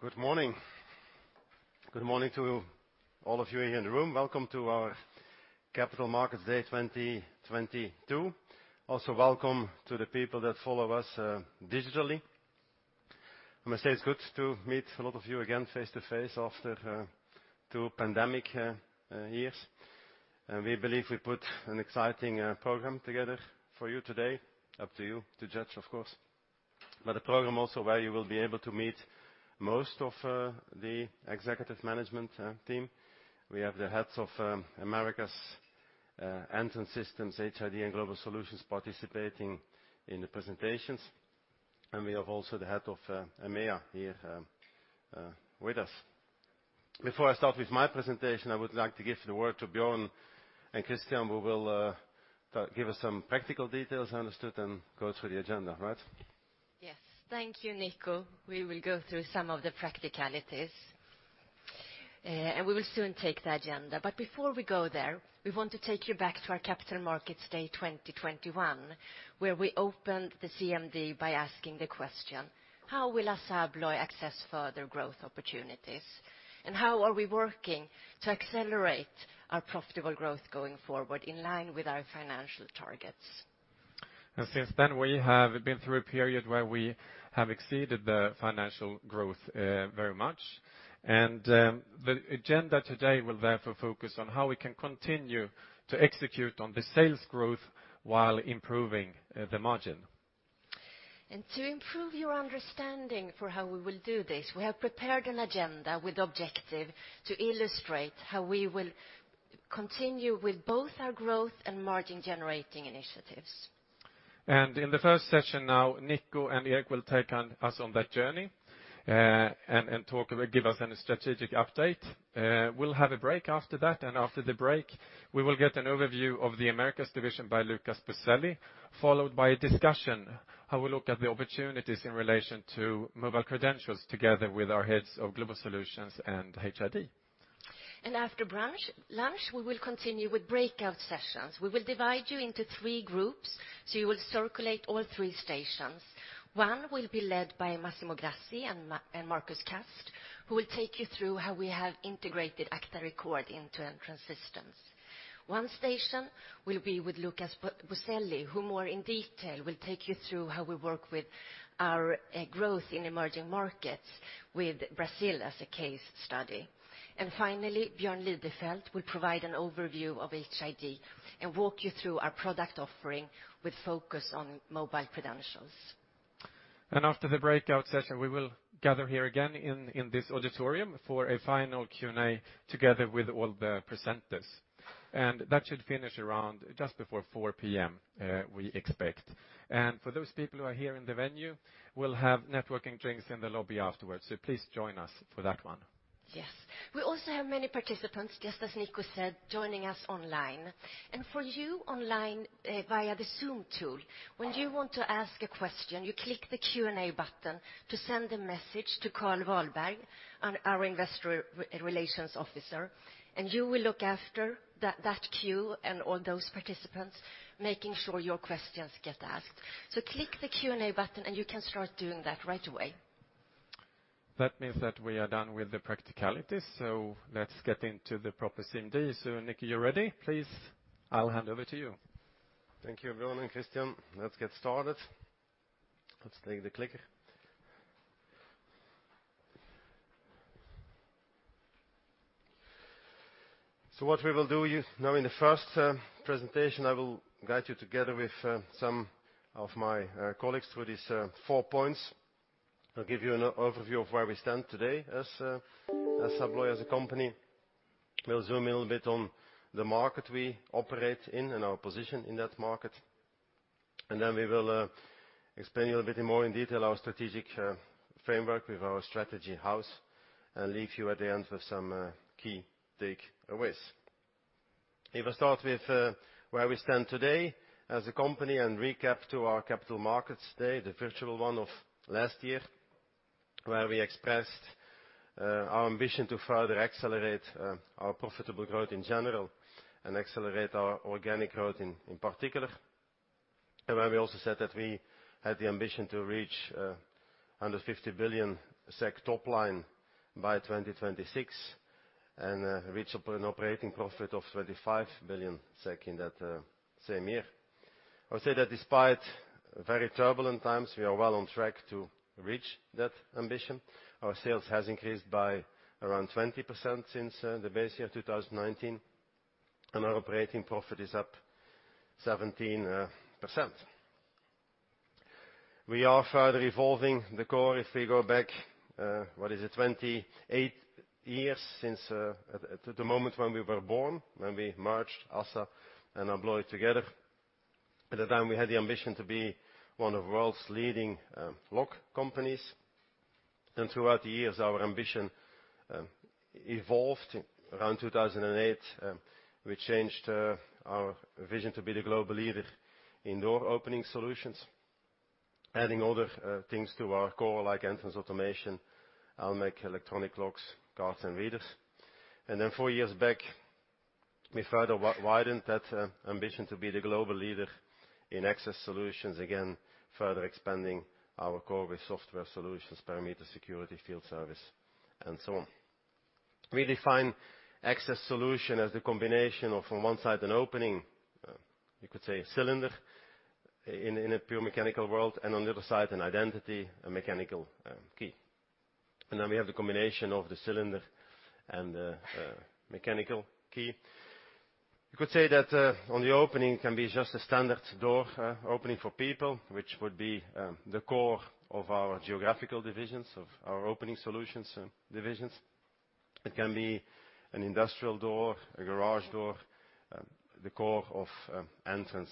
Good morning. Good morning to all of you here in the room. Welcome to our Capital Markets Day 2022. Also, welcome to the people that follow us digitally. I must say it's good to meet a lot of you again face-to-face after two pandemic years. We believe we put an exciting program together for you today. Up to you to judge, of course. The program also where you will be able to meet most of the executive management team. We have the heads of Americas, Entrance Systems, HID and Global Solutions participating in the presentations. We have also the head of EMEIA here with us. Before I start with my presentation, I would like to give the word to Björn and Christiane, who will give us some practical details, I understood, and go through the agenda, right? Yes. Thank you, Nico. We will go through some of the practicalities. We will soon take the agenda. Before we go there, we want to take you back to our Capital Markets Day 2021, where we opened the CMD by asking the question: How will ASSA ABLOY access further growth opportunities? How are we working to accelerate our profitable growth going forward in line with our financial targets? Since then, we have been through a period where we have exceeded the financial growth very much. The agenda today will therefore focus on how we can continue to execute on the sales growth while improving the margin. To improve your understanding for how we will do this, we have prepared an agenda with objective to illustrate how we will continue with both our growth and margin-generating initiatives. In the first session now, Nico and Erik will take us on that journey, and talk and give us a strategic update. We'll have a break after that, and after the break, we will get an overview of the Americas division by Lucas Boselli, followed by a discussion, how we look at the opportunities in relation to mobile credentials together with our heads of Global Solutions and HID. After lunch, we will continue with breakout sessions. We will divide you into three groups, so you will circulate all three stations. One will be led by Massimo Grassi and Markus Kast, who will take you through how we agta record into entrance Systems. One station will be with Lucas Boselli, who more in detail will take you through how we work with our growth in emerging markets with Brazil as a case study. Finally, Björn Lidefelt will provide an overview of HID and walk you through our product offering with focus on mobile credentials. After the breakout session, we will gather here again in this auditorium for a final Q&A together with all the presenters. That should finish around just before 4:00 P.M., we expect. For those people who are here in the venue, we'll have networking drinks in the lobby afterwards. Please join us for that one. Yes. We also have many participants, just as Nico said, joining us online. For you online, via the Zoom tool, when you want to ask a question, you click the Q&A button to send a message to Carl Wahlberg, our Investor Relations Officer, and you will look after that queue and all those participants, making sure your questions get asked. Click the Q&A button, and you can start doing that right away. That means that we are done with the practicalities. Let's get into the proper CMD. Nico, you ready? Please, I'll hand over to you. Thank you, Björn and Christiane. Let's get started. Let's take the clicker. What we will do, you know, in the first presentation, I will guide you together with some of my colleagues through these four points. I'll give you an overview of where we stand today as ASSA ABLOY as a company. We'll zoom in a bit on the market we operate in and our position in that market. We will explain to you a little bit more in detail our strategic framework with our strategy house and leave you at the end with some key takeaways. If I start with where we stand today as a company and recap to our capital markets day, the virtual one of last year, where we expressed our ambition to further accelerate our profitable growth in general and accelerate our organic growth in particular, where we also said that we had the ambition to reach under 50 billion SEK top line by 2026 and reach an operating profit of 25 billion SEK in that same year. I would say that despite very turbulent times, we are well on track to reach that ambition. Our sales has increased by around 20% since the base year of 2019, and our operating profit is up 17%. We are further evolving the core. If we go back, what is it, 28 years since, at the moment when we were born, when we merged ASSA and ABLOY together. At the time, we had the ambition to be one of world's leading lock companies. Throughout the years, our ambition evolved. Around 2008, we changed our vision to be the global leader in door-opening solutions, adding other things to our core like entrance automation, Elmech electronic locks, cards, and readers. Four years back, we further widen that ambition to be the global leader in access solutions, again, further expanding our core with software solutions, perimeter security, field service, and so on. We define access solution as the combination of from one side, an opening, you could say a cylinder in a pure mechanical world, and on the other side, an identity, a mechanical key. We have the combination of the cylinder and the mechanical key. You could say that on the opening can be just a standard door opening for people, which would be the core of our geographical divisions, of our Opening Solutions division. It can be an industrial door, a garage door, the core of Entrance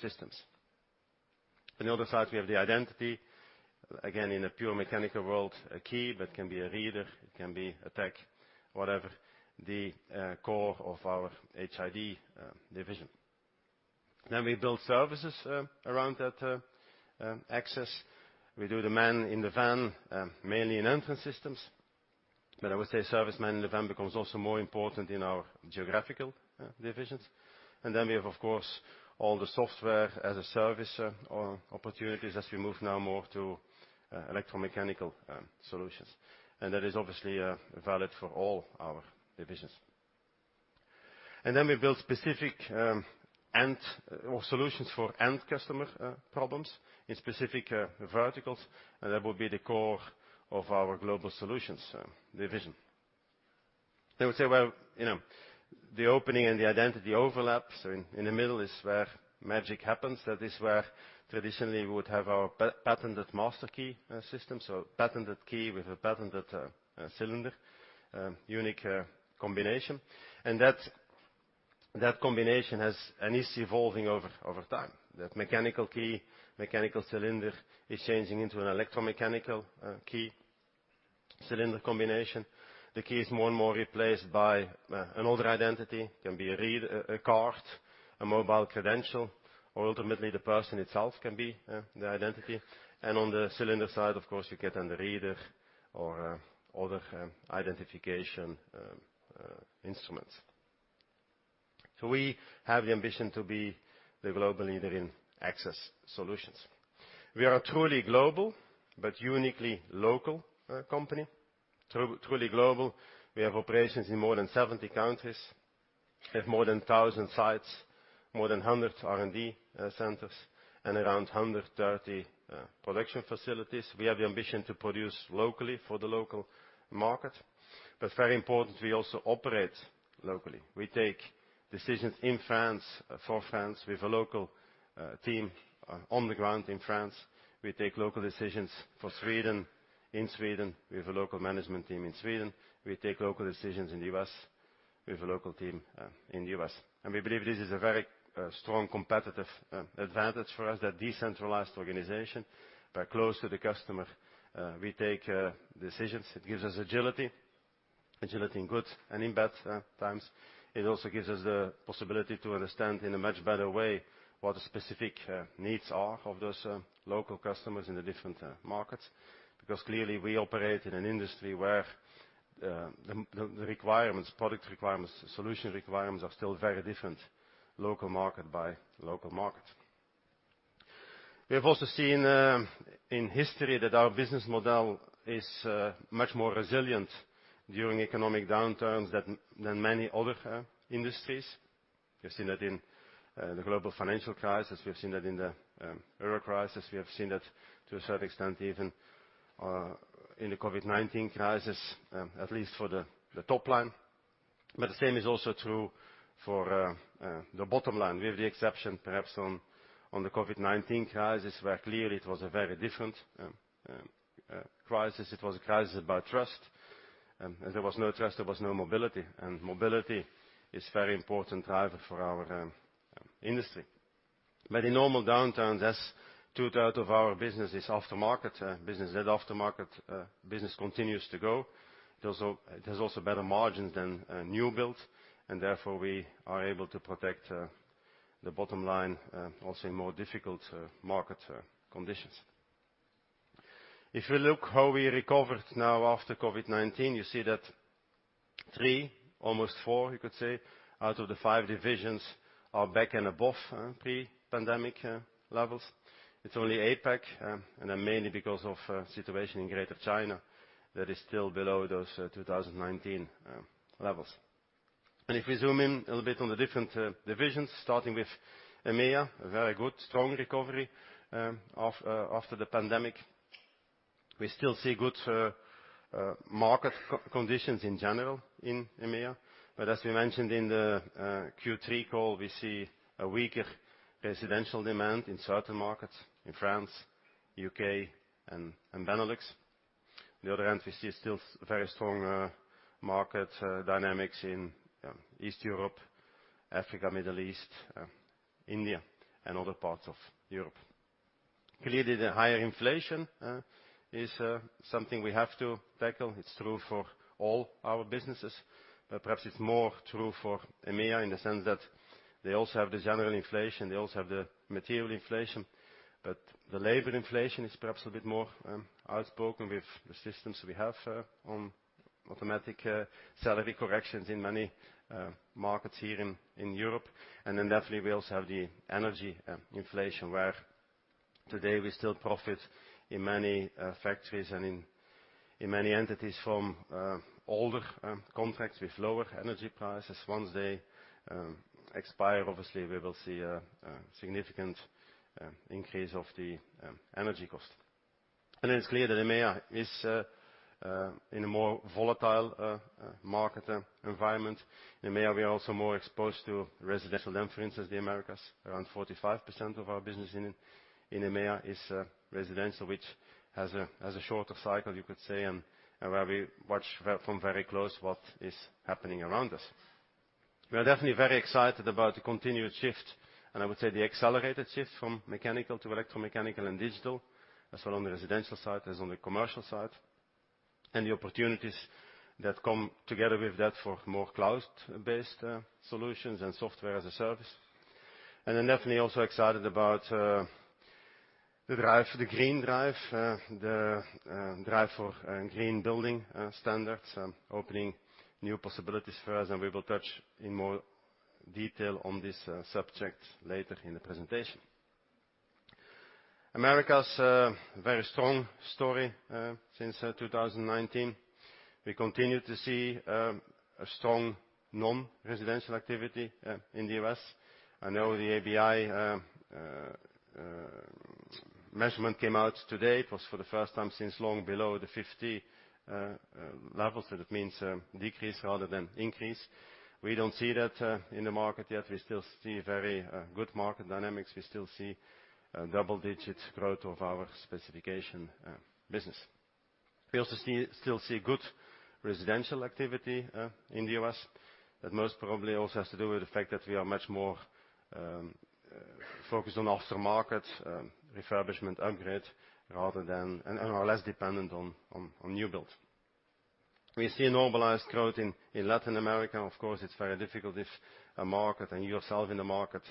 Systems. On the other side, we have the identity, again, in a pure mechanical world, a key, but can be a reader, it can be a tech, whatever, the core of our HID division. We build services around that access. We do the man in the van, mainly in Entrance Systems, but I would say service man in the van becomes also more important in our geographical divisions. We have, of course, all the software as a service opportunities as we move now more to electromechanical solutions. That is obviously valid for all our divisions. We build specific end-to-end solutions for end-customer problems in specific verticals, and that would be the core of our Global Solutions division. They would say, well, you know, the opening and the identity overlaps in the middle is where magic happens. That is where traditionally we would have our patented master key system, so patented key with a patented cylinder unique combination. That combination has and is evolving over time. That mechanical key, mechanical cylinder is changing into an electromechanical key cylinder combination. The key is more and more replaced by a digital identity, can be a card, a mobile credential, or ultimately the person itself can be the identity. On the cylinder side, of course, you get then the reader or other identification instruments. We have the ambition to be the global leader in access solutions. We are truly global but uniquely local company. Truly global, we have operations in more than 70 countries. We have more than 1,000 sites, more than 100 R&D centers, and around 130 production facilities. We have the ambition to produce locally for the local market. Very important, we also operate locally. We take decisions in France for France with a local team on the ground in France. We take local decisions for Sweden in Sweden with a local management team in Sweden. We take local decisions in U.S. with a local team in U.S. We believe this is a very strong competitive advantage for us, that decentralized organization. We are close to the customer. We take decisions. It gives us agility in good and in bad times. It also gives us the possibility to understand in a much better way what the specific needs are of those local customers in the different markets. Because clearly, we operate in an industry where the requirements, product requirements, solution requirements are still very different local market by local market. We have also seen in history that our business model is much more resilient during economic downturns than many other industries. We've seen that in the global financial crisis, we have seen that in the euro crisis, we have seen that to a certain extent even in the COVID-19 crisis, at least for the top line. The same is also true for the bottom line. We have the exception perhaps on the COVID-19 crisis, where clearly it was a very different crisis. It was a crisis about trust. If there was no trust, there was no mobility, and mobility is very important driver for our industry. In normal downturns, as two-thirds of our business is aftermarket business, that aftermarket business continues to go. It has also better margins than new build, and therefore, we are able to protect the bottom line also in more difficult market conditions. If we look how we recovered now after COVID-19, you see that three, almost four you could say, out of the five divisions are back and above pre-pandemic levels. It's only APAC, and then mainly because of situation in Greater China that is still below those 2019 levels. If we zoom in a little bit on the different divisions, starting with EMEA, a very good, strong recovery after the pandemic. We still see good market conditions in general in EMEA. As we mentioned in the Q3 call, we see a weaker residential demand in certain markets in France, U.K., and Benelux. On the other hand, we see still very strong market dynamics in Eastern Europe, Africa, Middle East, India, and other parts of Europe. Clearly, the higher inflation is something we have to tackle. It's true for all our businesses. Perhaps it's more true for EMEA in the sense that they also have the general inflation, they also have the material inflation, but the labor inflation is perhaps a bit more outspoken with the systems we have on automatic salary corrections in many markets here in Europe. Then definitely we also have the energy inflation, where today we still profit in many factories and in many entities from older contracts with lower energy prices. Once they expire, obviously, we will see a significant increase of the energy cost. It's clear that EMEA is in a more volatile market environment. EMEA, we are also more exposed to residential than, for instance, the Americas. Around 45% of our business in EMEA is residential, which has a shorter cycle, you could say, and where we watch very close what is happening around us. We are definitely very excited about the continued shift, and I would say the accelerated shift from mechanical to electromechanical and digital, as well on the residential side as on the commercial side, and the opportunities that come together with that for more cloud-based solutions and software as a service. Then definitely also excited about the green drive for green building standards opening new possibilities for us, and we will touch in more detail on this subject later in the presentation. America's a very strong story since 2019. We continue to see a strong non-residential activity in the U.S. I know the ABI measurement came out today. It was for the first time in a long time below the 50 levels, so that means decrease rather than increase. We don't see that in the market yet. We still see very good market dynamics. We still see double-digit growth of our specification business. We also see good residential activity in the U.S. that most probably also has to do with the fact that we are much more focused on aftermarket refurbishment upgrade rather than are less dependent on new build. We see a normalized growth in Latin America. Of course, it's very difficult if a market and yourself in the market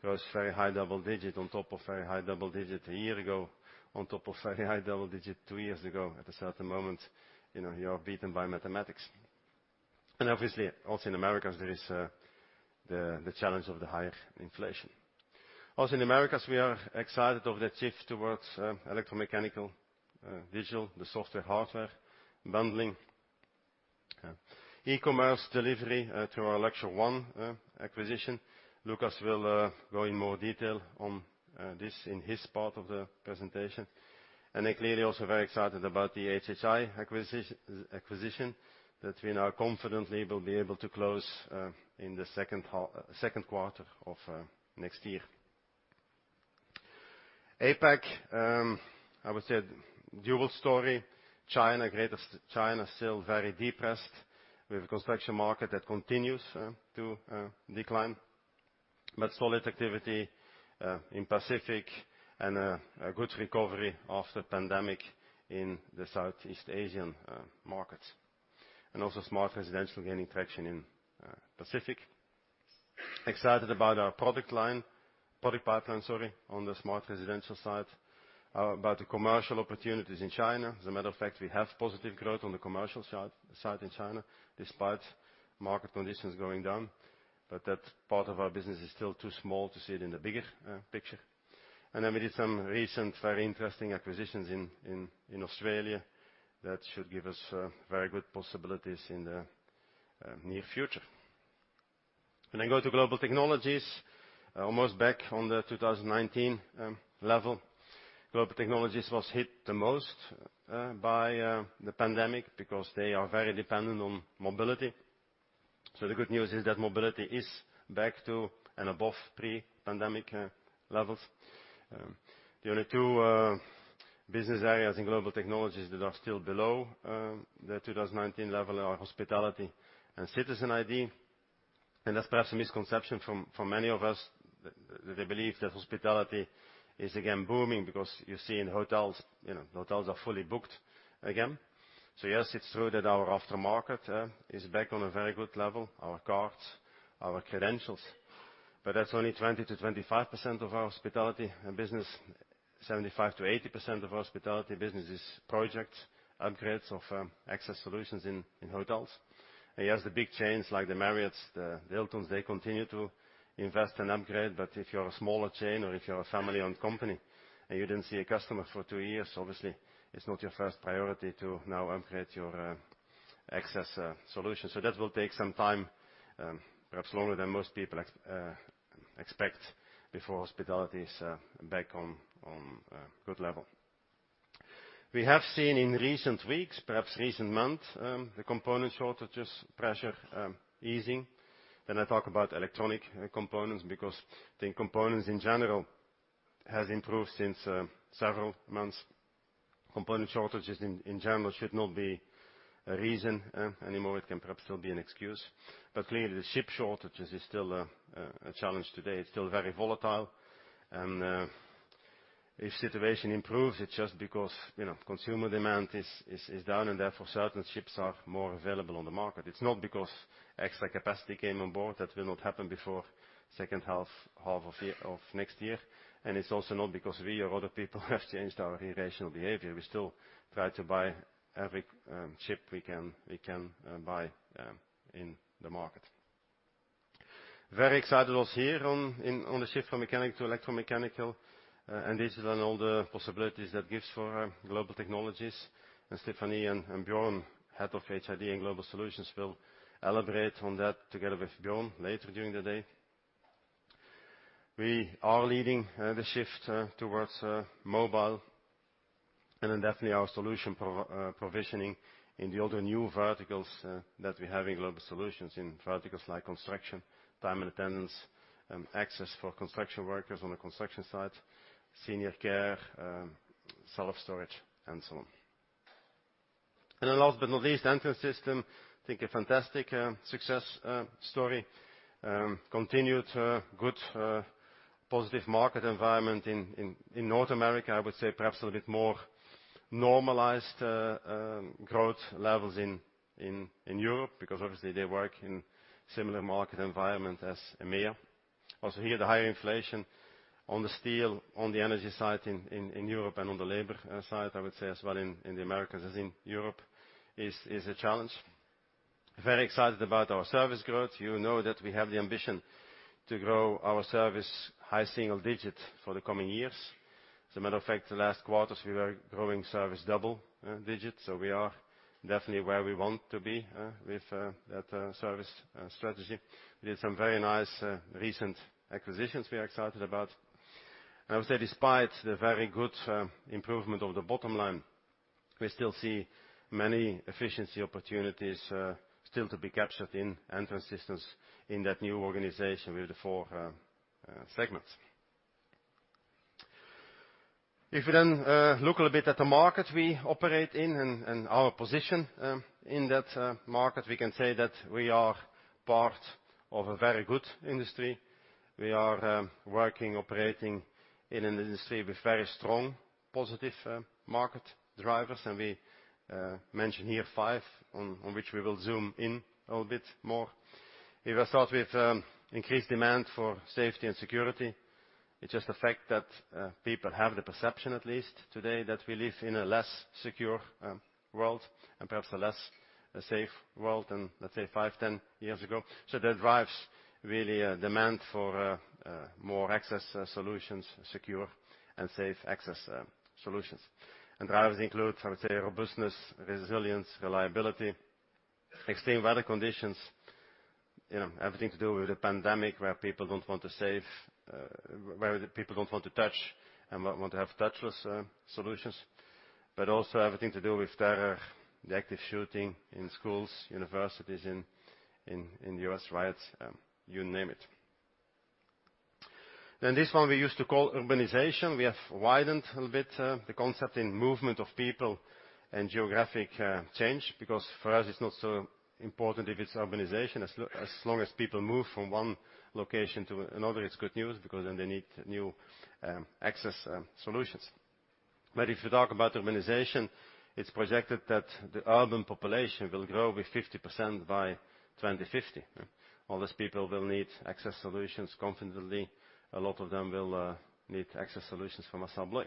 grows very high double-digit on top of very high double-digit a year ago, on top of very high double-digit two years ago. At a certain moment, you know, you are beaten by mathematics. Obviously, also in Americas, there is the challenge of the higher inflation. Also in Americas, we are excited of the shift towards electromechanical digital, the software, hardware bundling. e-commerce delivery through our Luxer One acquisition. Lucas will go in more detail on this in his part of the presentation. Clearly also very excited about the HHI acquisition that we now confidently will be able to close in the second quarter of next year. APAC, I would say dual story. China, Greater China, still very depressed with a construction market that continues to decline. But solid activity in Pacific and a good recovery after pandemic in the Southeast Asian markets. Also smart residential gaining traction in Pacific. Excited about our product pipeline, sorry, on the smart residential side. About the commercial opportunities in China, as a matter of fact, we have positive growth on the commercial side in China, despite market conditions going down, but that part of our business is still too small to see it in the bigger picture. We did some recent very interesting acquisitions in Australia that should give us very good possibilities in the near future. When I go to Global Technologies, almost back on the 2019 level. Global Technologies was hit the most by the pandemic because they are very dependent on mobility. The good news is that mobility is back to and above pre-pandemic levels. The only two business areas in Global Technologies that are still below the 2019 level are hospitality and citizen ID. That's perhaps a misconception from many of us, that they believe that hospitality is again booming because you see in hotels, you know, hotels are fully booked again. Yes, it's true that our aftermarket is back on a very good level, our cards, our credentials, but that's only 20%-25% of our hospitality business. 75%-80% of hospitality business is project upgrades of access solutions in hotels. Yes, the big chains like the Marriott, the Hilton, they continue to invest and upgrade, but if you're a smaller chain or if you're a family-owned company and you didn't see a customer for two years, obviously, it's not your first priority to now upgrade your access solution. That will take some time, perhaps longer than most people expect before hospitality is back on good level. We have seen in recent weeks, perhaps recent months, the component shortages pressure easing. I talk about electronic components because I think components in general has improved since several months. Component shortages in general should not be a reason anymore. It can perhaps still be an excuse. Clearly, the shipping shortages is still a challenge today. It's still very volatile. If situation improves, it's just because, you know, consumer demand is down and therefore certain shipping is more available on the market. It's not because extra capacity came on board, that will not happen before second half of next year. It's also not because we or other people have changed our irrational behavior. We still try to buy every dip we can buy in the market. Very excited also here on the shift from mechanical to electromechanical. This opens all the possibilities that gives for our Global Technologies. Stephanie and Björn, head of HID and Global Solutions, will elaborate on that together with Björn later during the day. We are leading the shift towards mobile, and then definitely our solution provisioning in the other new verticals that we have in Global Solutions, in verticals like construction, time and attendance, access for construction workers on the construction site, senior care, self-storage, and so on. Last but not least, Entrance Systems, I think a fantastic success story. Continued good positive market environment in North America. I would say perhaps a little bit more normalized growth levels in Europe, because obviously they work in similar market environment as EMEA. Also here, the higher inflation on the steel, on the energy side in Europe and on the labor side, I would say as well in the Americas, as in Europe, is a challenge. Very excited about our service growth. You know that we have the ambition to grow our service high single-digits for the coming years. As a matter of fact, the last quarters we were growing service double-digits. We are definitely where we want to be with that service strategy. We had some very nice recent acquisitions we are excited about. I would say despite the very good improvement of the bottom line, we still see many efficiency opportunities still to be captured in Entrance Systems in that new organization with the four segments. If we then look a little bit at the market we operate in and our position in that market, we can say that we are part of a very good industry. We are operating in an industry with very strong, positive market drivers. We mention here five on which we will zoom in a little bit more. If I start with increased demand for safety and security, it's just the fact that people have the perception at least today that we live in a less secure world and perhaps a less safe world than, let's say, five, ten years ago. That drives really a demand for more access solutions, secure and safe access solutions. Drivers include, I would say, robustness, resilience, reliability, extreme weather conditions, you know, everything to do with the pandemic, where people don't want to touch and want to have touchless solutions, but also everything to do with terror, the active shooting in schools, universities in the U.S., riots, you name it. This one we used to call urbanization. We have widened a little bit the concept in movement of people and geographic change, because for us it's not so important if it's urbanization, as long as people move from one location to another, it's good news because then they need new access solutions. If you talk about urbanization, it's projected that the urban population will grow with 50% by 2050. All these people will need access solutions confidently. A lot of them will need access solutions from ASSA ABLOY.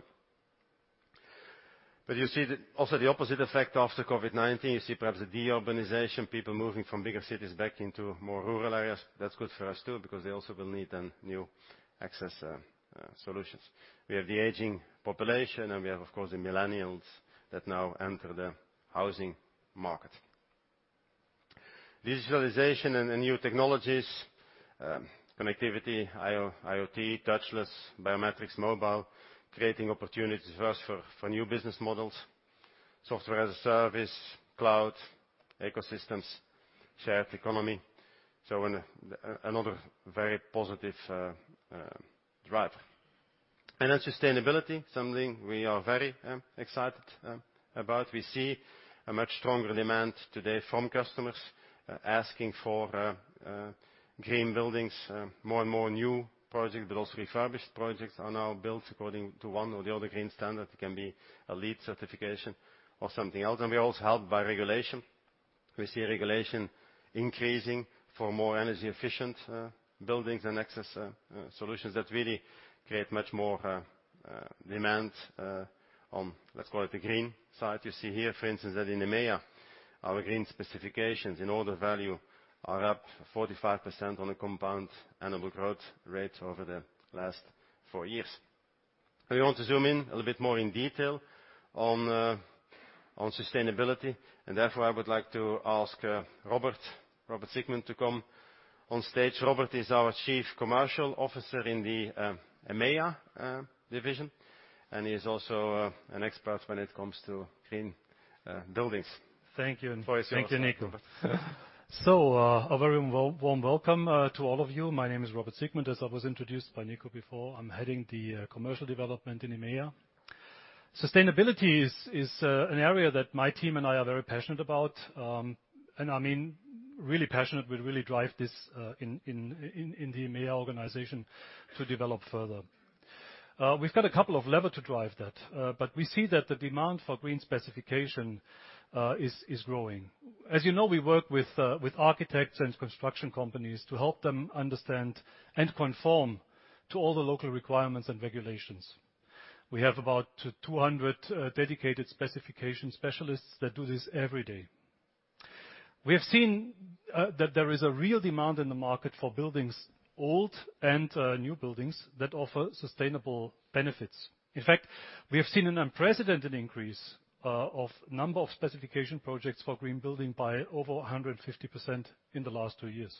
You see also the opposite effect after COVID-19. You see perhaps the deurbanization, people moving from bigger cities back into more rural areas. That's good for us too, because they also will need then new access solutions. We have the aging population, and we have, of course, the millennials that now enter the housing market. Digitalization and the new technologies, connectivity, IoT, touchless, biometrics, mobile, creating opportunities for us for new business models, software as a service, cloud, ecosystems, shared economy. Another very positive driver. Sustainability, something we are very excited about. We see a much stronger demand today from customers asking for green buildings. More and more new projects, but also refurbished projects are now built according to one or the other green standard. It can be a LEED certification or something else. We're also helped by regulation. We see regulation increasing for more energy efficient buildings and access solutions that really create much more demand on, let's call it, the green side. You see here, for instance, that in EMEA, our green specifications in order value are up 45% on a compound annual growth rate over the last four years. We want to zoom in a little bit more in detail on sustainability, and therefore, I would like to ask Robert Siegmund to come on stage. Robert is our Chief Commercial Officer in the EMEIA division, and he is also an expert when it comes to green buildings. Thank you. The floor is yours, Robert. Thank you, Nico. A very warm welcome to all of you. My name is Robert Siegmund, as I was introduced by Nico before. I'm heading the commercial development in EMEIA. Sustainability is an area that my team and I are very passionate about. I mean, really passionate. We really drive this in the EMEIA organization to develop further. We've got a couple of levers to drive that, but we see that the demand for green specifications is growing. As you know, we work with architects and construction companies to help them understand and conform to all the local requirements and regulations. We have about 200 dedicated specification specialists that do this every day. We have seen that there is a real demand in the market for buildings, old and new buildings that offer sustainable benefits. In fact, we have seen an unprecedented increase of number of specification projects for green building by over 150% in the last two years.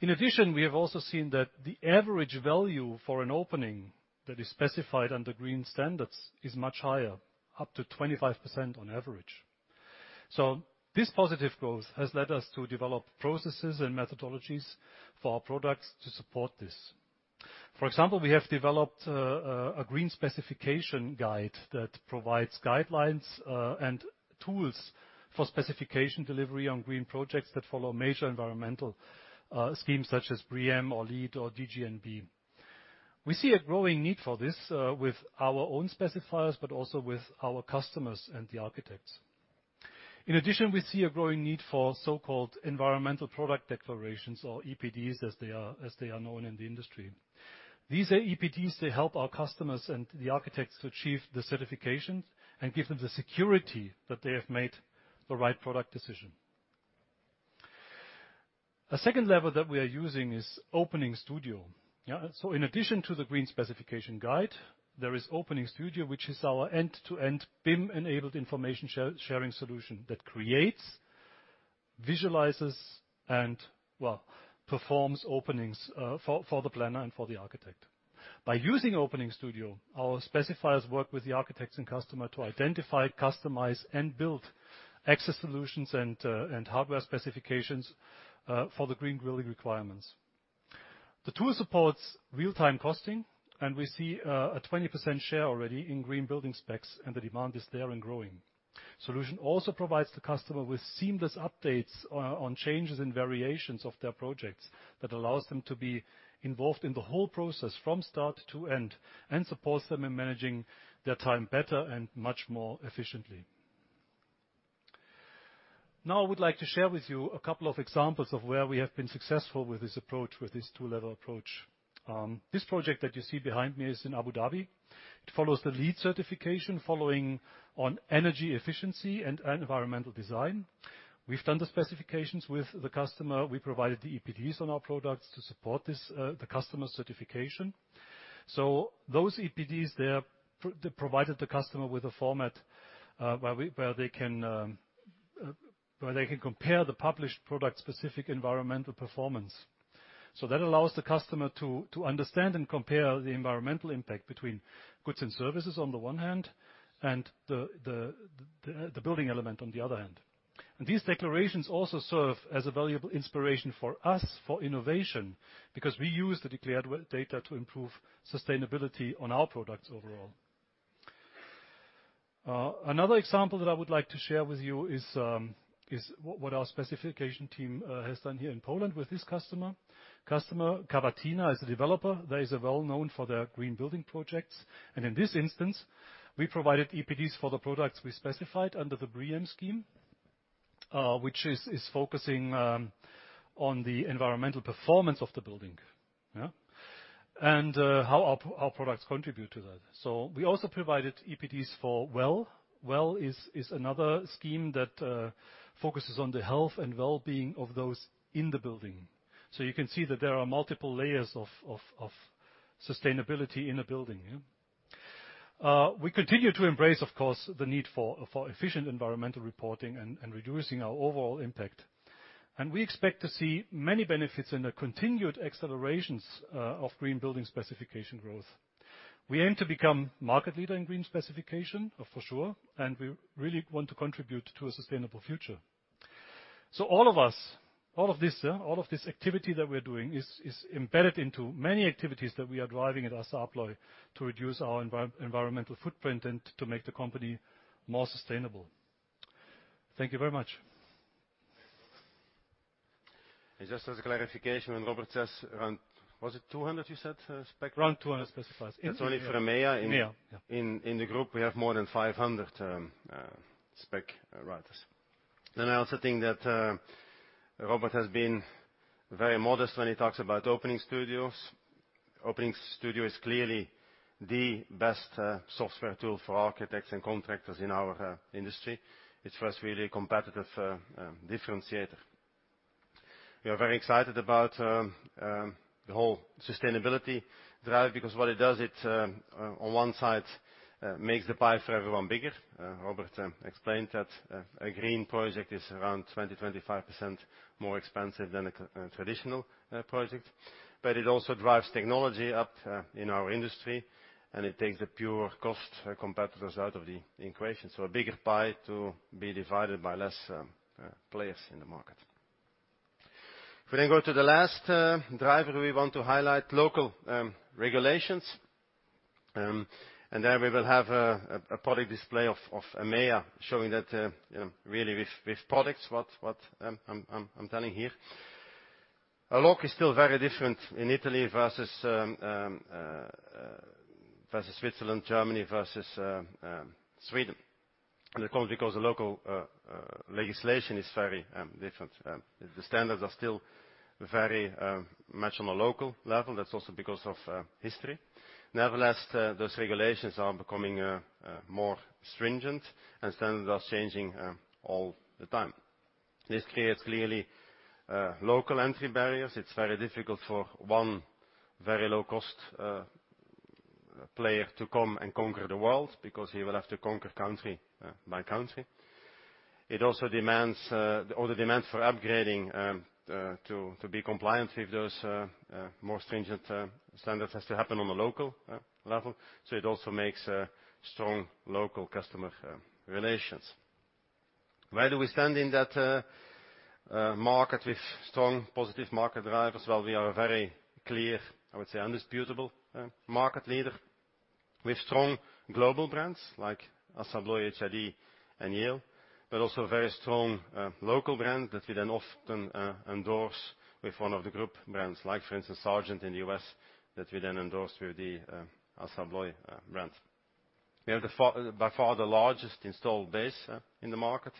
In addition, we have also seen that the average value for an opening that is specified under green standards is much higher, up to 25% on average. This positive growth has led us to develop processes and methodologies for our products to support this. For example, we have developed a green specification guide that provides guidelines and tools for specification delivery on green projects that follow major environmental schemes such as BREEAM or LEED or DGNB. We see a growing need for this, with our own specifiers, but also with our customers and the architects. In addition, we see a growing need for so-called environmental product declarations or EPDs as they are known in the industry. These are EPDs to help our customers and the architects achieve the certifications and give them the security that they have made the right product decision. A second lever that we are using is Openings Studio. In addition to the green specification guide, there is Openings Studio, which is our end-to-end BIM-enabled information sharing solution that creates, visualizes and performs openings for the planner and for the architect. By using Openings Studio, our specifiers work with the architects and customer to identify, customize and build access solutions and hardware specifications for the green building requirements. The tool supports real-time costing, and we see a 20% share already in green building specs, and the demand is there and growing. Solution also provides the customer with seamless updates on changes and variations of their projects that allows them to be involved in the whole process from start to end, and supports them in managing their time better and much more efficiently. Now, I would like to share with you a couple of examples of where we have been successful with this approach, with this two-level approach. This project that you see behind me is in Abu Dhabi. It follows the LEED certification, following on energy efficiency and environmental design. We've done the specifications with the customer. We provided the EPDs on our products to support this, the customer certification. Those EPDs provided the customer with a format where they can compare the published product's specific environmental performance. That allows the customer to understand and compare the environmental impact between goods and services on the one hand, and the building element on the other hand. These declarations also serve as a valuable inspiration for us for innovation, because we use the declared data to improve sustainability on our products overall. Another example that I would like to share with you is what our specification team has done here in Poland with this customer. Customer Cavatina is a developer that is well-known for their green building projects. In this instance, we provided EPDs for the products we specified under the BREEAM scheme, which is focusing on the environmental performance of the building, and how our products contribute to that. We also provided EPDs for WELL. WELL is another scheme that focuses on the health and well-being of those in the building. You can see that there are multiple layers of sustainability in a building. We continue to embrace, of course, the need for efficient environmental reporting and reducing our overall impact. We expect to see many benefits and a continued acceleration of green building specification growth. We aim to become market leader in green specification, for sure, and we really want to contribute to a sustainable future. All of this activity that we're doing is embedded into many activities that we are driving at ASSA ABLOY to reduce our environmental footprint and to make the company more sustainable. Thank you very much. Just as a clarification, when Robert says around. Was it 200 you said, spec? Around 200 specifiers. That's only for EMEIA. EMEA, yeah. In the group, we have more than 500 spec writers. I also think that Robert has been very modest when he talks about Openings Studio. Openings Studio is clearly the best software tool for architects and contractors in our industry. It's for us really a competitive differentiator. We are very excited about the whole sustainability drive, because what it does, it on one side makes the pie for everyone bigger. Robert explained that a green project is around 20%-25% more expensive than a traditional project. It also drives technology up in our industry, and it takes the pure cost competitors out of the equation. A bigger pie to be divided by less players in the market. If we go to the last driver, we want to highlight local regulations, and then we will have a product display of EMEIA showing that, you know, really with products what I'm telling here. A lock is still very different in Italy versus Switzerland, Germany versus Sweden, and of course because the local legislation is very different. The standards are still very much on a local level. That's also because of history. Nevertheless, those regulations are becoming more stringent and standards are changing all the time. This creates clearly local entry barriers. It's very difficult for one very low cost player to come and conquer the world because he will have to conquer country by country. It also demands all the demands for upgrading to be compliant with those more stringent standards has to happen on the local level, so it also makes a strong local customer relations. Where do we stand in that market with strong positive market drivers? Well, we are a very clear, I would say indisputable market leader with strong global brands like ASSA ABLOY, HID and Yale, but also very strong local brands that we then often endorse with one of the group brands like for instance, Sargent in the U.S., that we then endorse with the ASSA ABLOY brand. We have by far the largest installed base in the market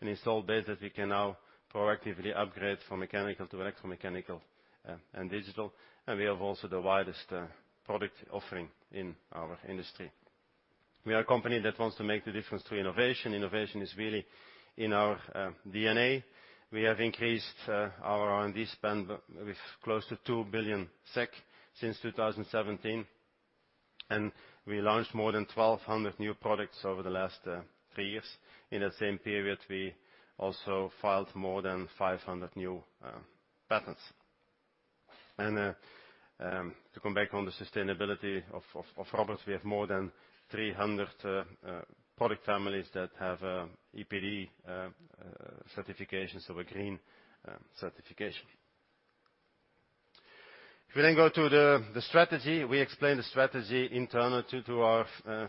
and installed base that we can now proactively upgrade from mechanical to electromechanical and digital, and we have also the widest product offering in our industry. We are a company that wants to make the difference through innovation. Innovation is really in our DNA. We have increased our R&D spend with close to 2 billion SEK since 2017, and we launched more than 1,200 new products over the last three years. In that same period, we also filed more than 500 new patents. To come back on the sustainability of Robert, we have more than 300 product families that have EPD certifications, so a green certification. If we then go to the strategy, we explain the strategy internal to our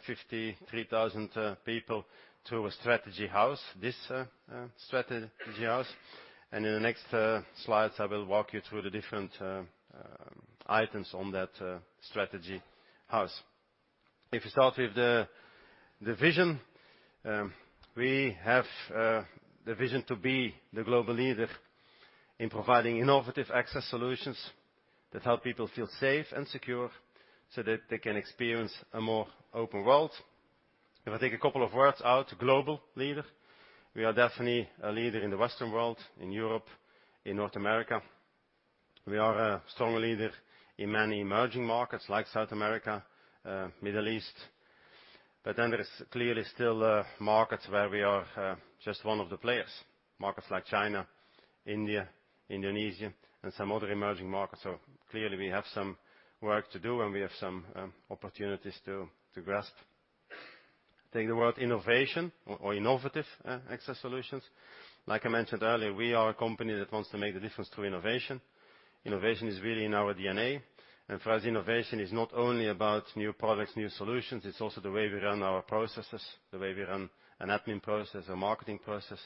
53,000 people through a strategy house. In the next slides, I will walk you through the different items on that strategy house. If you start with the vision, we have the vision to be the global leader in providing innovative access solutions that help people feel safe and secure so that they can experience a more open world. If I take a couple of words out, global leader, we are definitely a leader in the Western world, in Europe, in North America. We are a strong leader in many emerging markets like South America, Middle East. There is clearly still markets where we are just one of the players, markets like China, India, Indonesia, and some other emerging markets. Clearly we have some work to do, and we have some opportunities to grasp. Take the word innovation or innovative access solutions. Like I mentioned earlier, we are a company that wants to make the difference through innovation. Innovation is really in our DNA. For us, innovation is not only about new products, new solutions, it's also the way we run our processes, the way we run an admin process, a marketing process.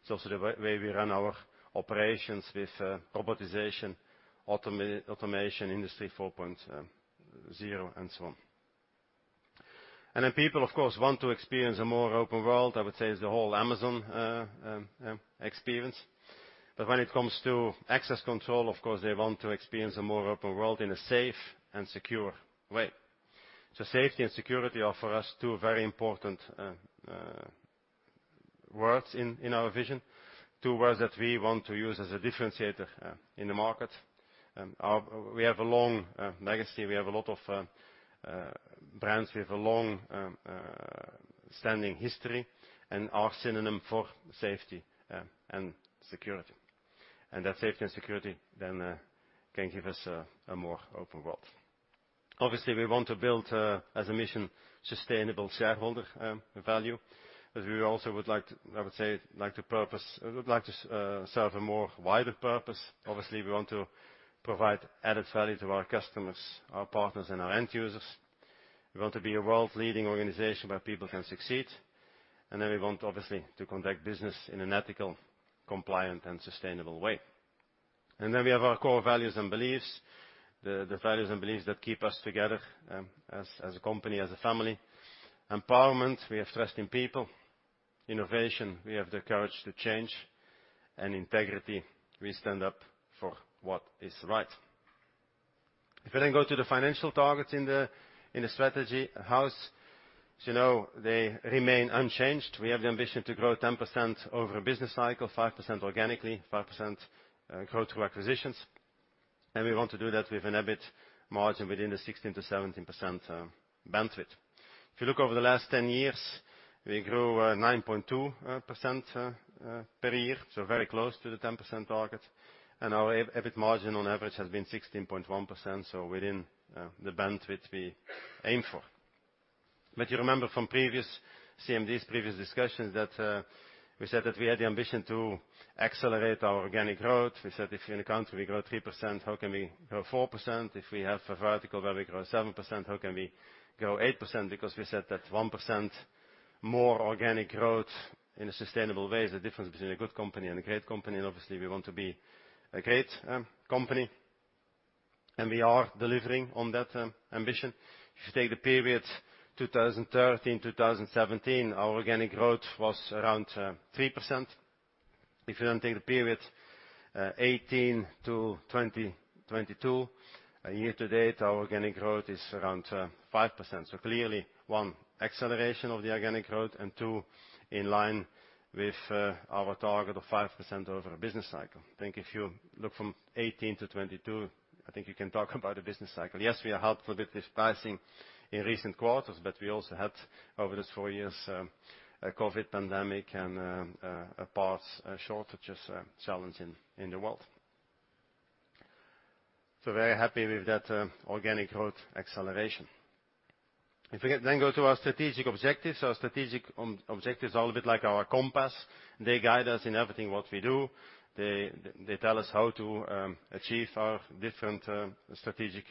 It's also the way we run our operations with robotization, automation, Industry 4.0, and so on. People of course want to experience a more open world, I would say it's the whole Amazon experience. When it comes to access control, of course they want to experience a more open world in a safe and secure way. Safety and security are for us two very important words in our vision, two words that we want to use as a differentiator in the market. We have a long legacy. We have a lot of brands. We have a long standing history and are synonym for safety and security. That safety and security then can give us a more open world. Obviously, we want to build as a mission sustainable shareholder value, but we also would like to, I would say, serve a wider purpose. Obviously, we want to provide added value to our customers, our partners, and our end users. We want to be a world-leading organization where people can succeed, and then we want obviously to conduct business in an ethical, compliant, and sustainable way. We have our core values and beliefs, the values and beliefs that keep us together, as a company, as a family. Empowerment, we have trust in people. Innovation, we have the courage to change, and integrity, we stand up for what is right. If we then go to the financial targets in the strategy house, as you know, they remain unchanged. We have the ambition to grow 10% over a business cycle, 5% organically, 5% growth through acquisitions. We want to do that with an EBIT margin within the 16%-17% bandwidth. If you look over the last 10 years, we grew 9.2% per year, so very close to the 10% target. Our EBIT margin on average has been 16.1%, so within the bandwidth we aim for. You remember from previous CMDs, previous discussions, that we said that we had the ambition to accelerate our organic growth. We said, if in a country we grow 3%, how can we grow 4%? If we have a vertical where we grow 7%, how can we grow 8%? Because we said that 1% more organic growth in a sustainable way is the difference between a good company and a great company, and obviously, we want to be a great company. We are delivering on that ambition. If you take the period 2013-2017, our organic growth was around 3%. If you then take the period 2018-2022, year-to-date, our organic growth is around 5%. Clearly, one, acceleration of the organic growth, and two, in line with our target of 5% over a business cycle. I think if you look from 2018-2022, I think you can talk about a business cycle. Yes, we are helped a bit with pricing in recent quarters, but we also had over those four years a COVID pandemic and parts shortages challenge in the world. Very happy with that organic growth acceleration. If we then go to our strategic objectives. Our strategic objectives are a little bit like our compass. They guide us in everything that we do. They tell us how to achieve our different strategic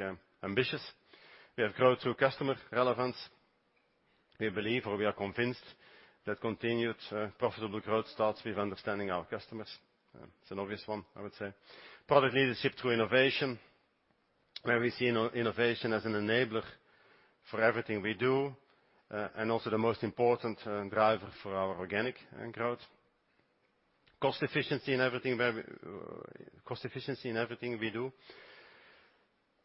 ambitions. We have growth through customer relevance. We believe, or we are convinced that continued profitable growth starts with understanding our customers. It's an obvious one, I would say. Product leadership through innovation, where we see innovation as an enabler for everything we do, and also the most important driver for our organic growth. Cost efficiency in everything we do,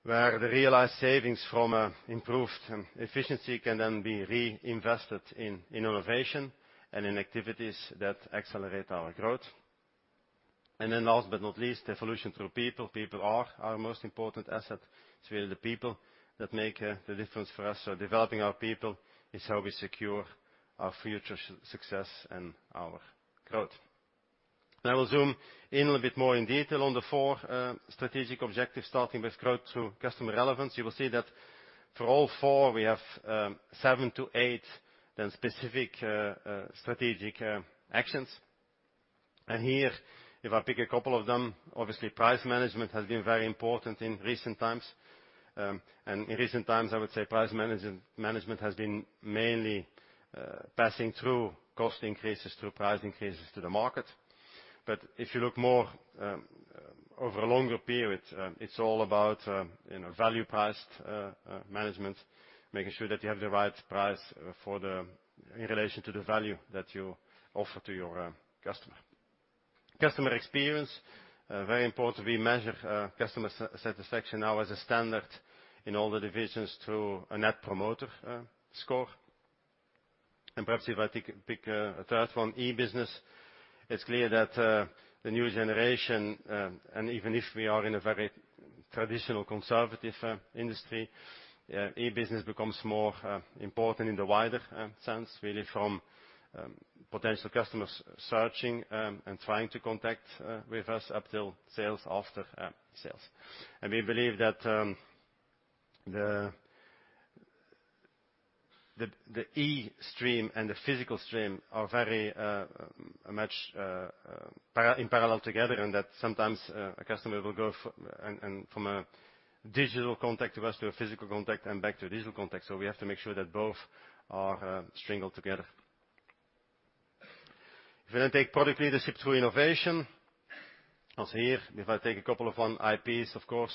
where the realized savings from improved efficiency can then be reinvested in innovation and in activities that accelerate our growth. Then last but not least, evolution through people. People are our most important asset. It's really the people that make the difference for us. Developing our people is how we secure our future success and our growth. I will zoom in a little bit more in detail on the four strategic objectives, starting with growth through customer relevance. You will see that for all four we have seven to eight specific strategic actions. Here, if I pick a couple of them, obviously price management has been very important in recent times. In recent times, I would say price management has been mainly passing through cost increases through price increases to the market. If you look more over a longer period, it's all about you know, value priced management, making sure that you have the right price in relation to the value that you offer to your customer. Customer experience very important. We measure customer satisfaction now as a standard in all the divisions through a Net Promoter Score. Perhaps if I pick a third one, e-business. It's clear that the new generation and even if we are in a very traditional, conservative industry, e-business becomes more important in the wider sense, really from potential customers searching and trying to contact with us up till sales, after sales. We believe that the e-stream and the physical stream are very matched in parallel together, and that sometimes a customer will go from a digital contact to us to a physical contact and back to a digital contact. We have to make sure that both are integrated together. If we then take product leadership through innovation. Also here, if I take a couple of our IPs, of course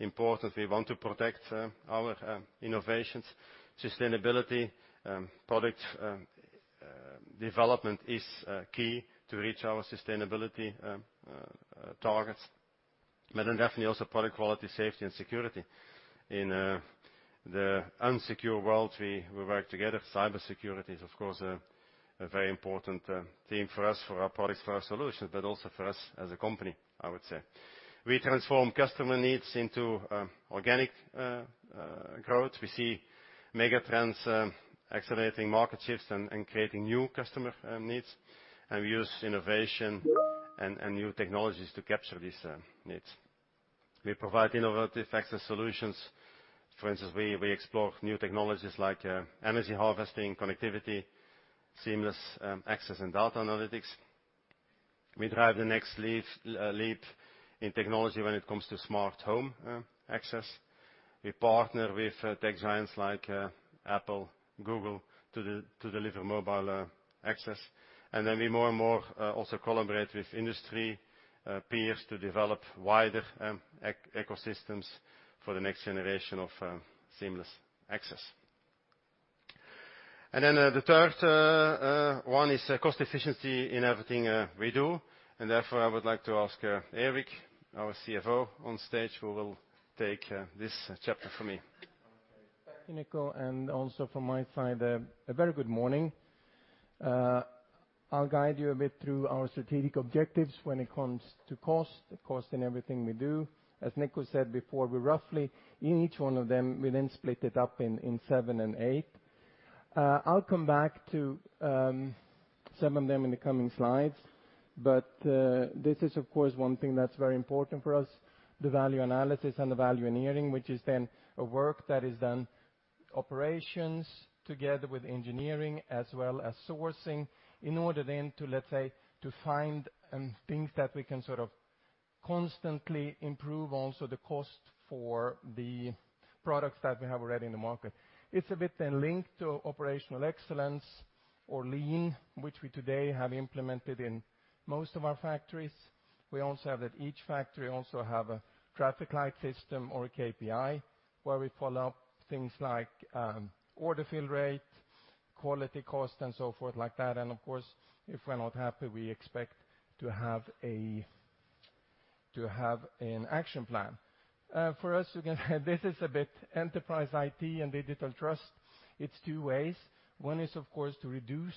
important, we want to protect our innovations. Sustainability product development is key to reach our sustainability targets. Product quality, safety, and security. In the insecure world, we work together. Cybersecurity is, of course, a very important theme for us, for our products, for our solutions, but also for us as a company, I would say. We transform customer needs into organic growth. We see megatrends accelerating market shifts and creating new customer needs. We use innovation and new technologies to capture these needs. We provide innovative access solutions. For instance, we explore new technologies like energy harvesting, connectivity, seamless access and data analytics. We drive the next leap in technology when it comes to smart home access. We partner with tech giants like Apple, Google, to deliver mobile access. We more and more also collaborate with industry peers to develop wider ecosystems for the next generation of seamless access. The third one is cost efficiency in everything we do. Therefore, I would like to ask Erik, our CFO on stage, who will take this chapter for me. Okay. Thank you, Nico. Also from my side, a very good morning. I'll guide you a bit through our strategic objectives when it comes to cost. Cost in everything we do. As Nico said before, we roughly, in each one of them, we then split it up in seven and eight. I'll come back to some of them in the coming slides, but this is of course one thing that's very important for us, the value analysis and the value engineering, which is then a work that is done operations together with engineering as well as sourcing in order then to, let's say, to find things that we can sort of constantly improve also the cost for the products that we have already in the market. It's a bit then linked to operational excellence or lean, which we today have implemented in most of our factories. We also have that each factory also have a traffic light system or a KPI, where we follow things like, order fill rate, quality cost, and so forth like that. Of course, if we're not happy, we expect to have an action plan. For us, you know this is a bit enterprise IT and digital trust. It's two ways. One is, of course, to reduce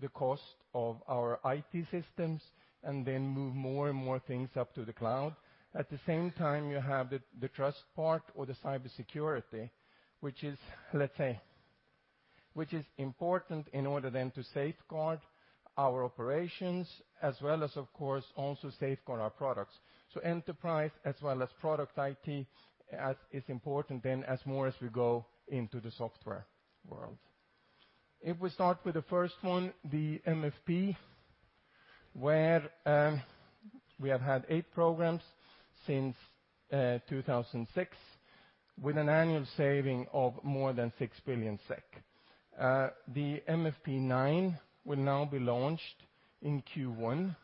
the cost of our IT systems and then move more and more things up to the cloud. At the same time, you have the trust part or the cybersecurity, which is, let's say, important in order then to safeguard our operations, as well as of course also safeguard our products. Enterprise as well as product IT is as important as ever as we go into the software world. If we start with the first one, the MFP, where we have had eight programs since 2006 with an annual saving of more than 6 billion SEK. The MFP9 will now be launched in Q1.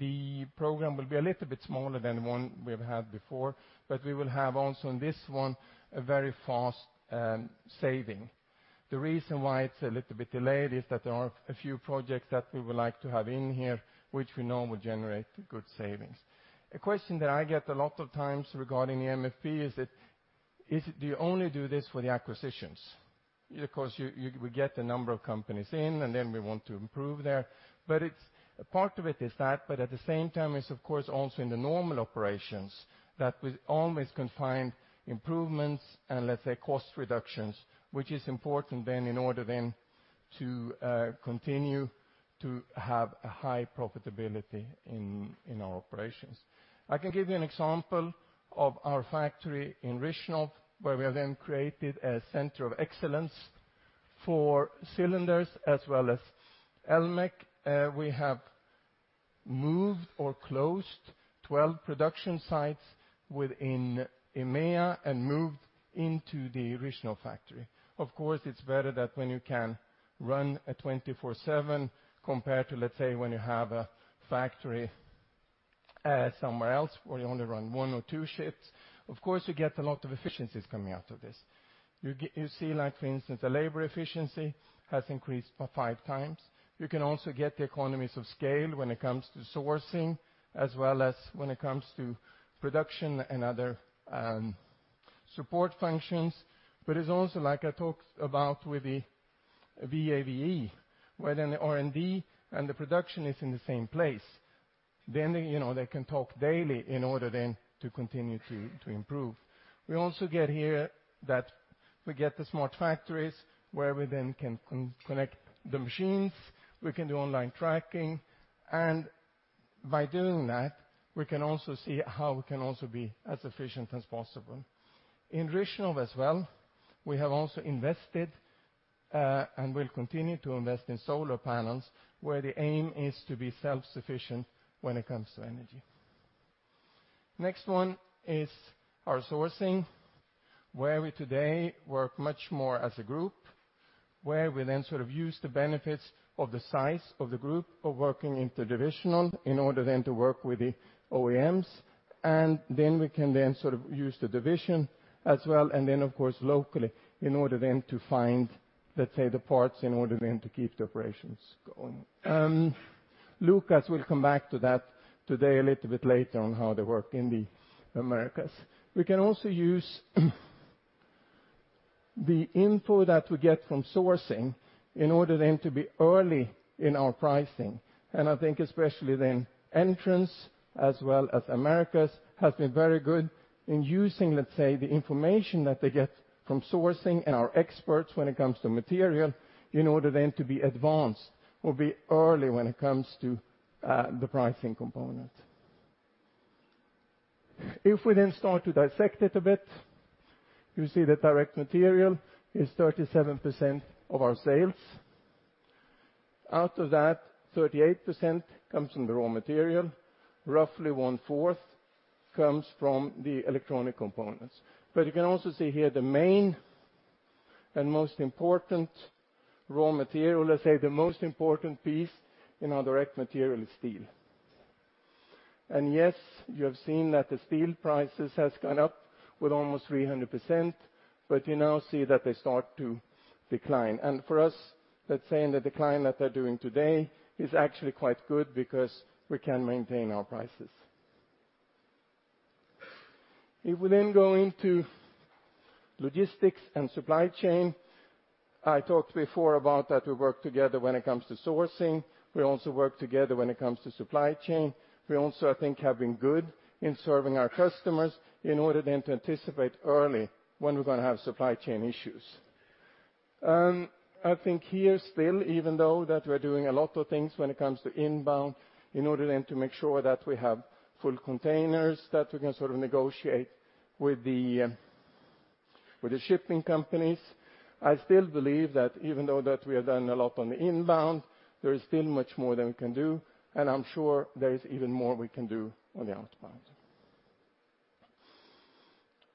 The program will be a little bit smaller than one we've had before, but we will have also on this one a very fast saving. The reason why it is a little bit delayed is that there are a few projects that we would like to have in here, which we know will generate good savings. A question that I get a lot of times regarding the MFP is, do you only do this for the acquisitions? Of course, we get a number of companies in, and then we want to improve there. A part of it is that, but at the same time, it's of course also in the normal operations that we always can find improvements and, let's say, cost reductions, which is important then in order then to continue to have a high profitability in our operations. I can give you an example of our factory in Rychnov, where we have then created a center of excellence for cylinders as well as Elmech. We have moved or closed 12 production sites within EMEIA and moved into the Rychnov factory. Of course, it's better that when you can run a 24/7 compared to, let's say, when you have a factory somewhere else where you only run one or two shifts. Of course, you get a lot of efficiencies coming out of this. You see, like for instance, the labor efficiency has increased by 5x. You can also get the economies of scale when it comes to sourcing as well as when it comes to production and other support functions. It's also like I talked about with the VAVE, where then the R&D and the production is in the same place. You know, they can talk daily in order then to continue to improve. We also get here that we get the smart factories where we then can connect the machines, we can do online tracking, and by doing that, we can also see how we can also be as efficient as possible. In Rychnov as well, we have also invested and will continue to invest in solar panels, where the aim is to be self-sufficient when it comes to energy. Next one is our sourcing, where we today work much more as a group, where we then sort of use the benefits of the size of the group of working interdivisional in order then to work with the OEMs. Then we can then sort of use the division as well, and then of course locally in order then to find, let's say, the parts in order then to keep the operations going. Lucas will come back to that today a little bit later on how they work in the Americas. We can also use the info that we get from sourcing in order then to be early in our pricing. I think especially then Entrance as well as Americas has been very good in using, let's say, the information that they get from sourcing and our experts when it comes to material in order then to be advanced or be early when it comes to the pricing component. If we then start to dissect it a bit, you see the direct material is 37% of our sales. Out of that, 38% comes from the raw material. Roughly one-fourth comes from the electronic components. But you can also see here the main and most important raw material, let's say the most important piece in our direct material is steel. Yes, you have seen that the steel prices has gone up with almost 300%, but you now see that they start to decline. For us, let's say in the decline that they're doing today is actually quite good because we can maintain our prices. If we then go into logistics and supply chain, I talked before about that we work together when it comes to sourcing. We also work together when it comes to supply chain. We also, I think, have been good in serving our customers in order then to anticipate early when we're gonna have supply chain issues. I think here still, even though that we're doing a lot of things when it comes to inbound in order then to make sure that we have full containers that we can sort of negotiate with the shipping companies. I still believe that even though that we have done a lot on the inbound, there is still much more that we can do, and I'm sure there is even more we can do on the outbound.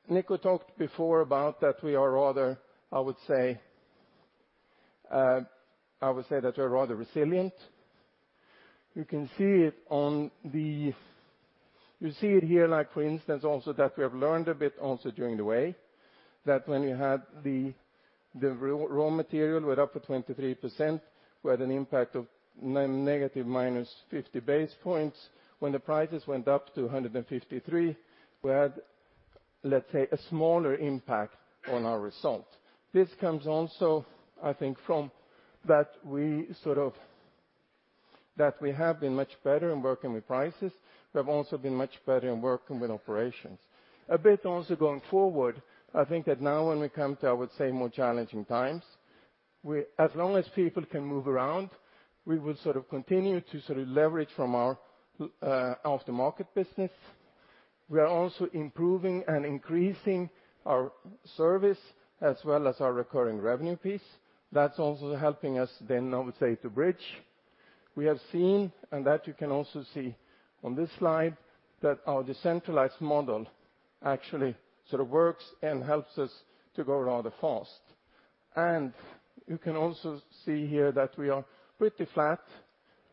Nico talked before about that we are rather. I would say that we are rather resilient. You can see it on the. You see it here, like for instance, also that we have learned a bit also along the way that when you had the raw material went up to 23%, we had an impact of negative -50 basis points. When the prices went up to 153, we had, let's say, a smaller impact on our result. This comes also, I think, from that we have been much better in working with prices. We have also been much better in working with operations. A bit also going forward, I think that now when we come to, I would say, more challenging times, we, as long as people can move around, we will sort of continue to sort of leverage from our after-market business. We are also improving and increasing our service as well as our recurring revenue piece. That's also helping us then, I would say, to bridge. We have seen, and that you can also see on this slide, that our decentralized model actually sort of works and helps us to grow rather fast. You can also see here that we are pretty flat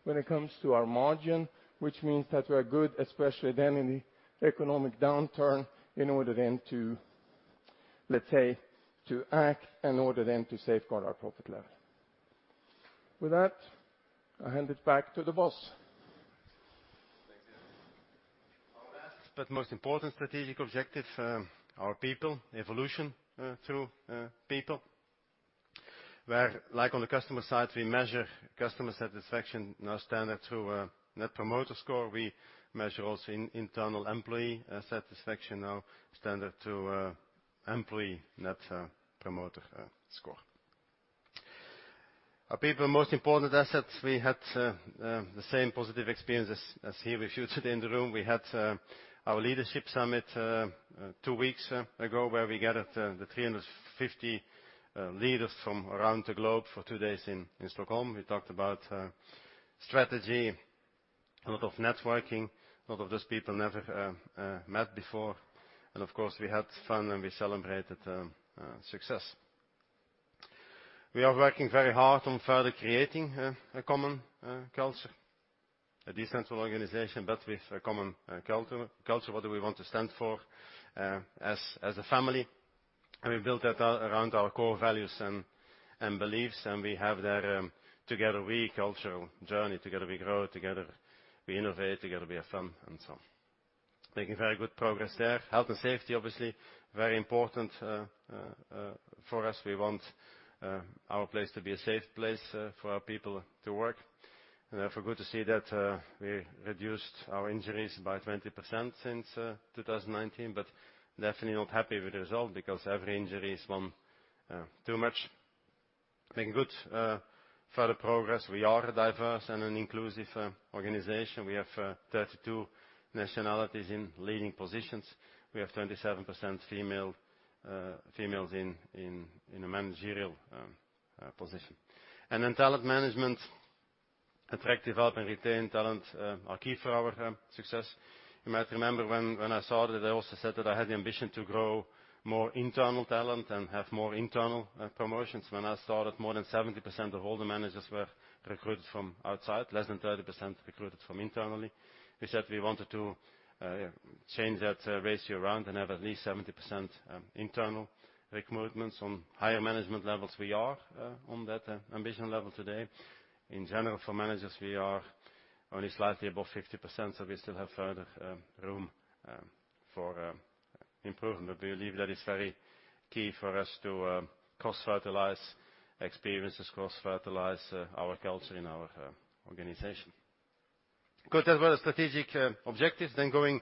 when it comes to our margin, which means that we are good, especially then in the economic downturn, in order then to, let's say, to act, in order then to safeguard our profit level. With that, I hand it back to the boss. Thank you. Our last but most important strategic objective, our people evolution through people, where like on the customer side, we measure customer satisfaction now standard through Net Promoter Score. We measure also internal employee satisfaction now standard through employee Net Promoter Score. Our people are most important assets. We had the same positive experiences as here with you today in the room. We had our leadership summit two weeks ago, where we gathered the 350 leaders from around the globe for two days in Stockholm. We talked about strategy, a lot of networking. A lot of those people never met before. Of course, we had fun, and we celebrated success. We are working very hard on further creating a common culture, a decentral organization, but with a common culture, what do we want to stand for as a family. We built that around our core values and beliefs, and we have there together our cultural journey, together we grow, together we innovate, together we have fun and so on. Making very good progress there. Health and safety, obviously very important for us. We want our place to be a safe place for our people to work. It's good to see that we reduced our injuries by 20% since 2019, but definitely not happy with the result because every injury is one too much. Making good further progress. We are a diverse and an inclusive organization. We have 32 nationalities in leading positions. We have 27% females in a managerial position. Talent management, attract, develop and retain talent, are key for our success. You might remember when I started, I also said that I had the ambition to grow more internal talent and have more internal promotions. When I started, more than 70% of all the managers were recruited from outside, less than 30% recruited from internally. We said we wanted to change that ratio around and have at least 70% internal recruitments. On higher management levels, we are on that ambition level today. In general, for managers, we are only slightly above 50%, so we still have further room for improvement. We believe that is very key for us to cross-fertilize experiences, our culture in our organization. Good as well as strategic objectives. Going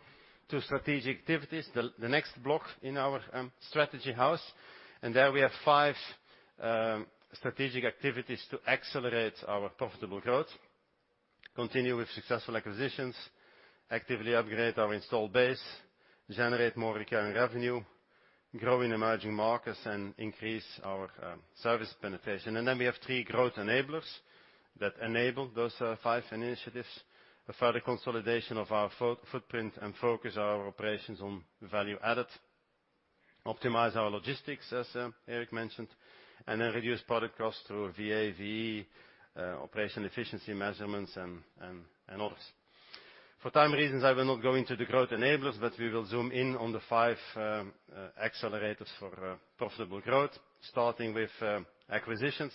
to strategic activities, the next block in our strategy house. There we have five strategic activities to accelerate our profitable growth, continue with successful acquisitions, actively upgrade our install base, generate more recurring revenue, grow in emerging markets, and increase our service penetration. We have three growth enablers that enable those five initiatives. A further consolidation of our footprint and focus our operations on value added, optimize our logistics, as Erik mentioned, and then reduce product costs through VAVE, operation efficiency measurements and orders. For time reasons, I will not go into the growth enablers, but we will zoom in on the five accelerators for profitable growth, starting with acquisitions.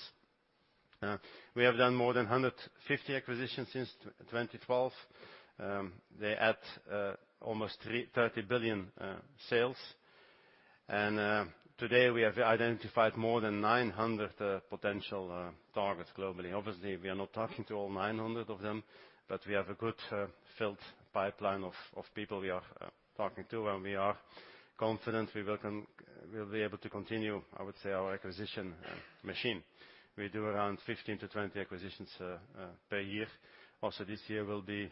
We have done more than 150 acquisitions since 2012. They add almost 30 billion sales. Today we have identified more than 900 potential targets globally. Obviously, we are not talking to all 900 of them, but we have a good filled pipeline of people we are talking to, and we are confident we'll be able to continue, I would say, our acquisition machine. We do around 15-20 acquisitions per year. This year will be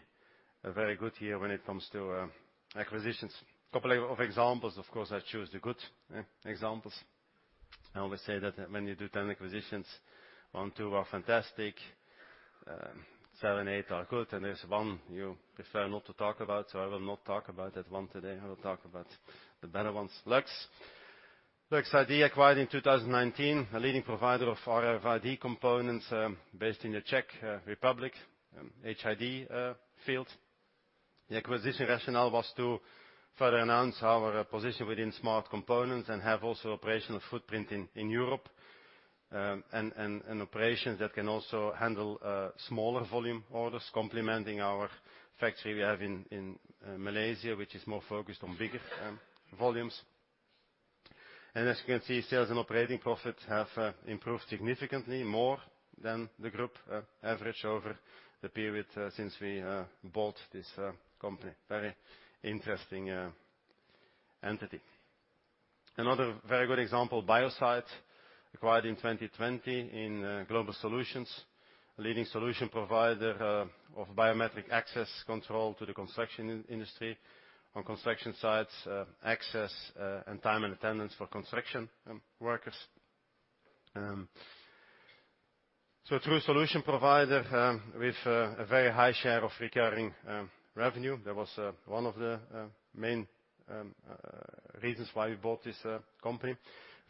a very good year when it comes to acquisitions. Couple of examples, of course, I choose the good examples. I always say that when you do 10 acquisitions, one, two are fantastic, seven, eight are good, and there's one you prefer not to talk about, so I will not talk about that one today. I will talk about the better ones. LUX-IDent acquired in 2019, a leading provider of RFID components based in the Czech Republic, HID field. The acquisition rationale was to further enhance our position within smart components and have also operational footprint in Europe, and an operations that can also handle smaller volume orders complementing our factory we have in Malaysia, which is more focused on bigger volumes. As you can see, sales and operating profits have improved significantly more than the group average over the period since we bought this company. Very interesting entity. Another very good example, Biosite, acquired in 2020 in Global Solutions, a leading solution provider of biometric access control to the construction industry on construction sites, access and time and attendance for construction workers. Through a solution provider with a very high share of recurring revenue, that was one of the main reasons why we bought this company.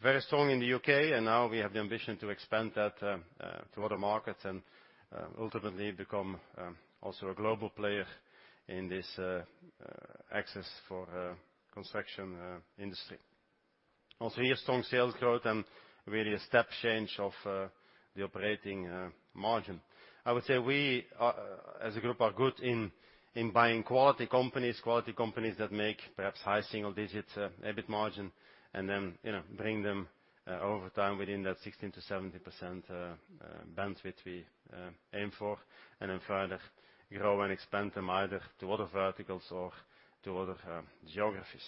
Very strong in the U.K., and now we have the ambition to expand that to other markets and ultimately become also a global player in this access for construction industry. Also here, strong sales growth and really a step change of the operating margin. I would say we are, as a group, good in buying quality companies that make perhaps high single-digits EBIT margin and then, you know, bring them over time within that 16%-70% bandwidth we aim for, and then further grow and expand them either to other verticals or to other geographies.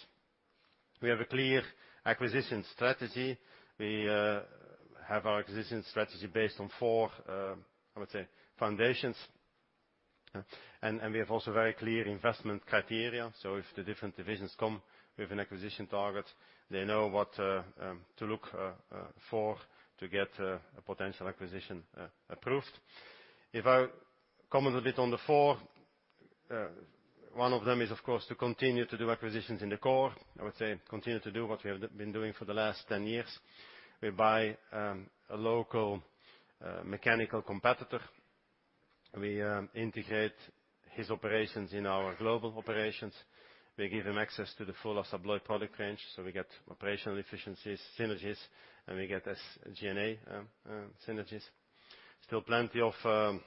We have a clear acquisition strategy. We have our acquisition strategy based on four foundations. We have also very clear investment criteria. If the different divisions come with an acquisition target, they know what to look for to get a potential acquisition approved. If I comment a bit on the four, one of them is, of course, to continue to do acquisitions in the core. I would say continue to do what we have been doing for the last 10 years. We buy a local mechanical competitor. We integrate his operations in our global operations. We give him access to the full ASSA ABLOY product range, so we get operational efficiencies, synergies, and we get SG&A synergies. Still plenty of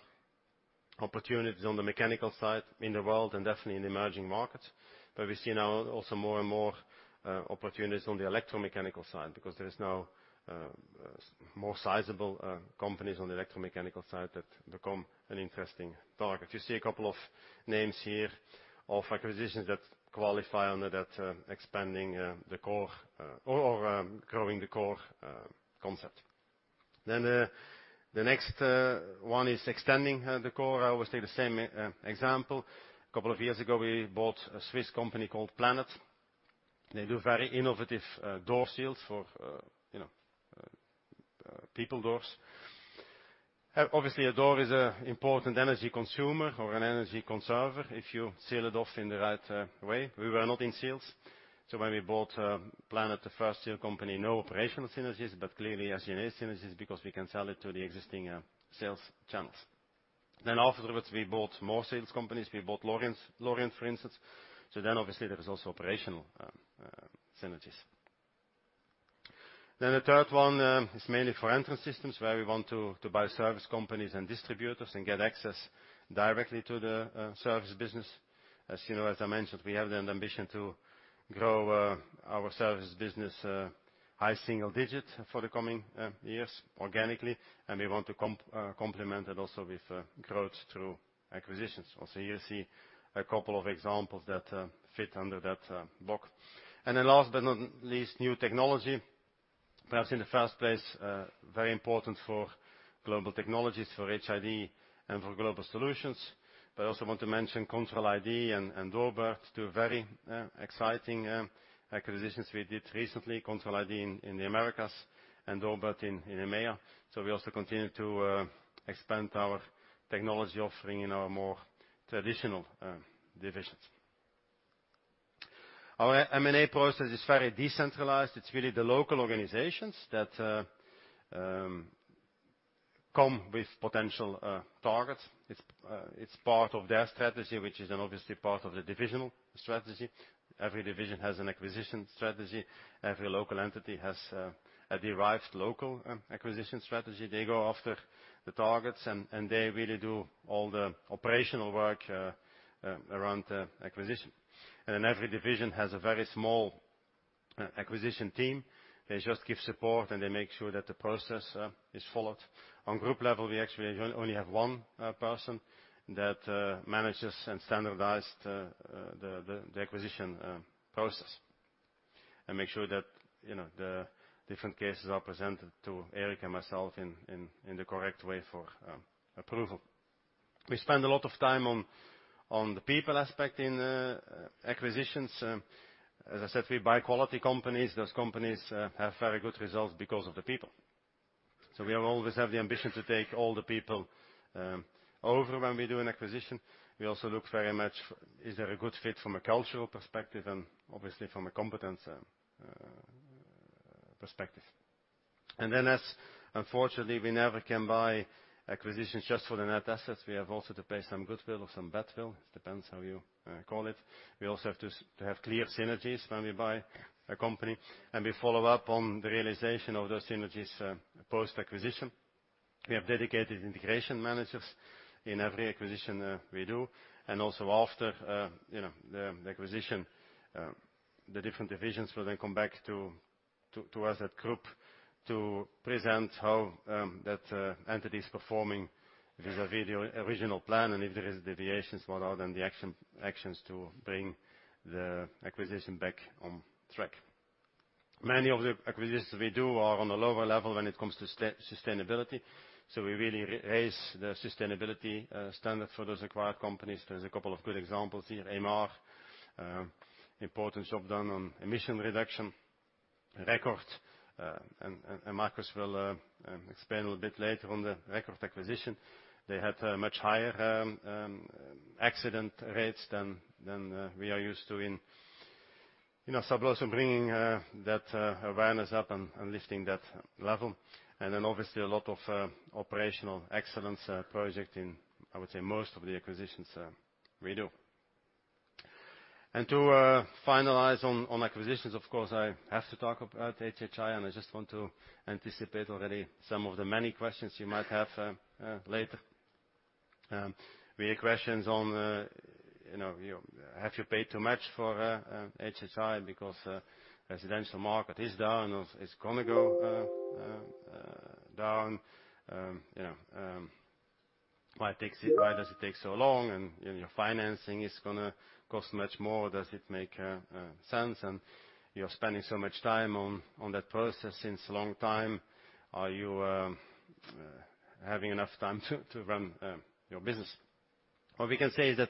opportunities on the mechanical side in the world and definitely in emerging markets. We see now also more and more opportunities on the electromechanical side because there is now more sizable companies on the electromechanical side that become an interesting target. You see a couple of names here of acquisitions that qualify under that, expanding the core or growing the core concept. The next one is extending the core. I always take the same example. A couple of years ago, we bought a Swiss company called Planet. They do very innovative door seals for you know people doors. Obviously, a door is an important energy consumer or an energy conserver if you seal it off in the right way. We were not in seals, so when we bought Planet, the first seal company, no operational synergies, but clearly G&A synergies because we can sell it to the existing sales channels. Afterwards, we bought more sales companies. We bought Lorient, for instance. Obviously there is also operational synergies. The third one is mainly for Entrance Systems, where we want to buy service companies and distributors and get access directly to the service business. As you know, as I mentioned, we have the ambition to grow our service business high single-digit% for the coming years organically, and we want to complement it also with growth through acquisitions. You see a couple of examples that fit under that box. Last but not least, new technology. Perhaps in the first place, very important for Global Technologies, for HID and for Global Solutions. I also want to mention Control iD and ALCEA, two very exciting acquisitions we did recently, Control iD in the Americas and ALCEA in EMEA. We also continue to expand our technology offering in our more traditional divisions. Our M&A process is very decentralized. It's really the local organizations that come with potential targets. It's part of their strategy, which is then obviously part of the divisional strategy. Every division has an acquisition strategy. Every local entity has a derived local acquisition strategy. They go after the targets and they really do all the operational work around acquisition. Every division has a very small acquisition team. They just give support, and they make sure that the process is followed. On group level, we actually only have one person that manages and standardizes the acquisition process and makes sure that, you know, the different cases are presented to Erik and myself in the correct way for approval. We spend a lot of time on the people aspect in acquisitions. As I said, we buy quality companies. Those companies have very good results because of the people. We always have the ambition to take all the people over when we do an acquisition. We also look very much, is there a good fit from a cultural perspective and obviously from a competence perspective. Then as, unfortunately, we never can buy acquisitions just for the net assets, we have also to pay some goodwill or some badwill. It depends how you call it. We also have to have clear synergies when we buy a company, and we follow up on the realization of those synergies post-acquisition. We have dedicated integration managers in every acquisition that we do, and also after the acquisition, the different divisions will then come back to us at group to present how that entity is performing vis-a-vis the original plan. If there is deviations, what are then the actions to bring the acquisition back on track. Many of the acquisitions we do are on a lower level when it comes to sustainability, so we really raise the sustainability standard for those acquired companies. There's a couple of good examples here. MR important job done on emission reduction. Record, and Markus will explain a little bit later on the Record acquisition. They had much higher accident rates than we are used to in, you know, Sablons and bringing that awareness up and lifting that level. Then obviously a lot of operational excellence project in, I would say, most of the acquisitions we do. To finalize on acquisitions, of course, I have to talk about HHI, and I just want to anticipate already some of the many questions you might have later. Be it questions on, you know, have you paid too much for HHI because residential market is down or it's gonna go down. You know, why does it take so long? You know, your financing is gonna cost much more. Does it make sense? You're spending so much time on that process since a long time. Are you having enough time to run your business? What we can say is that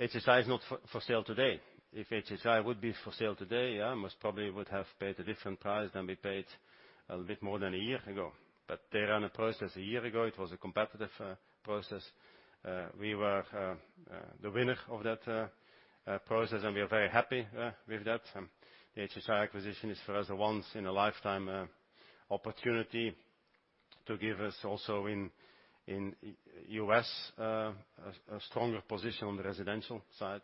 HHI is not for sale today. If HHI would be for sale today, yeah, most probably would have paid a different price than we paid a bit more than a year ago. They ran a process a year ago. It was a competitive process. We were the winner of that process, and we are very happy with that. The HHI acquisition is, for us, a once in a lifetime opportunity to give us also in U.S. a stronger position on the residential side.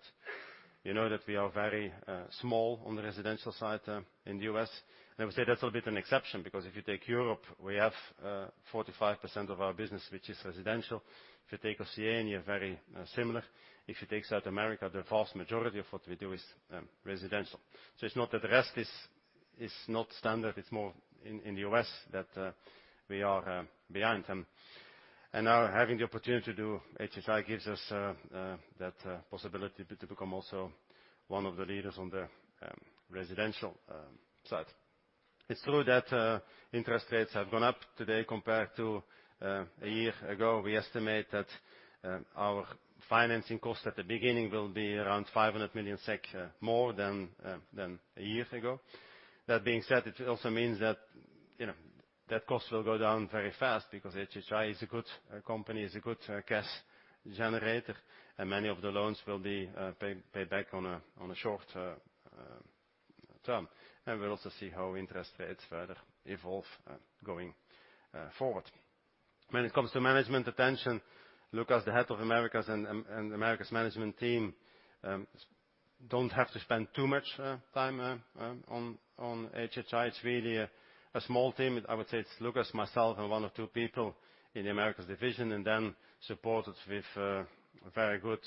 You know that we are very small on the residential side, in the U.S. I would say that's a little bit an exception, because if you take Europe, we have 45% of our business, which is residential. If you take Oceania, very similar. If you take South America, the vast majority of what we do is residential. So it's not that the rest is not standard. It's more in the US that we are behind. And now having the opportunity to do HHI gives us that possibility to become also one of the leaders on the residential side. It's true that interest rates have gone up today compared to a year ago. We estimate that our financing costs at the beginning will be around 500 million SEK more than a year ago. That being said, it also means that, you know, that cost will go down very fast because HHI is a good company, is a good cash generator, and many of the loans will be paid back on a short term. We'll also see how interest rates further evolve going forward. When it comes to management attention, Lucas, the head of Americas and the Americas management team don't have to spend too much time on HHI. It's really a small team. I would say it's Lucas, myself and one or two people in the Americas division and then supported with very good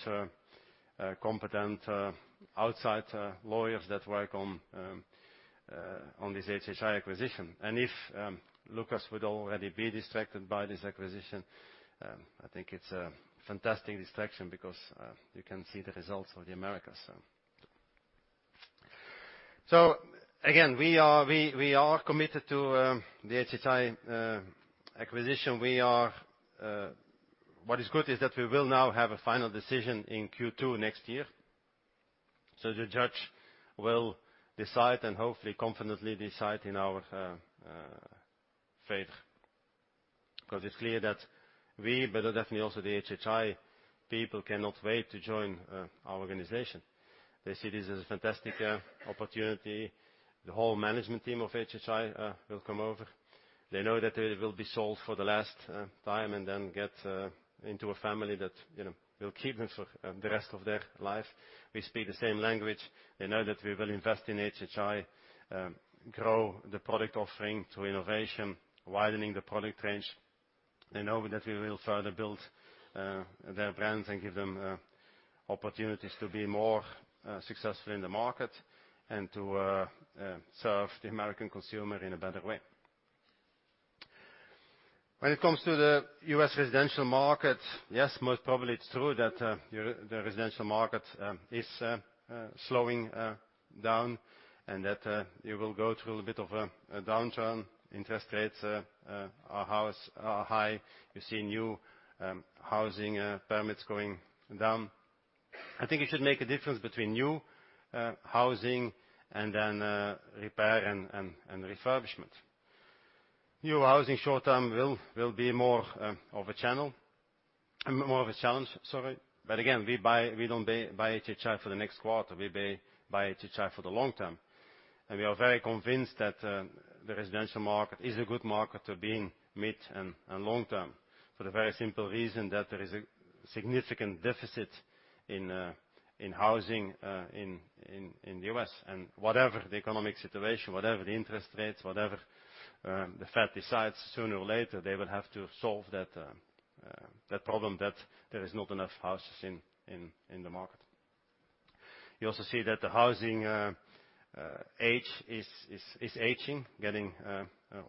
competent outside lawyers that work on this HHI acquisition. If Lucas would already be distracted by this acquisition, I think it's a fantastic distraction because you can see the results of the Americas. We are committed to the HHI acquisition. What is good is that we will now have a final decision in Q2 next year. The judge will decide and hopefully confidently decide in our favor, because it's clear that we, but definitely also the HHI people cannot wait to join our organization. They see this as a fantastic opportunity. The whole management team of HHI will come over. They know that it will be sold for the last time and then get into a family that, you know, will keep them for the rest of their life. We speak the same language. They know that we will invest in HHI, grow the product offering through innovation, widening the product range. They know that we will try to build their brands and give them opportunities to be more successful in the market and to serve the American consumer in a better way. When it comes to the U.S. residential market, yes, most probably it's true that the residential market is slowing down, and that you will go through a bit of a downturn. Interest rates are high. You see new housing permits going down. I think you should make a difference between new housing and then repair and refurbishment. New housing short-term will be more of a challenge, sorry. Again, we don't buy HHI for the next quarter, we buy HHI for the long term. We are very convinced that the residential market is a good market to be in mid and long term for the very simple reason that there is a significant deficit in housing in the U.S. Whatever the economic situation, whatever the interest rates, whatever the Fed decides, sooner or later, they will have to solve that problem that there is not enough houses in the market. You also see that the housing age is aging, getting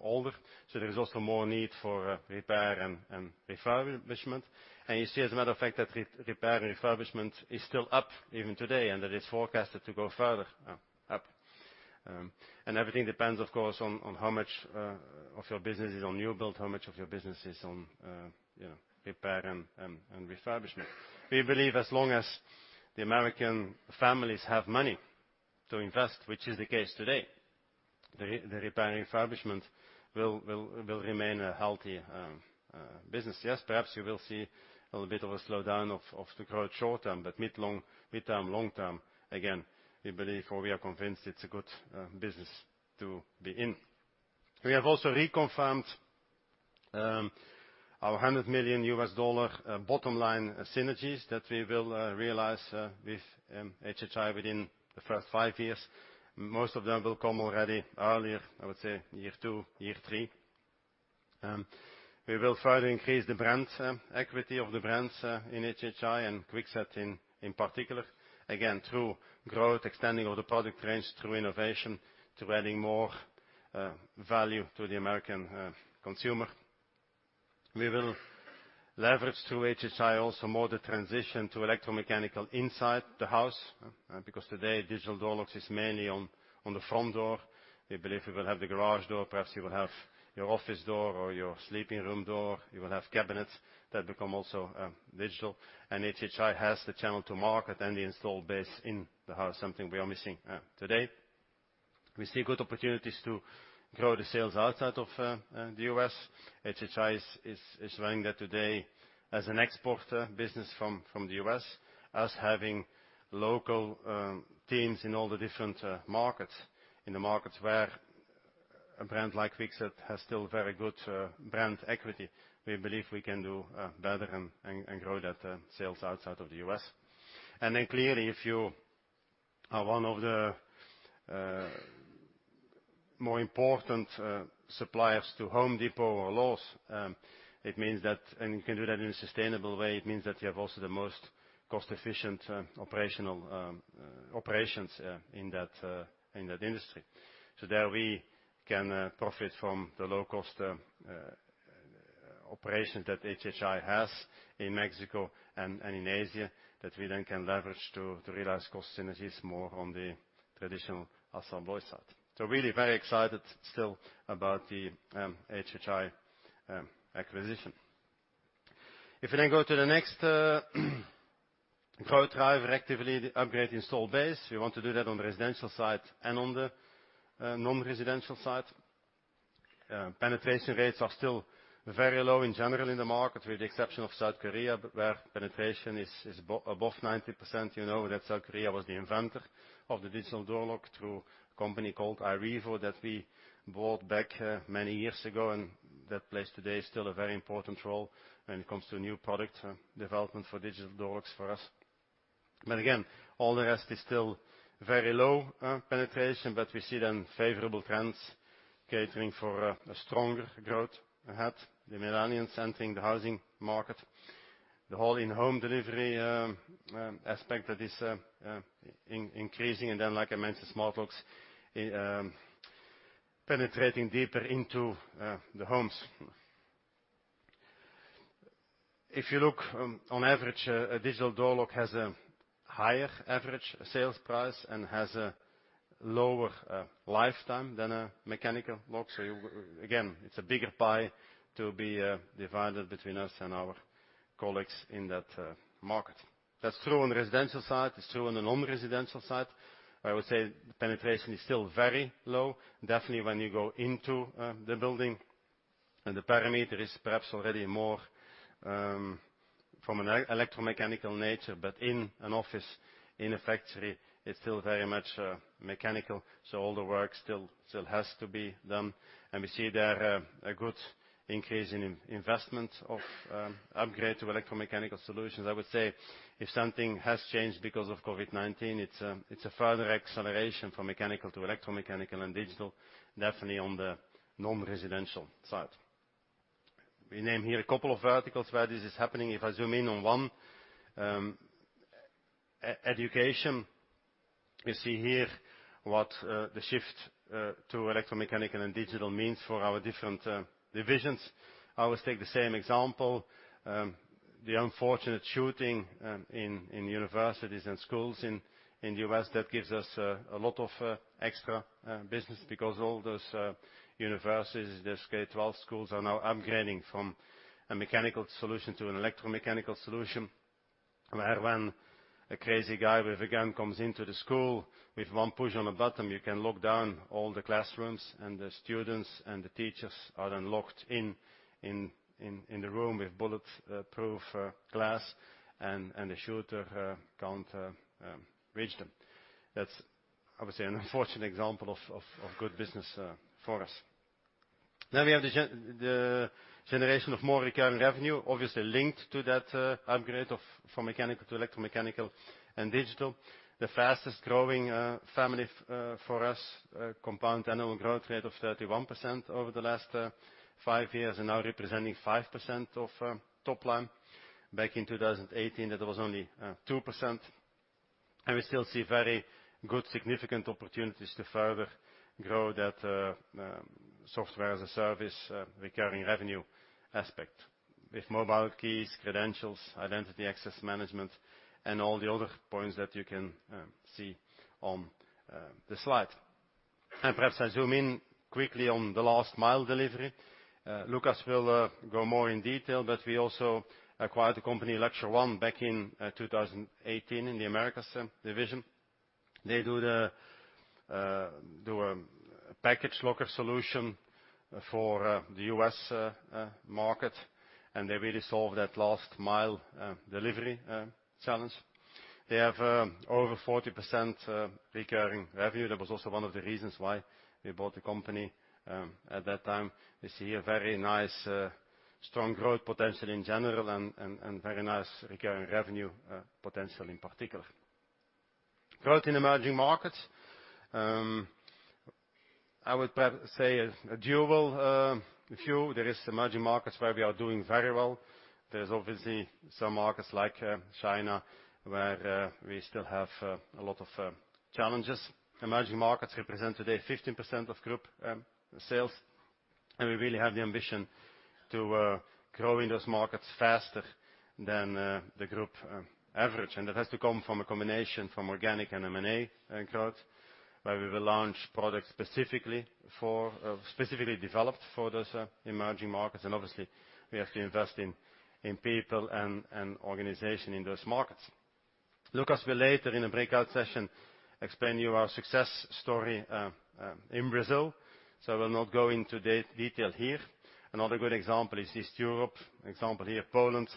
older, so there is also more need for repair and refurbishment. You see, as a matter of fact, that repair and refurbishment is still up even today, and that is forecasted to go further up. Everything depends, of course, on how much of your business is on new build, how much of your business is on, you know, repair and refurbishment. We believe as long as the American families have money to invest, which is the case today, the repair and refurbishment will remain a healthy business. Yes, perhaps you will see a little bit of a slowdown of the growth short term, but mid- to long-term, again, we believe or we are convinced it's a good business to be in. We have also reconfirmed our $100 million bottom line synergies that we will realize with HHI within the first five years. Most of them will come already earlier, I would say year two, year three. We will further increase the brands equity of the brands in HHI and Kwikset in particular, again, through growth, extending of the product range through innovation to adding more value to the American consumer. We will leverage through HHI also more the transition to electromechanical inside the house, because today digital door locks is mainly on the front door. We believe we will have the garage door, perhaps you will have your office door or your sleeping room door. You will have cabinets that become also digital. HHI has the channel to market and the installed base in the house, something we are missing today. We see good opportunities to grow the sales outside of the U.S. HHI is running that today as an exporter business from the U.S., as having local teams in all the different markets. In the markets where a brand like Kwikset has still very good brand equity, we believe we can do better and grow that sales outside of the U.S. Then clearly, if you are one of the more important suppliers to Home Depot or Lowe's, it means that, and you can do that in a sustainable way, it means that you have also the most cost-efficient operational operations in that industry. There we can profit from the low-cost operations that HHI has in Mexico and in Asia that we then can leverage to realize cost synergies more on the traditional ASSA ABLOY side. Really very excited still about the HHI acquisition. If you then go to the next growth driver, actually the upgrade installed base, we want to do that on the residential side and on the non-residential side. Penetration rates are still very low in general in the market, with the exception of South Korea, but where penetration is above 90%. You know that South Korea was the inventor of the digital door lock through company called iRevo that we bought back many years ago, and that plays today still a very important role when it comes to new product development for digital door locks for us. Again, all the rest is still very low penetration, but we see then favorable trends catering for a stronger growth ahead. The millennial entering the housing market, the whole in-home delivery aspect that is increasing, and then, like I mentioned, smart locks penetrating deeper into the homes. If you look on average, a digital door lock has a higher average sales price and has a lower lifetime than a mechanical lock. You again, it's a bigger pie to be divided between us and our colleagues in that market. That's true on the residential side. It's true on the non-residential side. I would say penetration is still very low. Definitely when you go into the building and the perimeter is perhaps already more from an electromechanical nature, but in an office, in a factory, it's still very much mechanical, so all the work still has to be done. We see there a good increase in investment in upgrade to electromechanical solutions. I would say if something has changed because of COVID-19, it's a further acceleration from mechanical to electromechanical and digital, definitely on the non-residential side. We name here a couple of verticals where this is happening. If I zoom in on one, education, we see here what the shift to electromechanical and digital means for our different divisions. I always take the same example, the unfortunate shooting in universities and schools in the U.S. that gives us a lot of extra business because all those universities, the K-12 schools are now upgrading from a mechanical solution to an electromechanical solution. Where when a crazy guy with a gun comes into the school, with one push on a button, you can lock down all the classrooms, and the students and the teachers are then locked in the room with bullet proof glass and the shooter can't reach them. That's obviously an unfortunate example of good business for us. We have the generation of more recurring revenue, obviously linked to that upgrade from mechanical to electromechanical and digital. The fastest-growing family for us, compound annual growth rate of 31% over the last five years and now representing 5% of top line. Back in 2018, that was only 2%. We still see very good significant opportunities to further grow that, software as a service recurring revenue aspect. With mobile keys, credentials, identity access management, and all the other points that you can see on the slide. Perhaps I zoom in quickly on the last mile delivery. Lucas will go more in detail, but we also acquired the company Luxer One back in 2018 in the Americas division. They do the package locker solution for the U.S. market, and they really solve that last mile delivery challenge. They have over 40% recurring revenue. That was also one of the reasons why we bought the company at that time. We see a very nice strong growth potential in general and very nice recurring revenue potential in particular. Growth in emerging markets. I would say a dual view. There is emerging markets where we are doing very well. There's obviously some markets like China, where we still have a lot of challenges. Emerging markets represent today 15% of group sales, and we really have the ambition to grow in those markets faster than the group average. That has to come from a combination from organic and M&A growth, where we will launch products specifically for specifically developed for those emerging markets. Obviously, we have to invest in people and organization in those markets. Lucas will later in a breakout session explain you our success story in Brazil, so I will not go into detail here. Another good example is Eastern Europe, example here Poland,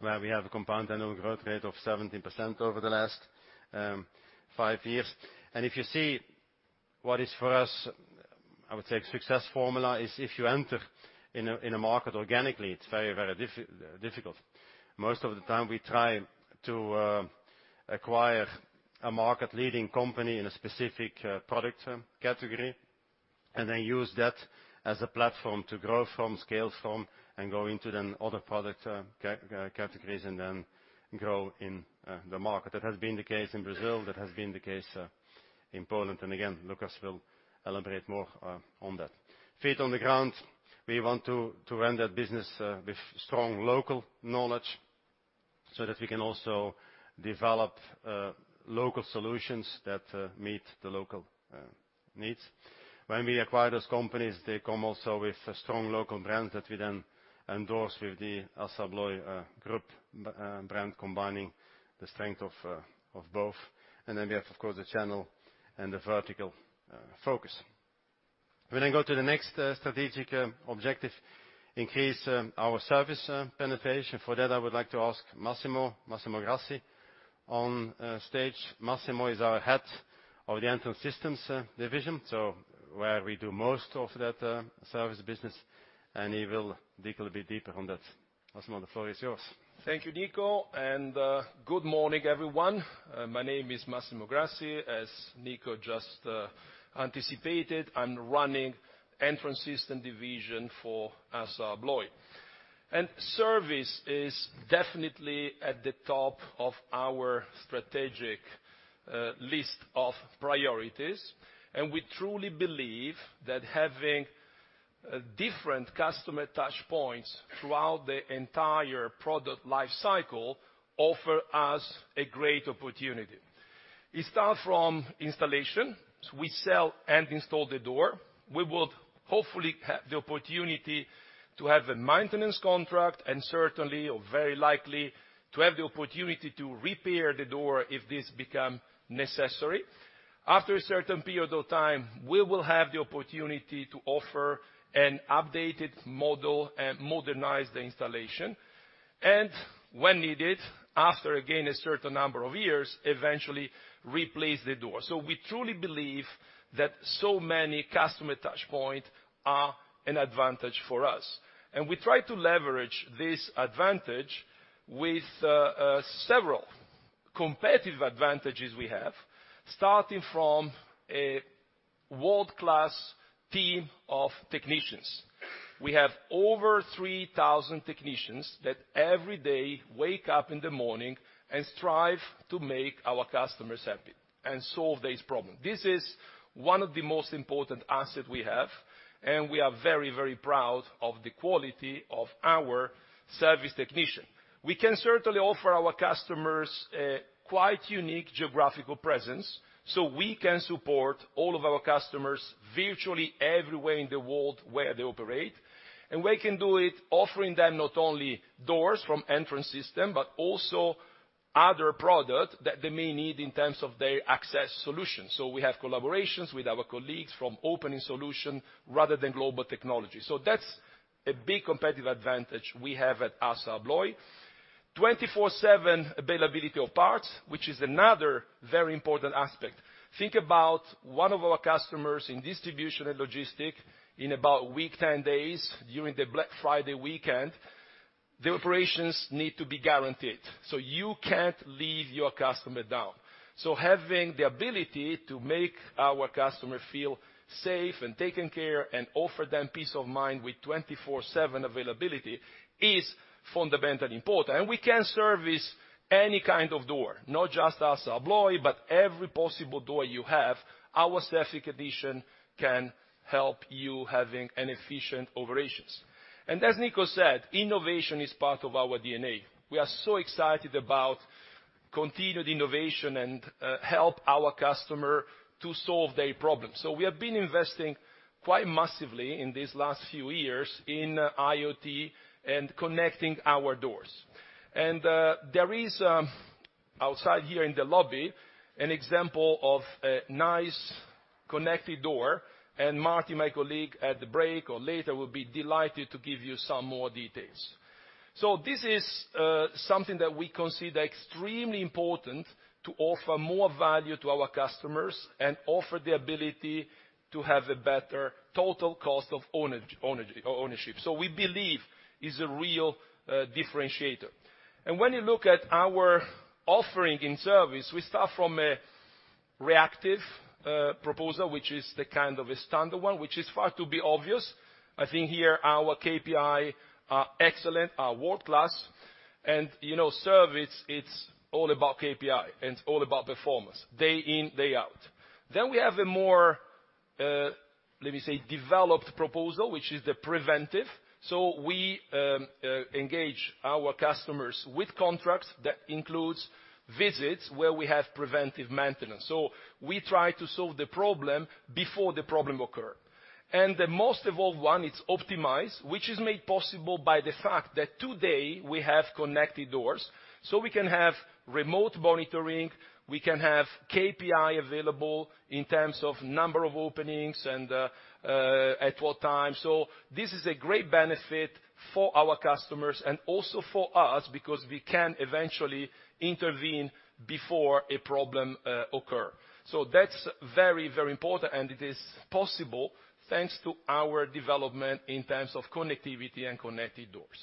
where we have a compound annual growth rate of 17% over the last five years. If you see what is for us, I would say success formula is if you enter in a market organically, it's very difficult. Most of the time, we try to acquire a market-leading company in a specific product category, and then use that as a platform to grow from, scale from, and go into then other product categories and then grow in the market. That has been the case in Brazil. That has been the case in Poland. Again, Lucas will elaborate more on that. Feet on the ground, we want to run that business with strong local knowledge so that we can also develop local solutions that meet the local needs. When we acquire those companies, they come also with strong local brands that we then endorse with the ASSA ABLOY group brand, combining the strength of both. We have, of course, the channel and the vertical focus. We go to the next strategic objective, increase our service penetration. For that, I would like to ask Massimo Grassi on stage. Massimo is our head of the Entrance Systems division, so where we do most of that service business, and he will dig a little bit deeper on that. Massimo, the floor is yours. Thank you, Nico. Good morning, everyone. My name is Massimo Grassi. As Nico just anticipated, I'm running Entrance Systems Division for ASSA ABLOY. Service is definitely at the top of our strategic list of priorities, and we truly believe that having different customer touchpoints throughout the entire product life cycle offer us a great opportunity. It start from installation. We sell and install the door. We would hopefully have the opportunity to have a maintenance contract and certainly or very likely to have the opportunity to repair the door if this become necessary. After a certain period of time, we will have the opportunity to offer an updated model and modernize the installation. When needed, after again a certain number of years, eventually replace the door. We truly believe that so many customer touchpoint are an advantage for us. We try to leverage this advantage with several competitive advantages we have, starting from a... World-class team of technicians. We have over 3,000 technicians that every day wake up in the morning and strive to make our customers happy and solve their problem. This is one of the most important asset we have, and we are very, very proud of the quality of our service technician. We can certainly offer our customers a quite unique geographical presence, so we can support all of our customers virtually everywhere in the world where they operate. We can do it offering them not only doors from Entrance Systems, but also other product that they may need in terms of their access solution. We have collaborations with our colleagues from Opening Solutions rather than Global Technologies. That's a big competitive advantage we have at ASSA ABLOY. 24/7 availability of parts, which is another very important aspect. Think about one of our customers in distribution and logistics in about a week, 10 days during the Black Friday weekend. The operations need to be guaranteed, so you can't leave your customer down. Having the ability to make our customer feel safe and taken care and offer them peace of mind with 24/7 availability is fundamentally important. We can service any kind of door, not just ASSA ABLOY, but every possible door you have. Our service technician can help you having efficient operations. As Nico said, innovation is part of our DNA. We are so excited about continued innovation and help our customer to solve their problem. We have been investing quite massively in these last few years in IoT and connecting our doors. There is outside here in the lobby an example of a nice connected door, and Marty, my colleague, at the break or later, will be delighted to give you some more details. This is something that we consider extremely important to offer more value to our customers and offer the ability to have a better total cost of ownership. We believe is a real differentiator. When you look at our offering in service, we start from a reactive proposal, which is the kind of a standard one, which is thought to be obvious. I think here our KPI are excellent, world-class. You know, service, it's all about KPI, and it's all about performance, day in, day out. We have a more, let me say, developed proposal, which is the preventive. We engage our customers with contracts that includes visits where we have preventive maintenance. We try to solve the problem before the problem occur. The most evolved one is optimize, which is made possible by the fact that today we have connected doors, so we can have remote monitoring, we can have KPI available in terms of number of openings and at what time. This is a great benefit for our customers and also for us because we can eventually intervene before a problem occur. That's very, very important, and it is possible, thanks to our development in terms of connectivity and connected doors.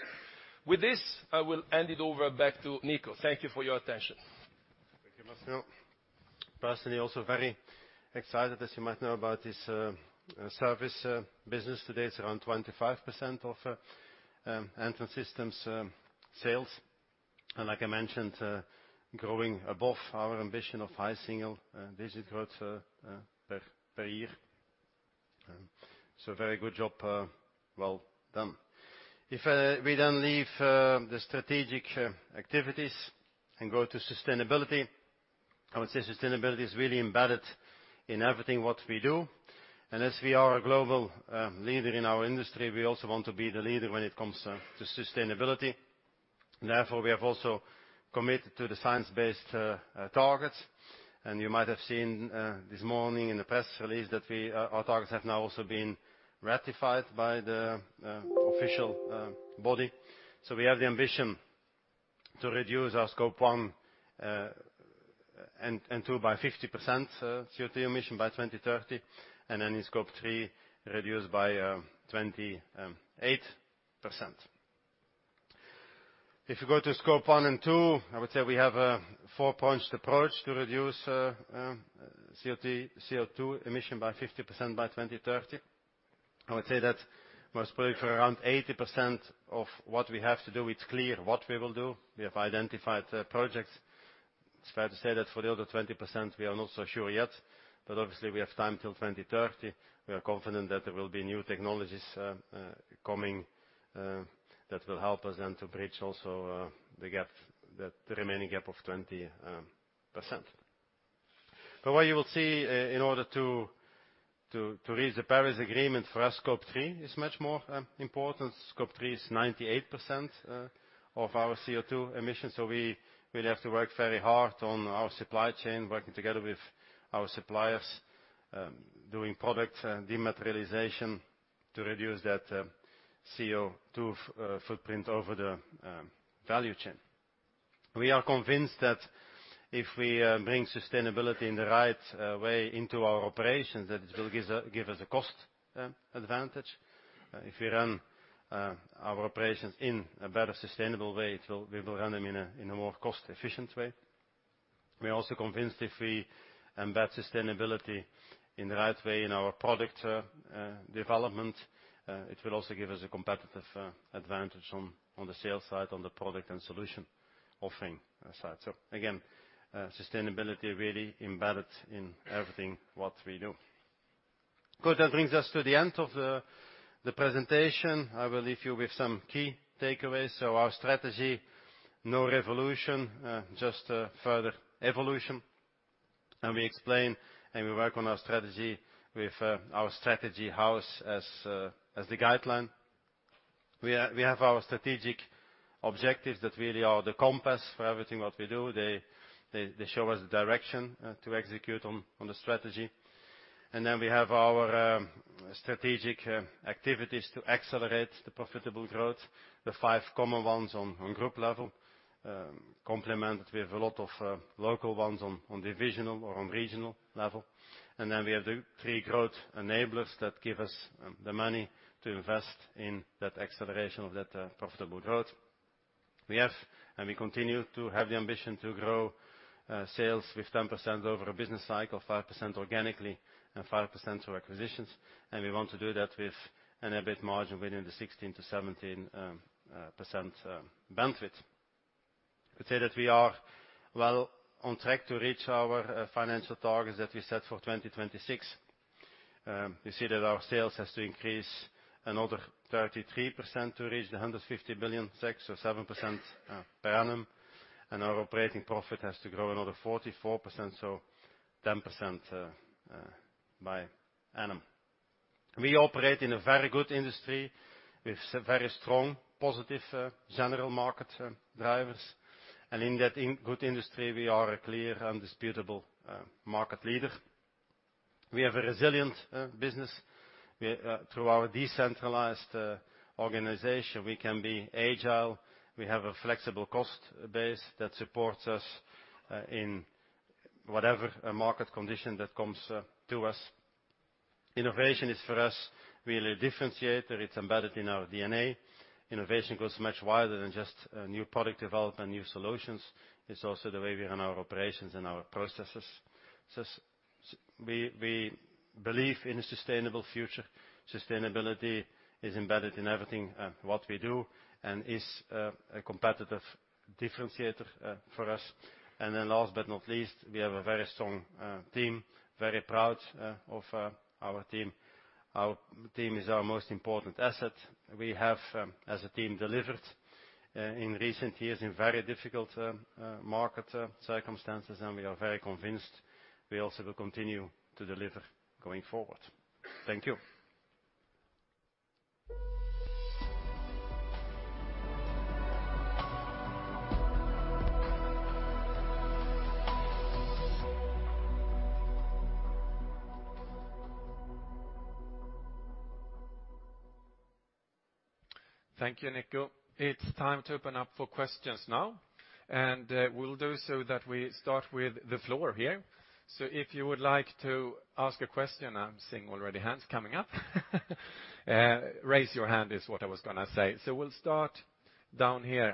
With this, I will hand it over back to Nico. Thank you for your attention. Thank you, Massimo. Personally, also very excited, as you might know, about this, service, business. Today, it's around 25% of Entrance Systems sales. Like I mentioned, growing above our ambition of high single-digit growth, per year. Very good job, well done. If we then leave the strategic activities and go to sustainability, I would say sustainability is really embedded in everything what we do. As we are a global leader in our industry, we also want to be the leader when it comes to sustainability. Therefore, we have also committed to the science-based targets. You might have seen this morning in the press release that our targets have now also been ratified by the official body. We have the ambition to reduce our Scope 1 and 2 by 50% CO2 emission by 2030, and then in Scope 3, reduce by 28%. If you go to Scope 1 and 2, I would say we have a four-pronged approach to reduce CO2 emission by 50% by 2030. I would say that most probably for around 80% of what we have to do, it's clear what we will do. We have identified projects. It's fair to say that for the other 20%, we are not so sure yet. Obviously, we have time till 2030. We are confident that there will be new technologies coming that will help us then to bridge also the gap, the remaining gap of 20%. What you will see, in order to reach the Paris Agreement for us, Scope 3 is much more important. Scope 3 is 98% of our CO2 emissions. We really have to work very hard on our supply chain, working together with our suppliers, doing product dematerialization to reduce that CO2 footprint over the value chain. We are convinced that if we bring sustainability in the right way into our operations, that it will give us a cost advantage. If we run our operations in a better sustainable way, we will run them in a more cost-efficient way. We are also convinced if we embed sustainability in the right way in our product development, it will also give us a competitive advantage on the sales side, on the product and solution offering side. Again, sustainability really embedded in everything what we do. Good, that brings us to the end of the presentation. I will leave you with some key takeaways. Our strategy, no revolution, just a further evolution. We explain and we work on our strategy with our strategy house as the guideline. We have our strategic objectives that really are the compass for everything that we do. They show us the direction to execute on the strategy. We have our strategic activities to accelerate the profitable growth. The five common ones on group level complemented with a lot of local ones on divisional or on regional level. We have the three growth enablers that give us the money to invest in that acceleration of that profitable growth. We have, and we continue to have the ambition to grow sales with 10% over a business cycle, 5% organically, and 5% through acquisitions. We want to do that with an EBIT margin within the 16%-17% bandwidth. I'd say that we are well on track to reach our financial targets that we set for 2026. You see that our sales has to increase another 33% to reach the 150 billion, 6%-7% per annum, and our operating profit has to grow another 44%, so 10% per annum. We operate in a very good industry with very strong positive general market drivers. In that good industry, we are a clear, indisputable market leader. We have a resilient business. We through our decentralized organization, we can be agile. We have a flexible cost base that supports us in whatever market condition that comes to us. Innovation is, for us, really differentiator. It's embedded in our DNA. Innovation goes much wider than just new product development, new solutions. It's also the way we run our operations and our processes. We believe in a sustainable future. Sustainability is embedded in everything what we do and is a competitive differentiator for us. Last but not least, we have a very strong team, very proud of our team. Our team is our most important asset. We have, as a team, delivered in recent years in very difficult market circumstances, and we are very convinced we also will continue to deliver going forward. Thank you. Thank you, Nico. It's time to open up for questions now, and we'll do so that we start with the floor here. If you would like to ask a question, I'm seeing already hands coming up. Raise your hand is what I was gonna say. We'll start down here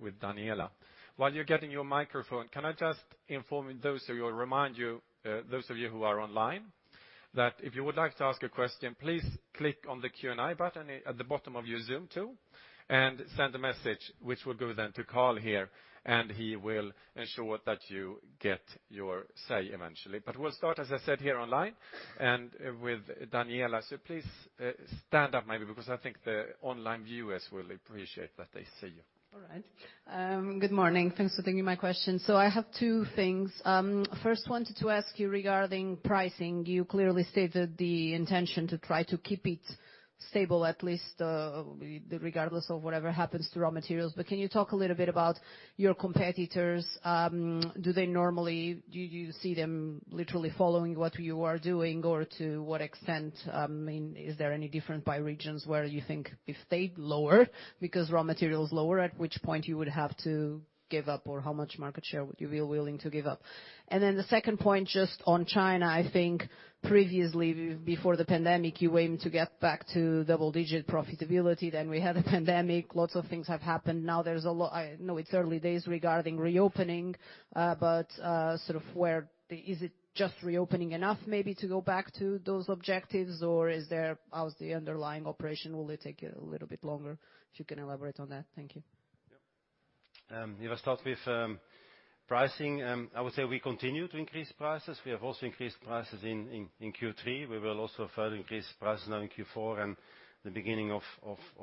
with Daniela. While you're getting your microphone, can I just inform those of you, or remind you, those of you who are online, that if you would like to ask a question, please click on the Q&A button at the bottom of your Zoom tool and send a message which will go then to Carl here, and he will ensure that you get your say eventually. We'll start, as I said, here online and with Daniela. Please, stand up, maybe because I think the online viewers will appreciate that they see you. All right. Good morning. Thanks for taking my question. I have two things. First wanted to ask you regarding pricing. You clearly stated the intention to try to keep it stable, at least, regardless of whatever happens to raw materials. Can you talk a little bit about your competitors? Do they normally? Do you see them literally following what you are doing, or to what extent? I mean, is there any different by regions where you think if they lower because raw material is lower, at which point you would have to give up, or how much market share would you be willing to give up? The second point, just on China, I think previously, before the pandemic, you aimed to get back to double-digit profitability. We had the pandemic. Lots of things have happened. Now there's a lot. I know it's early days regarding reopening, but sort of where is it just reopening enough maybe to go back to those objectives, or is there. How's the underlying operation? Will it take a little bit longer? If you can elaborate on that. Thank you. Yep. If I start with pricing, I would say we continue to increase prices. We have also increased prices in Q3. We will also further increase prices now in Q4 and the beginning of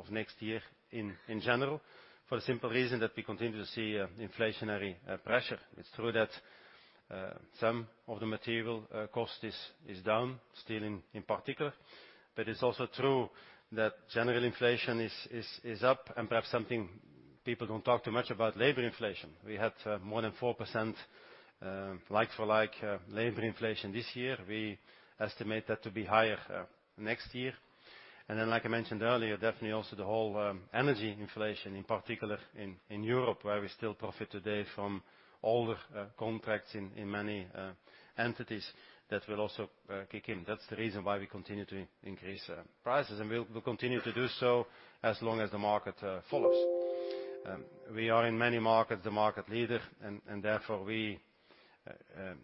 next year in general, for the simple reason that we continue to see inflationary pressure. It's true that some of the material cost is down, steel in particular, but it's also true that general inflation is up and perhaps something people don't talk too much about, labor inflation. We had more than 4% like for like labor inflation this year. We estimate that to be higher next year. Like I mentioned earlier, definitely also the whole energy inflation, in particular in Europe, where we still profit today from older contracts in many entities that will also kick in. That's the reason why we continue to increase prices, and we'll continue to do so as long as the market follows. We are in many markets the market leader, and therefore we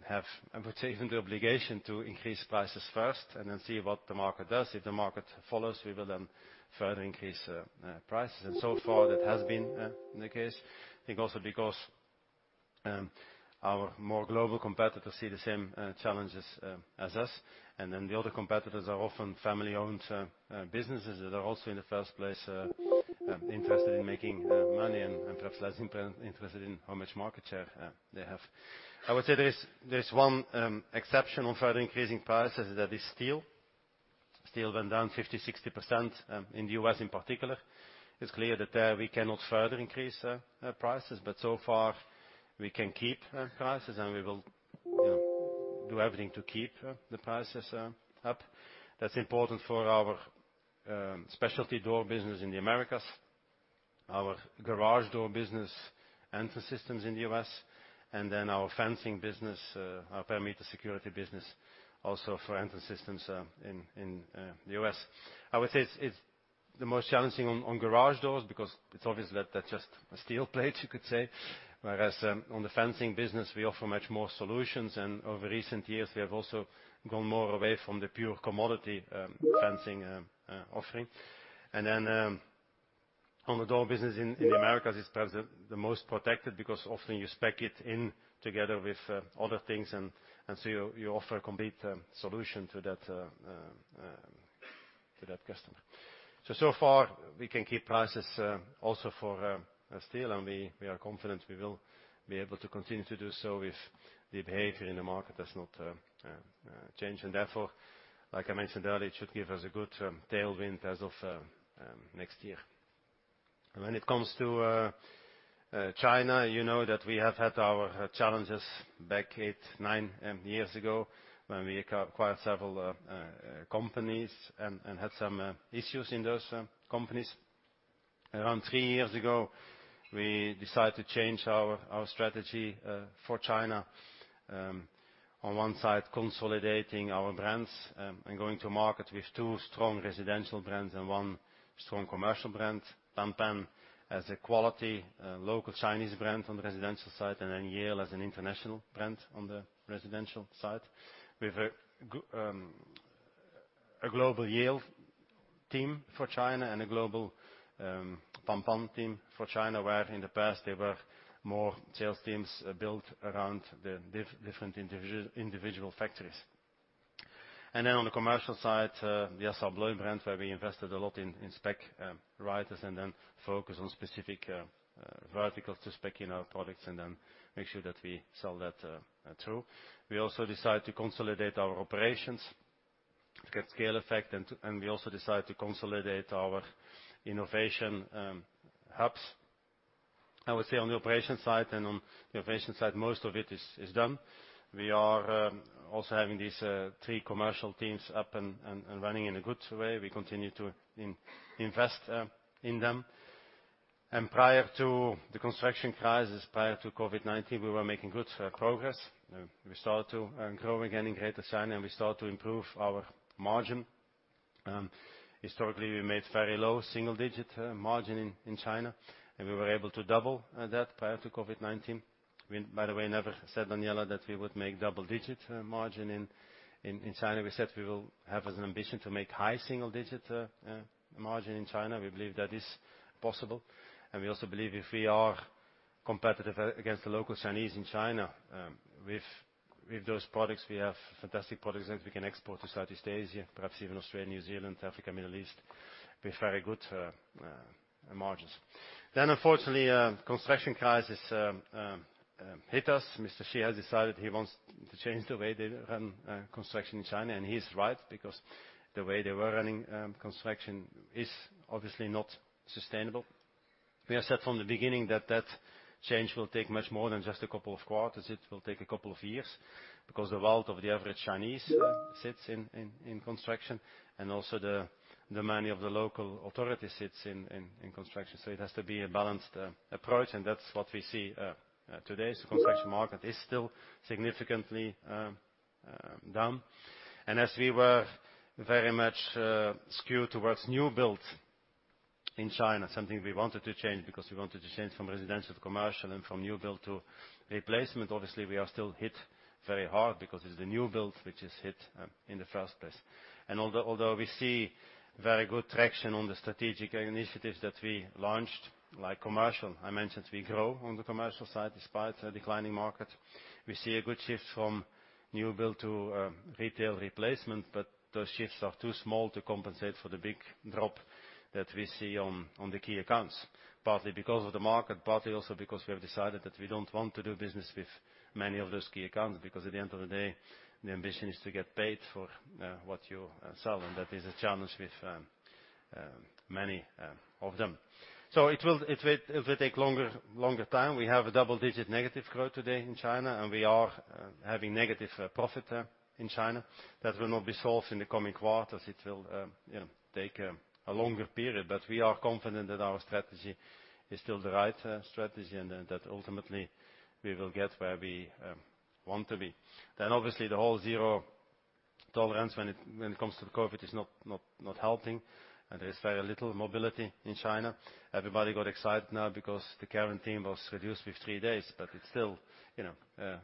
have, I would say, even the obligation to increase prices first and then see what the market does. If the market follows, we will then further increase prices. So far, that has been the case, I think also because our more global competitors see the same challenges as us. The other competitors are often family-owned businesses that are also in the first place interested in making money and perhaps less interested in how much market share they have. I would say there is one exception on further increasing prices, that is steel. Steel went down 50%-60% in the U.S. in particular. It's clear that there we cannot further increase prices. So far, we can keep prices, and we will, you know, do everything to keep the prices up. That's important for our specialty door business in the Americas, our garage door business, Entrance Systems in the U.S., and then our fencing business, our perimeter security business also for Entrance Systems in the U.S. I would say it's the most challenging on garage doors because it's obvious that that's just a steel plate, you could say. Whereas on the fencing business, we offer much more solutions. Over recent years, we have also gone more away from the pure commodity fencing offering. On the door business in the Americas, it's perhaps the most protected because often you spec it in together with other things, and so you offer a complete solution to that customer. So far we can keep prices also for steel, and we are confident we will be able to continue to do so if the behavior in the market does not change. Therefore, like I mentioned earlier, it should give us a good tailwind as of next year. When it comes to China, you know that we have had our challenges back eight to nine years ago when we acquired several companies and had some issues in those companies. Around three years ago, we decided to change our strategy for China. On one side, consolidating our brands and going to market with two strong residential brands and one strong commercial brand. Pan Pan as a quality local Chinese brand on the residential side, and then Yale as an international brand on the residential side. With a global Yale team for China and a global Pan Pan team for China, where in the past there were more sales teams built around the different individual factories. Then on the commercial side, we have our ABLOY brand, where we invested a lot in spec writers and then focus on specific verticals to spec in our products and then make sure that we sell that through. We also decide to consolidate our operations to get scale effect, and we also decide to consolidate our innovation hubs. I would say on the operations side and on the innovation side, most of it is done. We are also having these three commercial teams up and running in a good way. We continue to invest in them. Prior to the construction crisis, prior to COVID-19, we were making good progress. We started to grow again in Greater China, and we start to improve our margin. Historically, we made very low single-digit margin in China, and we were able to double that prior to COVID-19. By the way, we never said, Daniela, that we would make double-digit margin in China. We said we will have as an ambition to make high single-digit margin in China. We believe that is possible. We also believe if we are competitive against the local Chinese in China, with those products, we have fantastic products that we can export to Southeast Asia, perhaps even Australia, New Zealand, Africa, Middle East, with very good margins. Unfortunately, construction crisis hit us. Mr. Xi has decided he wants to change the way they run construction in China. He's right, because the way they were running construction is obviously not sustainable. We have said from the beginning that that change will take much more than just a couple of quarters. It will take a couple of years, because the wealth of the average Chinese sits in construction, and also the money of the local authority sits in construction. It has to be a balanced approach, and that's what we see today. Construction market is still significantly down. We were very much skewed towards new build in China, something we wanted to change because we wanted to change from residential to commercial and from new build to replacement. Obviously, we are still hit very hard because it's the new build which is hit in the first place. Although we see very good traction on the strategic initiatives that we launched, like commercial, I mentioned we grow on the commercial side despite a declining market. We see a good shift from new build to retail replacement, but those shifts are too small to compensate for the big drop that we see on the key accounts. Partly because of the market, partly also because we have decided that we don't want to do business with many of those key accounts, because at the end of the day, the ambition is to get paid for what you sell, and that is a challenge with many of them. It will take longer time. We have a double-digit negative growth today in China, and we are having negative profit in China. That will not be solved in the coming quarters. It will, you know, take a longer period. We are confident that our strategy is still the right strategy and that ultimately we will get where we want to be. Obviously the whole zero tolerance when it comes to the COVID is not helping. There is very little mobility in China. Everybody got excited now because the quarantine was reduced with three days. It's still, you know, a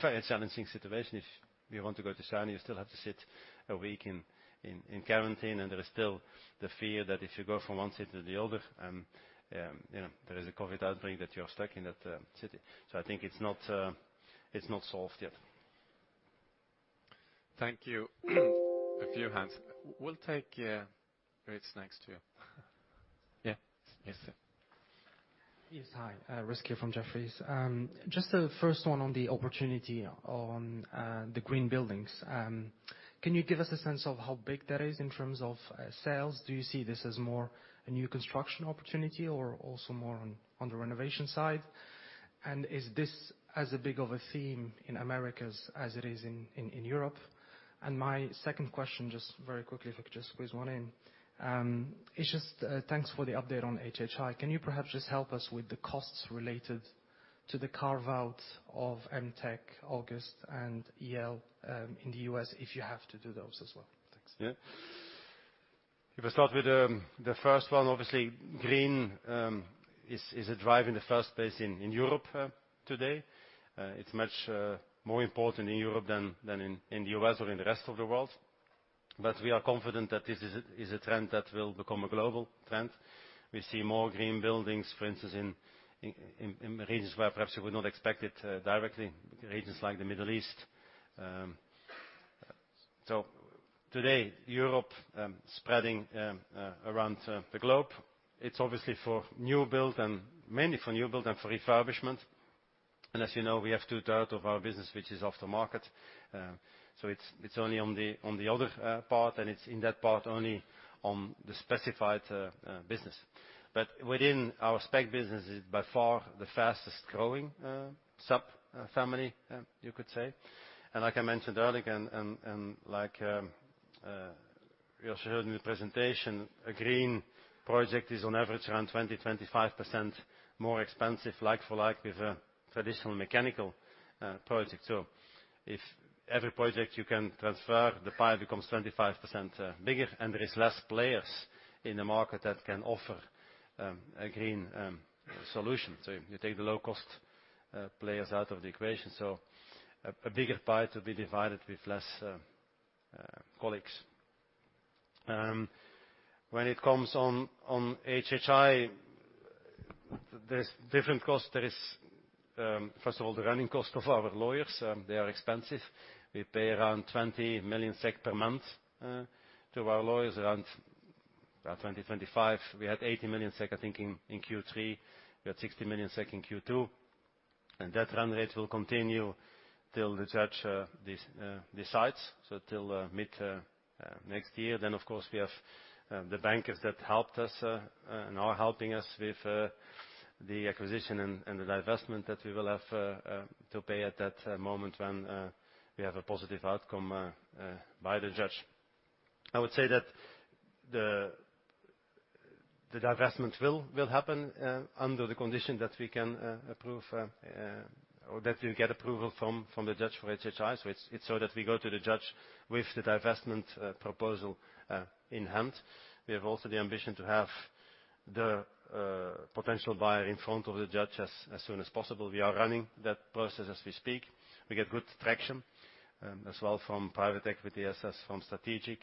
very challenging situation. If you want to go to China, you still have to sit a week in quarantine, and there is still the fear that if you go from one city to the other, you know, there is a COVID outbreak, that you are stuck in that city. I think it's not solved yet. Thank you. A few hands. We'll take Rizk next, too. Yeah. Yes, sir. Yes. Hi, Rizk from Jefferies. Just the first one on the opportunity on the green buildings. Can you give us a sense of how big that is in terms of sales? Do you see this as more a new construction opportunity or also more on the renovation side? And is this as big of a theme in Americas as it is in Europe? And my second question, just very quickly, if I could just squeeze one in, it's just thanks for the update on HHI. Can you perhaps just help us with the costs related to the carve-out of Emtek, August, and Yale in the U.S., if you have to do those as well? Thanks. Yeah. If I start with the first one, obviously Green is a drive in the first place in Europe today. It's much more important in Europe than in the U.S. or in the rest of the world. We are confident that this is a trend that will become a global trend. We see more green buildings, for instance, in regions where perhaps you would not expect it directly, regions like the Middle East. Today, Europe, spreading around the globe, it's obviously for new build and mainly for new build and for refurbishment. As you know, we have two-thirds of our business which is aftermarket. It's only on the other part, and it's in that part only on the specified business. Within our spec business is by far the fastest growing sub-family you could say. Like I mentioned earlier, you also heard in the presentation, a green project is on average around 20%-25% more expensive, like for like, with a traditional mechanical project. If every project you can transfer, the pie becomes 25% bigger, and there is less players in the market that can offer a green solution. You take the low-cost players out of the equation, a bigger pie to be divided with less colleagues. When it comes on HHI, there's different costs. There is, first of all, the running cost of our lawyers, they are expensive. We pay around 20 million-25 million SEK per month to our lawyers. We had 80 million SEK, I think, in Q3. We had 60 million SEK in Q2. That run rate will continue till the judge decides, so till mid next year. Of course, we have the bankers that helped us and are helping us with the acquisition and the divestment that we will have to pay at that moment when we have a positive outcome by the judge. I would say that the divestment will happen under the condition that we can or that we get approval from the judge for HHI. It's so that we go to the judge with the divestment proposal in hand. We have also the ambition to have the potential buyer in front of the judge as soon as possible. We are running that process as we speak. We get good traction as well from private equity as from strategic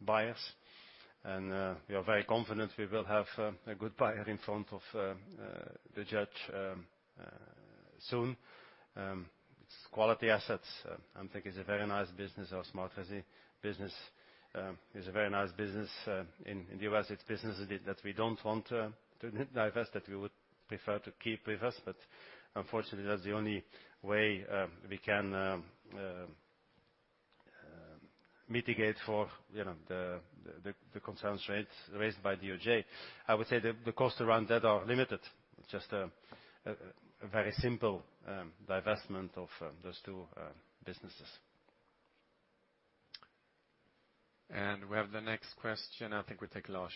buyers. We are very confident we will have a good buyer in front of the judge soon. It's quality assets. I think it's a very nice business. Our Smart Residential business is a very nice business in the U.S. It's businesses that we don't want to divest, that we would prefer to keep with us. Unfortunately, that's the only way we can mitigate for, you know, the concerns raised by DOJ. I would say the costs around that are limited. It's just a very simple divestment of those two businesses. We have the next question. I think we'll take Lars.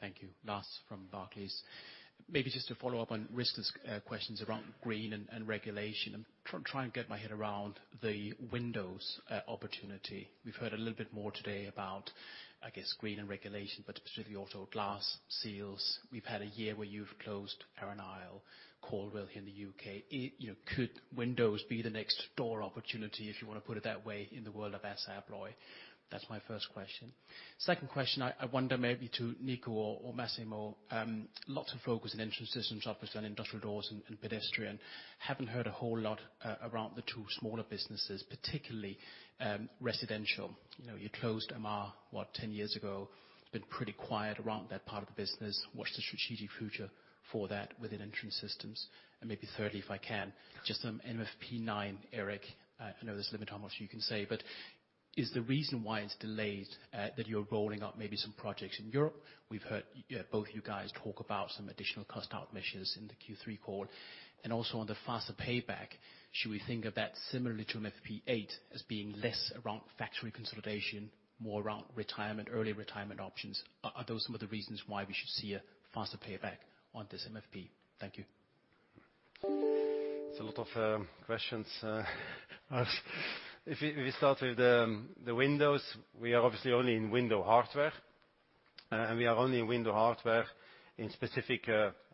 Thank you. Lars from Barclays. Maybe just to follow up on Rizk's questions around green and regulation. I'm trying to get my head around the windows opportunity. We've heard a little bit more today about, I guess, green and regulation, but specifically auto glass seals. We've had a year where you've closed Perenial, Caldwell here in the U.K. You know, could windows be the next door opportunity, if you wanna put it that way, in the world of ASSA ABLOY? That's my first question. Second question, I wonder maybe to Nico or Massimo, lots of focus on Entrance Systems, obviously on industrial doors and pedestrian. Haven't heard a whole lot around the two smaller businesses, particularly residential. You know, you closed MR, what, 10 years ago. It's been pretty quiet around that part of the business. What's the strategic future for that within Entrance Systems? Maybe thirdly, if I can, just on MFP9, Erik, I know there's a limit on how much you can say, but is the reason why it's delayed that you're rolling out maybe some projects in Europe? We've heard you both talk about some additional cost out measures in the Q3 call. On the faster payback, should we think of that similarly to MFP8 as being less around factory consolidation, more around retirement, early retirement options? Are those some of the reasons why we should see a faster payback on this MFP? Thank you. It's a lot of questions asked. If we start with the windows, we are obviously only in window hardware, and we are only in window hardware in specific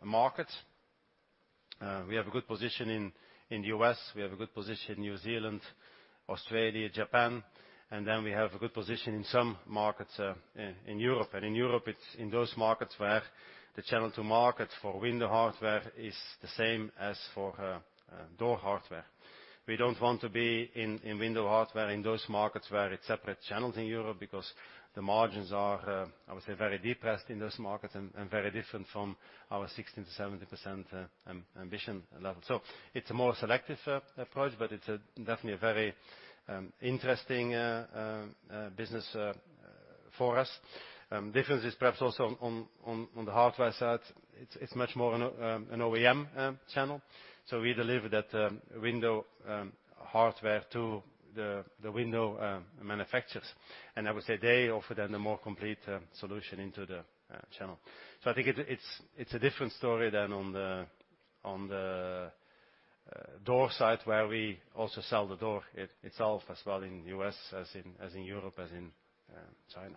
markets. We have a good position in the U.S. We have a good position in New Zealand, Australia, Japan, and then we have a good position in some markets in Europe. In Europe, it's in those markets where the channel to market for window hardware is the same as for door hardware. We don't want to be in window hardware in those markets where it's separate channels in Europe because the margins are, I would say, very depressed in those markets and very different from our 16%-70% ambition level. It's a more selective approach, but it's definitely a very interesting business for us. Difference is perhaps also on the hardware side. It's much more an OEM channel. We deliver that window hardware to the window manufacturers. I would say they offer then the more complete solution into the channel. I think it's a different story than on the door side, where we also sell the door itself as well in U.S. as in Europe as in China.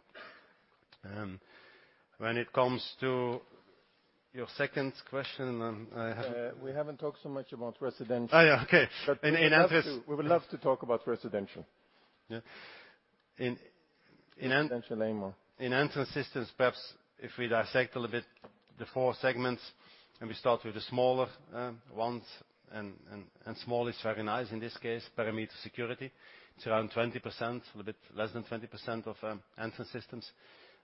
When it comes to your second question, I have- We haven't talked so much about residential. Oh, yeah. Okay. In entrance We would love to talk about residential. Yeah. In Residential AMOR. In Entrance Systems, perhaps if we dissect a little bit the four segments, and we start with the smaller ones, and small is very nice in this case, perimeter security. It's around 20%, a little bit less than 20% of Entrance Systems.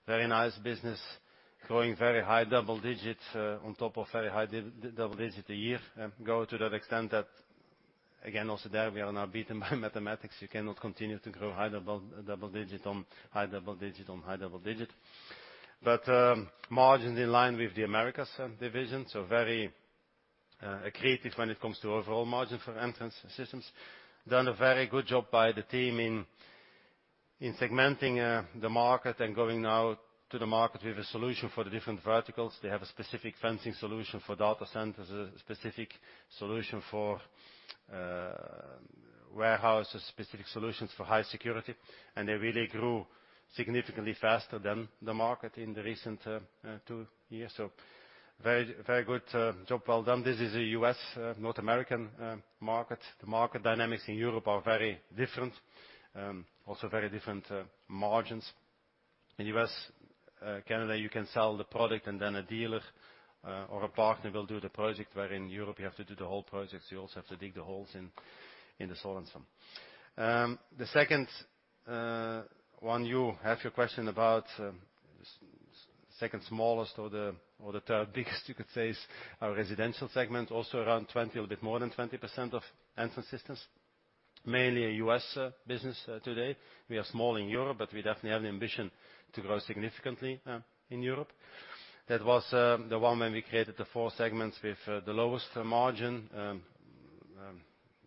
Very nice business. Growing very high double-digits on top of very high double-digit a year. To that extent that, again, also there we are now beaten by mathematics. You cannot continue to grow high double-digit on high double-digit on high double-digit. Margins in line with the Americas Division, so very creative when it comes to overall margin for Entrance Systems. Done a very good job by the team in segmenting the market and going now to the market with a solution for the different verticals. They have a specific fencing solution for data centers, a specific solution for warehouses, specific solutions for high security. They really grew significantly faster than the market in the recent two years. Very, very good job well done. This is a U.S. North American market. The market dynamics in Europe are very different, also very different margins. In U.S. Canada, you can sell the product and then a dealer or a partner will do the project, where in Europe you have to do the whole projects. You also have to dig the holes in the soil and some. The second one you have your question about, second smallest or the third biggest you could say is our residential segment, also around 20%, a little bit more than 20% of Entrance Systems. Mainly a U.S. business today. We are small in Europe, but we definitely have the ambition to grow significantly in Europe. That was the one when we created the four segments with the lowest margin,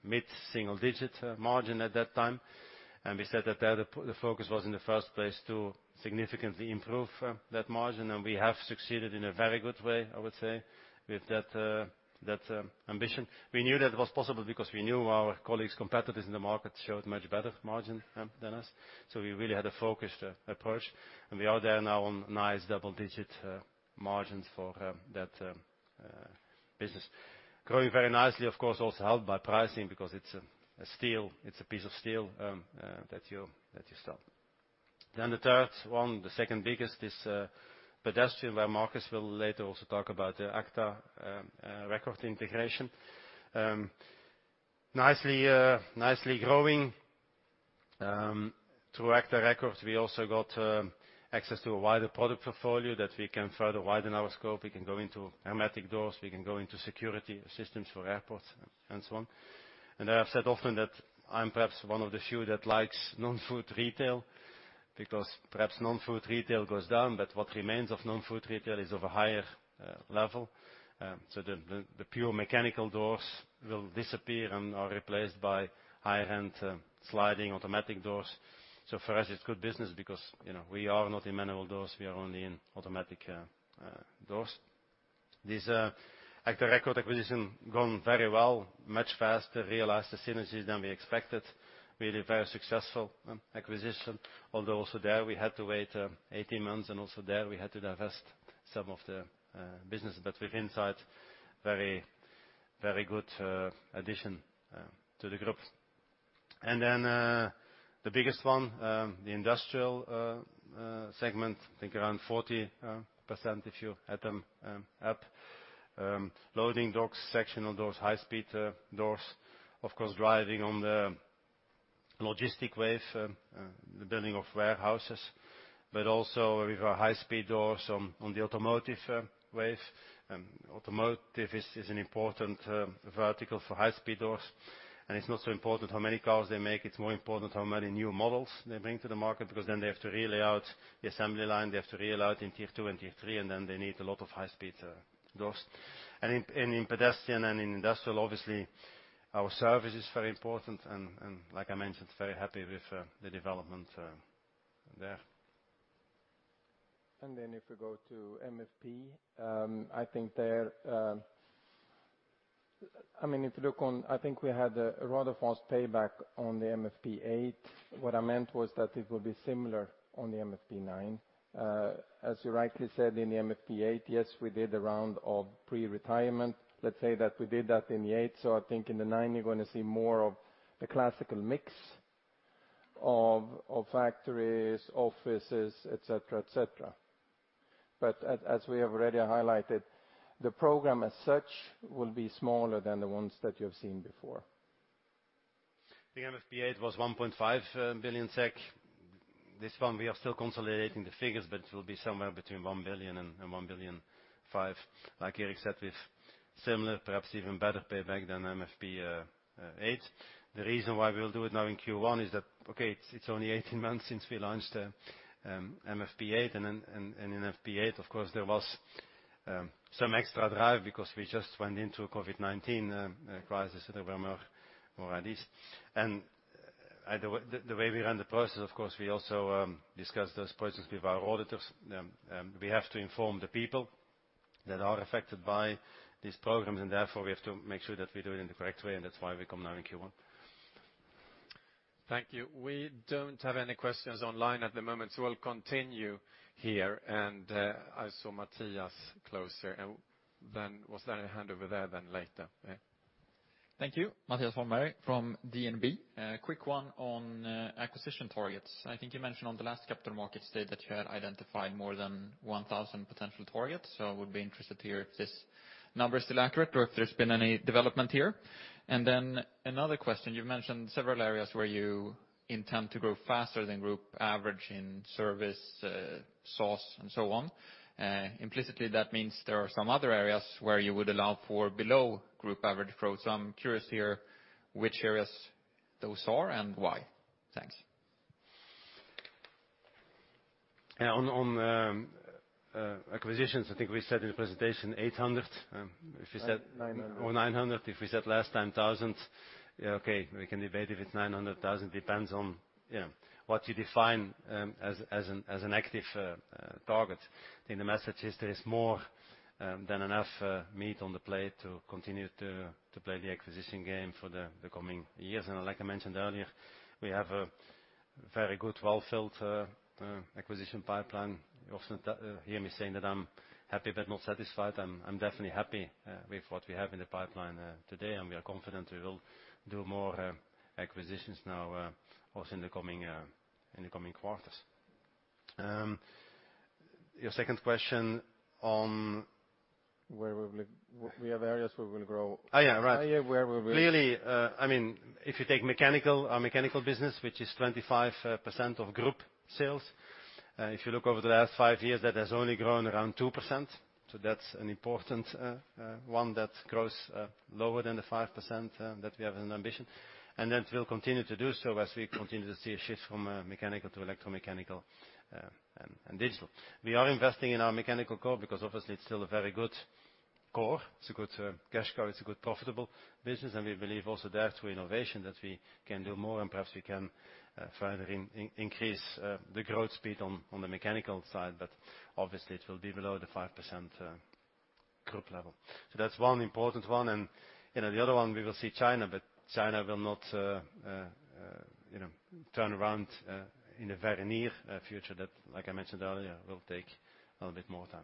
mid-single-digit margin at that time. We said that there the focus was in the first place to significantly improve that margin, and we have succeeded in a very good way, I would say, with that ambition. We knew that was possible because we knew our colleagues, competitors in the market showed much better margin than us. We really had a focused approach, and we are there now on nice double-digit margins for that business. Growing very nicely, of course, also helped by pricing because it's a steel, it's a piece of steel that you sell. Then the third one, the second biggest, is pedestrian, where Markus will later also talk about agta record integration. Nicely growing. agta record, we also got access to a wider product portfolio that we can further widen our scope. We can go into automatic doors. We can go into security systems for airports and so on. I've said often that I'm perhaps one of the few that likes non-food retail because perhaps non-food retail goes down, but what remains of non-food retail is of a higher level. The pure mechanical doors will disappear and are replaced by higher-end sliding automatic doors. For us, it's good business because, you know, we are not in manual doors, we are only in automatic doors. agta record acquisition gone very well, much faster realized the synergies than we expected. Really very successful acquisition. Although also there we had to wait 18 months, and also there we had to divest some of the business. But with Insight, very, very good addition to the group. Then the biggest one, the industrial segment, I think around 40% if you add them up. Loading docks, sectional doors, high-speed doors, of course, driving on the logistic wave, the building of warehouses, but also with our high-speed doors on the automotive wave. Automotive is an important vertical for high-speed doors. It's not so important how many cars they make. It's more important how many new models they bring to the market, because then they have to re-lay out the assembly line. They have to re-lay out in tier two and tier three, and then they need a lot of high-speed doors. In pedestrian and in industrial, obviously, our service is very important, and like I mentioned, very happy with the development there. If we go to MFP, I think there, I mean, if you look on, I think we had a rather fast payback on the MFP8. What I meant was that it will be similar on the MFP9. As you rightly said in the MFP8, yes, we did a round of pre-retirement. Let's say that we did that in the MFP8, so I think in the MFP9 you're gonna see more of the classical mix of factories, offices, et cetera, et cetera. As we have already highlighted, the program as such will be smaller than the ones that you have seen before. The MFP8 was 1.5 billion SEK. This one we are still consolidating the figures, but it will be somewhere between 1 billion and 1.5 billion. Like Erik said, with similar, perhaps even better payback than MFP8. The reason why we'll do it now in Q1 is that it's only 18 months since we launched MFP8. Then in MFP8 of course there was some extra drive because we just went into COVID-19 crisis everywhere or at least. Either way. The way we run the process, of course, we also discuss those processes with our auditors. We have to inform the people that are affected by these programs, and therefore we have to make sure that we do it in the correct way, and that's why we come now in Q1. Thank you. We don't have any questions online at the moment, so I'll continue here. I saw Mattias close here. Then was there any hand over there then later? Yeah. Thank you. Mattias Holmberg from DNB. A quick one on acquisition targets. I think you mentioned on the last capital markets day that you had identified more than 1,000 potential targets. I would be interested to hear if this number is still accurate or if there's been any development here. Then another question, you've mentioned several areas where you intend to grow faster than group average in service, source and so on. Implicitly, that means there are some other areas where you would allow for below group average growth. I'm curious here which areas those are and why. Thanks. Yeah, on acquisitions, I think we said in the presentation 800,000, if we said- 900,000. 900,000, if we said last time thousand. Yeah, okay, we can debate if it's 900,000. Depends on, yeah, what you define as an active target. I think the message is there is more than enough meat on the plate to continue to play the acquisition game for the coming years. Like I mentioned earlier, we have a very good well-filled acquisition pipeline. You often hear me saying that I'm happy but not satisfied, and I'm definitely happy with what we have in the pipeline today, and we are confident we will do more acquisitions now also in the coming quarters. Your second question on... We have areas where we'll grow. Oh, yeah, right. Area where we will Clearly, I mean, if you take mechanical, our mechanical business, which is 25% of group sales, if you look over the last five years, that has only grown around 2%. That's an important one that grows lower than the 5% that we have an ambition. That will continue to do so as we continue to see a shift from mechanical to electromechanical, and digital. We are investing in our mechanical core because obviously it's still a very good core. It's a good cash core, it's a good profitable business, and we believe also there through innovation that we can do more and perhaps we can further increase the growth speed on the mechanical side. Obviously it will be below the 5% group level. That's one important one. You know, the other one, we will see China, but China will not, you know, turn around, in the very near future. That, like I mentioned earlier, will take a little bit more time.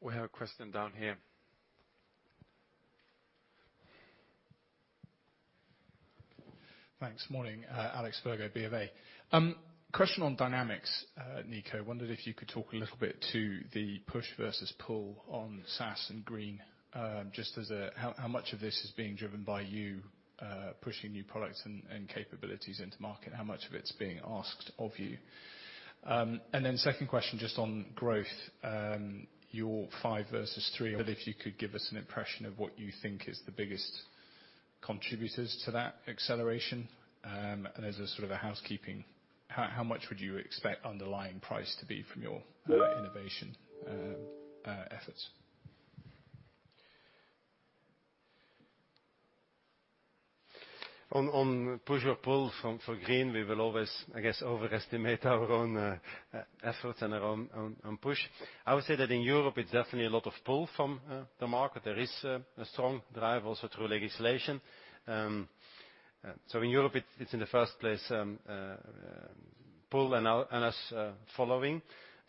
We have a question down here. Thanks. Morning. Alexander Virgo, BofA. Question on dynamics, Nico. Wondered if you could talk a little bit to the push versus pull on SaaS and green. How much of this is being driven by you pushing new products and capabilities into market? How much of it's being asked of you? Second question, just on growth. Your five versus three, but if you could give us an impression of what you think is the biggest contributors to that acceleration. As a sort of housekeeping, how much would you expect underlying price to be from your innovation efforts? On push or pull for green, we will always, I guess, overestimate our own efforts and our own push. I would say that in Europe it's definitely a lot of pull from the market. There is a strong drive also through legislation. In Europe, it's in the first place pull and us following.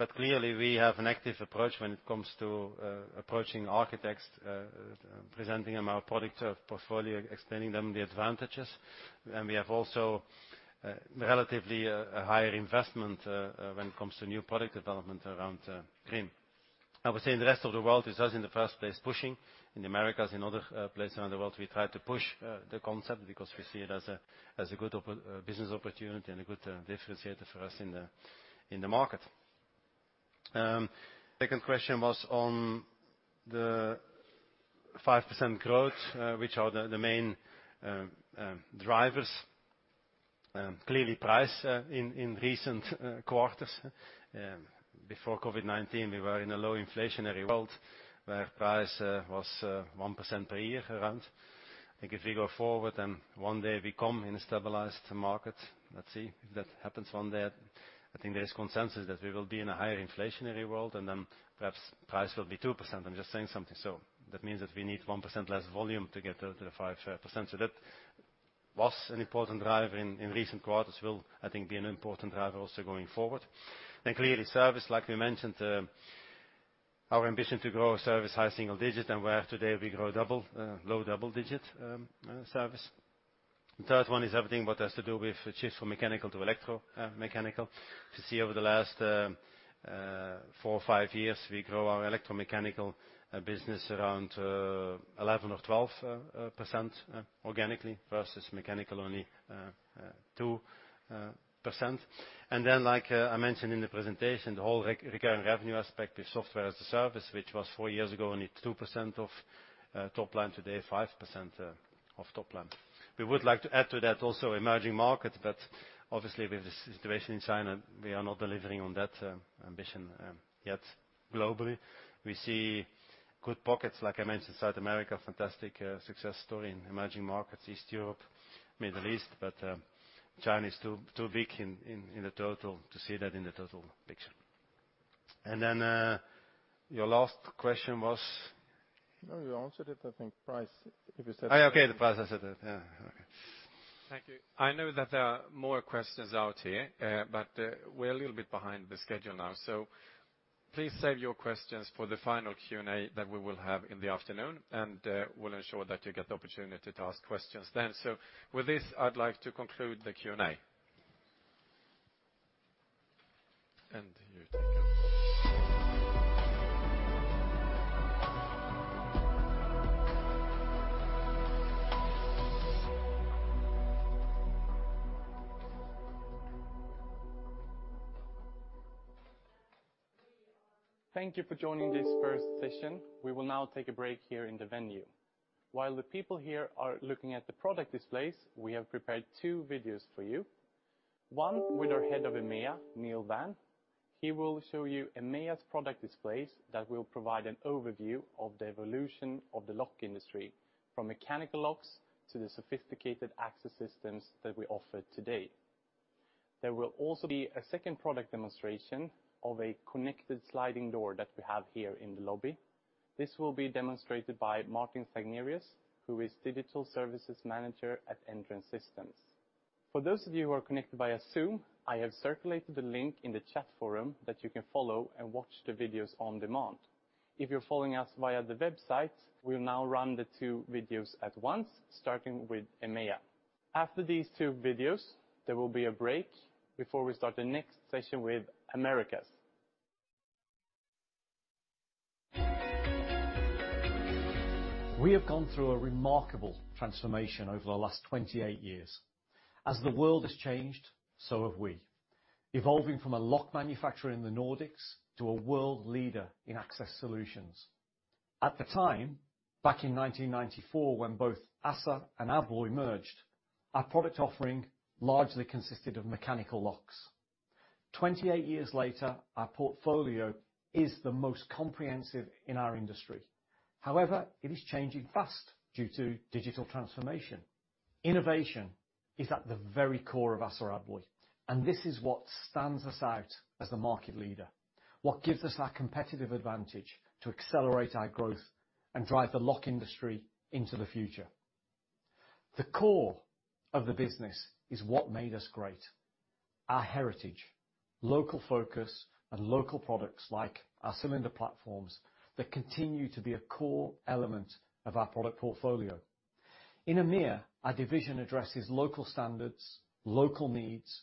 Clearly we have an active approach when it comes to approaching architects, presenting them our product portfolio, explaining them the advantages. We have also relatively a higher investment when it comes to new product development around green. I would say in the rest of the world it's us in the first place pushing. In Americas, in other places around the world, we try to push the concept because we see it as a good business opportunity and a good differentiator for us in the market. Second question was on the 5% growth, which are the main drivers. Clearly price in recent quarters before COVID-19, we were in a low inflationary world where price was 1% per year around. I think if we go forward, and one day we come in a stabilized market, let's see if that happens one day. I think there is consensus that we will be in a higher inflationary world, and then perhaps price will be 2%. I'm just saying something. That means that we need 1% less volume to get the 5%. That was an important driver in recent quarters. It will, I think, be an important driver also going forward. Clearly service, like we mentioned, our ambition to grow service high single-digits. Where today we grow double, low double-digit service. The third one is everything what has to do with shift from mechanical to electromechanical. We see over the last four, five years, we grow our electromechanical business around 11% or 12% organically versus mechanical only 2%. Like I mentioned in the presentation, the whole recurring revenue aspect with software as a service, which was four years ago, only 2% of top line, today 5% of top line. We would like to add to that also emerging markets, but obviously with the situation in China, we are not delivering on that ambition yet. Globally, we see good pockets. Like I mentioned, South America, fantastic success story in emerging markets, East Europe, Middle East. China is too big in the total to see that in the total picture. Then, your last question was? No, you answered it, I think. Price, if you said- Oh, okay. The price, I said that. Yeah. Okay. Thank you. I know that there are more questions out here, but, we're a little bit behind the schedule now, so please save your questions for the final Q&A that we will have in the afternoon, and, we'll ensure that you get the opportunity to ask questions then. With this, I'd like to conclude the Q&A. You take over. Thank you for joining this first session. We will now take a break here in the venue. While the people here are looking at the product displays, we have prepared two videos for you. One with our Head of EMEIA, Neil Vann. He will show you EMEIA's product displays that will provide an overview of the evolution of the lock industry, from mechanical locks to the sophisticated access systems that we offer today. There will also be a second product demonstration of a connected sliding door that we have here in the lobby. This will be demonstrated by Martin Stagnerius, who is Digital Services Manager at Entrance Systems. For those of you who are connected via Zoom, I have circulated a link in the chat forum that you can follow and watch the videos on demand. If you're following us via the website, we'll now run the two videos at once, starting with EMEIA. After these two videos, there will be a break before we start the next session with Americas. We have gone through a remarkable transformation over the last 28 years. As the world has changed, so have we, evolving from a lock manufacturer in the Nordics to a world leader in access solutions. At the time, back in 1994, when both ASSA and ABLOY merged, our product offering largely consisted of mechanical locks. 28 years later, our portfolio is the most comprehensive in our industry. However, it is changing fast due to digital transformation. Innovation is at the very core of ASSA ABLOY, and this is what stands us out as the market leader, what gives us that competitive advantage to accelerate our growth and drive the lock industry into the future. The core of the business is what made us great, our heritage, local focus, and local products like our cylinder platforms that continue to be a core element of our product portfolio. In EMEIA, our division addresses local standards, local needs,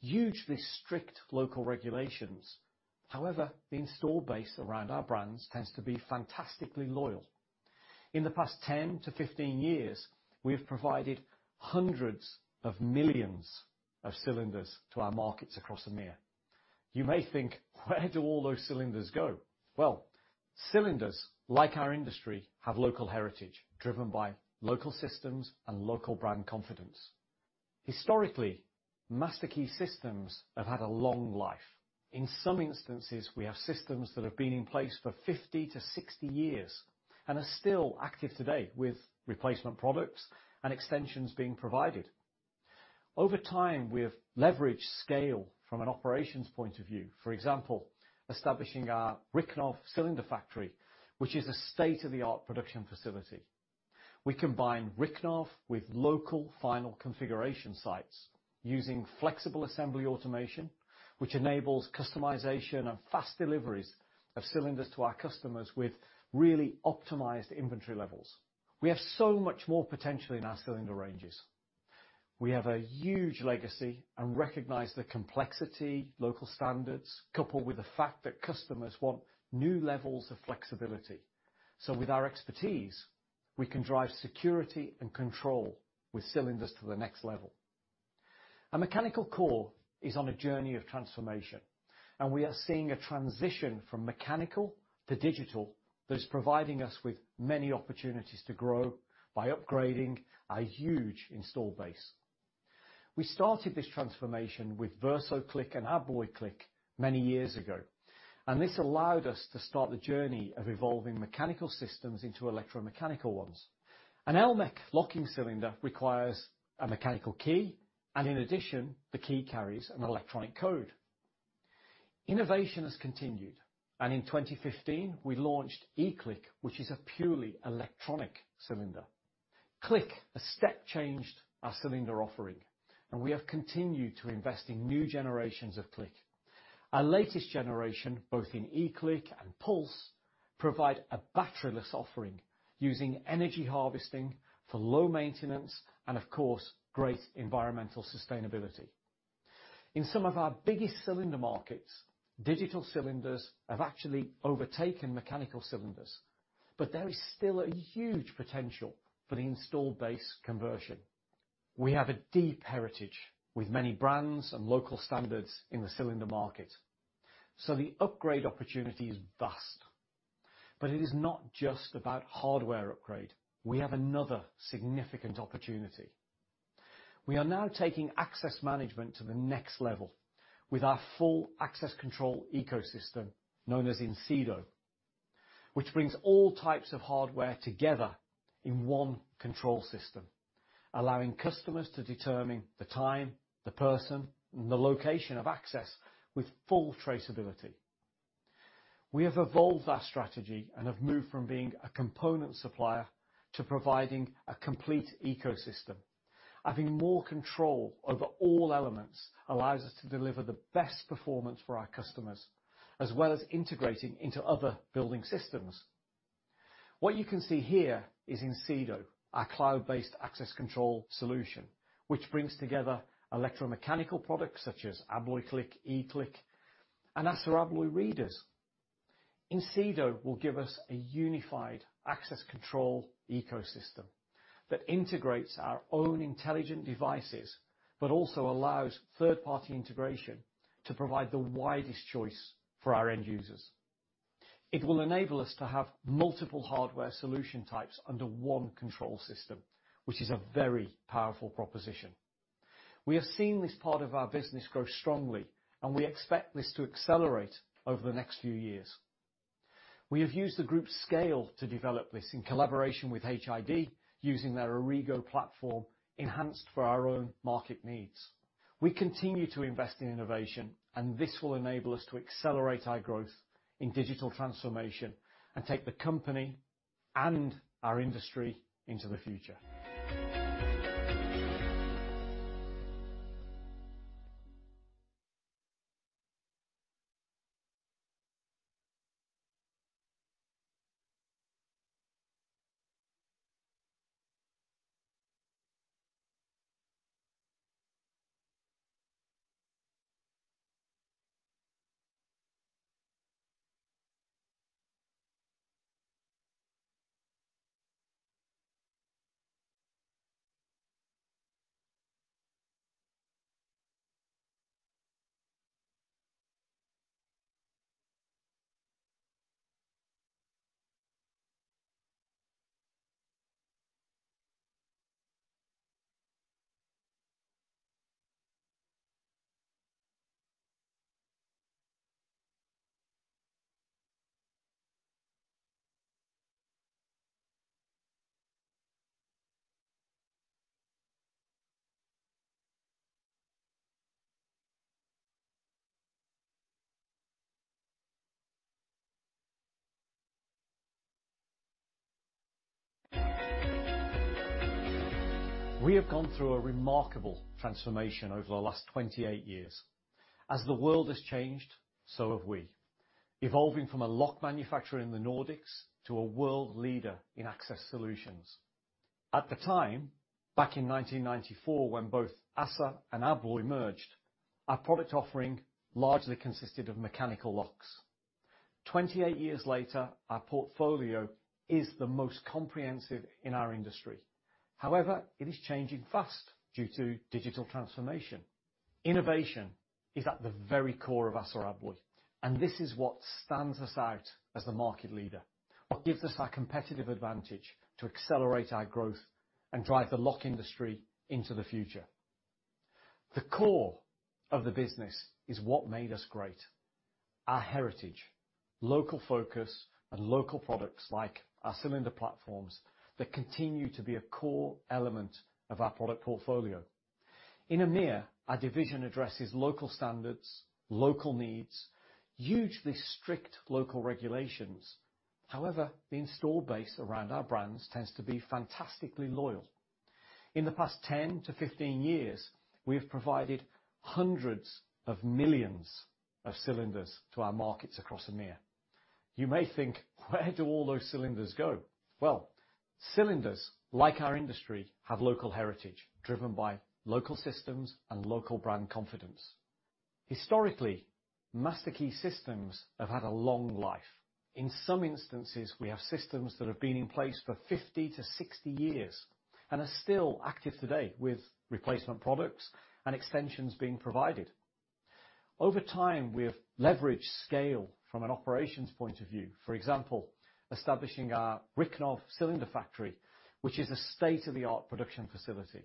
hugely strict local regulations. However, the install base around our brands tends to be fantastically loyal. In the past 10-15 years, we have provided hundreds of millions of cylinders to our markets across EMEIA. You may think, where do all those cylinders go? Well, cylinders, like our industry, have local heritage, driven by local systems and local brand confidence. Historically, master key systems have had a long life. In some instances, we have systems that have been in place for 50-60 years and are still active today with replacement products and extensions being provided. Over time, we have leveraged scale from an operations point of view. For example, establishing our Rychnov cylinder factory, which is a state-of-the-art production facility. We combine Rychnov with local final configuration sites using flexible assembly automation, which enables customization and fast deliveries of cylinders to our customers with really optimized inventory levels. We have so much more potential in our cylinder ranges. We have a huge legacy and recognize the complexity local standards, coupled with the fact that customers want new levels of flexibility. With our expertise, we can drive security and control with cylinders to the next level. A mechanical core is on a journey of transformation. We are seeing a transition from mechanical to digital that is providing us with many opportunities to grow by upgrading our huge install base. We started this transformation with VERSO CLIQ and ABLOY CLIQ many years ago, and this allowed us to start the journey of evolving mechanical systems into electromechanical ones. An Elmech locking cylinder requires a mechanical key, and in addition, the key carries an electronic code. Innovation has continued, and in 2015, we launched eCLIQ, which is a purely electronic cylinder. CLIQ step changed our cylinder offering, and we have continued to invest in new generations of CLIQ. Our latest generation, both in eCLIQ and PULSE, provide a batteryless offering using energy harvesting for low maintenance and of course, great environmental sustainability. In some of our biggest cylinder markets, digital cylinders have actually overtaken mechanical cylinders, but there is still a huge potential for the installed base conversion. We have a deep heritage with many brands and local standards in the cylinder market, so the upgrade opportunity is vast. It is not just about hardware upgrade. We have another significant opportunity. We are now taking access management to the next level with our full access control ecosystem known as Incedo, which brings all types of hardware together in one control system, allowing customers to determine the time, the person, and the location of access with full traceability. We have evolved our strategy and have moved from being a component supplier to providing a complete ecosystem. Having more control over all elements allows us to deliver the best performance for our customers, as well as integrating into other building systems. What you can see here is Incedo, our cloud-based access control solution, which brings together electromechanical products such as ABLOY CLIQ, eCLIQ, and ASSA ABLOY readers. Incedo will give us a unified access control ecosystem that integrates our own intelligent devices, but also allows third-party integration to provide the widest choice for our end users. It will enable us to have multiple hardware solution types under one control system, which is a very powerful proposition. We have seen this part of our business grow strongly, and we expect this to accelerate over the next few years. We have used the group's scale to develop this in collaboration with HID, using their Origo platform enhanced for our own market needs. We continue to invest in innovation, and this will enable us to accelerate our growth in digital transformation and take the company and our industry into the future. We have gone through a remarkable transformation over the last 28 years. As the world has changed, so have we, evolving from a lock manufacturer in the Nordics to a world leader in access solutions. At the time, back in 1994 when both ASSA and ABLOY merged, our product offering largely consisted of mechanical locks. 28 years later, our portfolio is the most comprehensive in our industry. However, it is changing fast due to digital transformation. Innovation is at the very core of ASSA ABLOY, and this is what stands us out as the market leader, what gives us our competitive advantage to accelerate our growth and drive the lock industry into the future. The core of the business is what made us great, our heritage, local focus, and local products like our cylinder platforms that continue to be a core element of our product portfolio. In EMEIA, our division addresses local standards, local needs, hugely strict local regulations. However, the install base around our brands tends to be fantastically loyal. In the past 10-15 years, we have provided hundreds of millions of cylinders to our markets across EMEIA. You may think, where do all those cylinders go? Well, cylinders, like our industry, have local heritage, driven by local systems and local brand confidence. Historically, master key systems have had a long life. In some instances, we have systems that have been in place for 50-60 years. They are still active today with replacement products and extensions being provided. Over time, we have leveraged scale from an operations point of view. For example, establishing our Rychnov cylinder factory, which is a state-of-the-art production facility.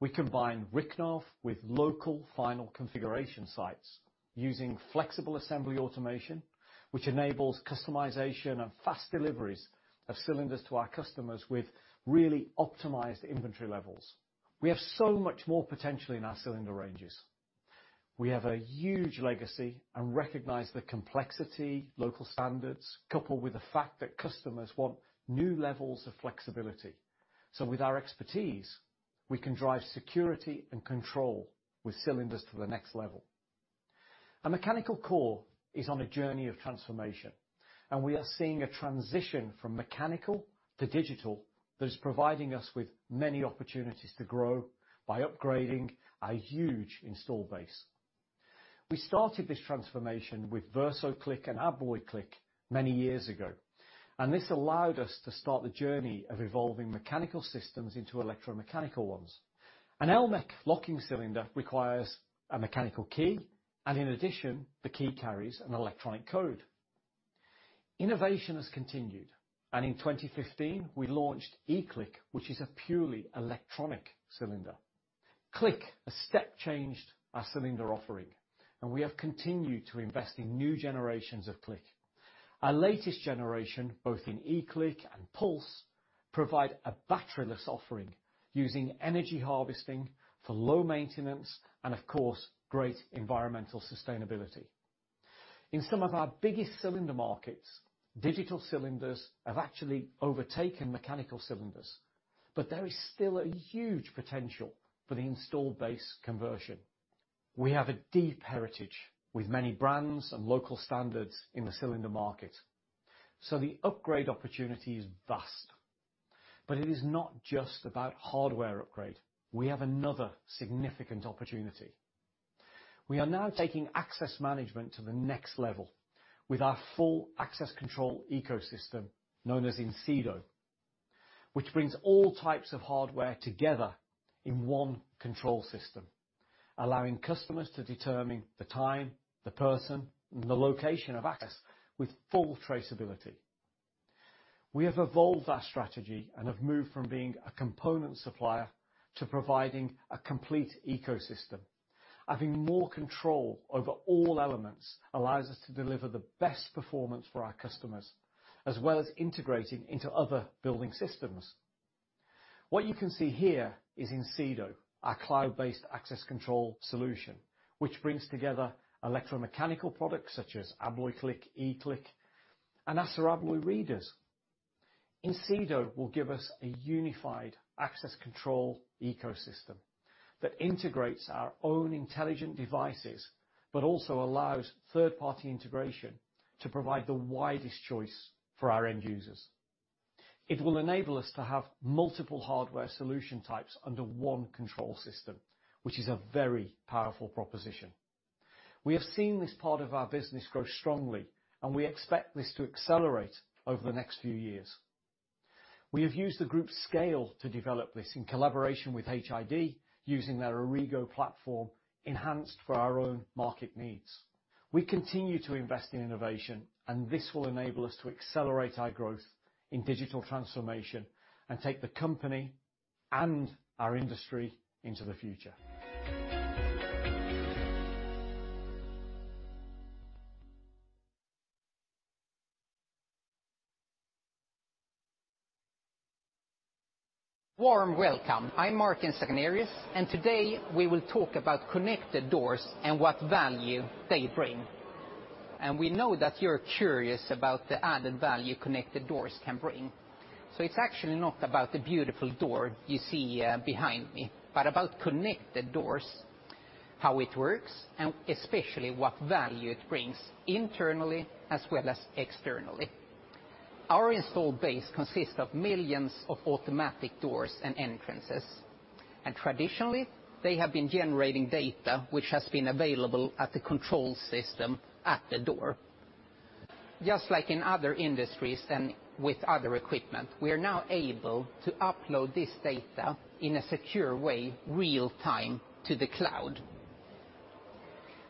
We combine Rychnov with local final configuration sites using flexible assembly automation, which enables customization and fast deliveries of cylinders to our customers with really optimized inventory levels. We have so much more potential in our cylinder ranges. We have a huge legacy and recognize the complexity, local standards, coupled with the fact that customers want new levels of flexibility. With our expertise, we can drive security and control with cylinders to the next level. A mechanical core is on a journey of transformation, and we are seeing a transition from mechanical to digital that is providing us with many opportunities to grow by upgrading our huge installed base. We started this transformation with VERSO CLIQ and ABLOY CLIQ many years ago, and this allowed us to start the journey of evolving mechanical systems into electromechanical ones. An Elmech locking cylinder requires a mechanical key, and in addition, the key carries an electronic code. Innovation has continued, and in 2015, we launched eCLIQ, which is a purely electronic cylinder. CLIQ step changed our cylinder offering, and we have continued to invest in new generations of CLIQ. Our latest generation, both in eCLIQ and PULSE, provide a batteryless offering using energy harvesting for low maintenance and, of course, great environmental sustainability. In some of our biggest cylinder markets, digital cylinders have actually overtaken mechanical cylinders, but there is still a huge potential for the installed base conversion. We have a deep heritage with many brands and local standards in the cylinder market, so the upgrade opportunity is vast. It is not just about hardware upgrade. We have another significant opportunity. We are now taking access management to the next level with our full access control ecosystem known as Incedo, which brings all types of hardware together in one control system, allowing customers to determine the time, the person, and the location of access with full traceability. We have evolved our strategy and have moved from being a component supplier to providing a complete ecosystem. Having more control over all elements allows us to deliver the best performance for our customers, as well as integrating into other building systems. What you can see here is Incedo, our cloud-based access control solution, which brings together electromechanical products such as ABLOY CLIQ, eCLIQ, and ASSA ABLOY readers. Incedo will give us a unified access control ecosystem that integrates our own intelligent devices, but also allows third-party integration to provide the widest choice for our end users. It will enable us to have multiple hardware solution types under one control system, which is a very powerful proposition. We have seen this part of our business grow strongly, and we expect this to accelerate over the next few years. We have used the group's scale to develop this in collaboration with HID using their Origo platform enhanced for our own market needs. We continue to invest in innovation, and this will enable us to accelerate our growth in digital transformation and take the company and our industry into the future. Warm welcome. I'm Martin Sagnérius, and today, we will talk about connected doors and what value they bring. We know that you're curious about the added value connected doors can bring. It's actually not about the beautiful door you see behind me, but about connected doors, how it works, and especially what value it brings internally as well as externally. Our installed base consists of millions of automatic doors and entrances, and traditionally, they have been generating data which has been available at the control system at the door. Just like in other industries as with other equipment, we are now able to upload this data in a secure way real-time to the cloud.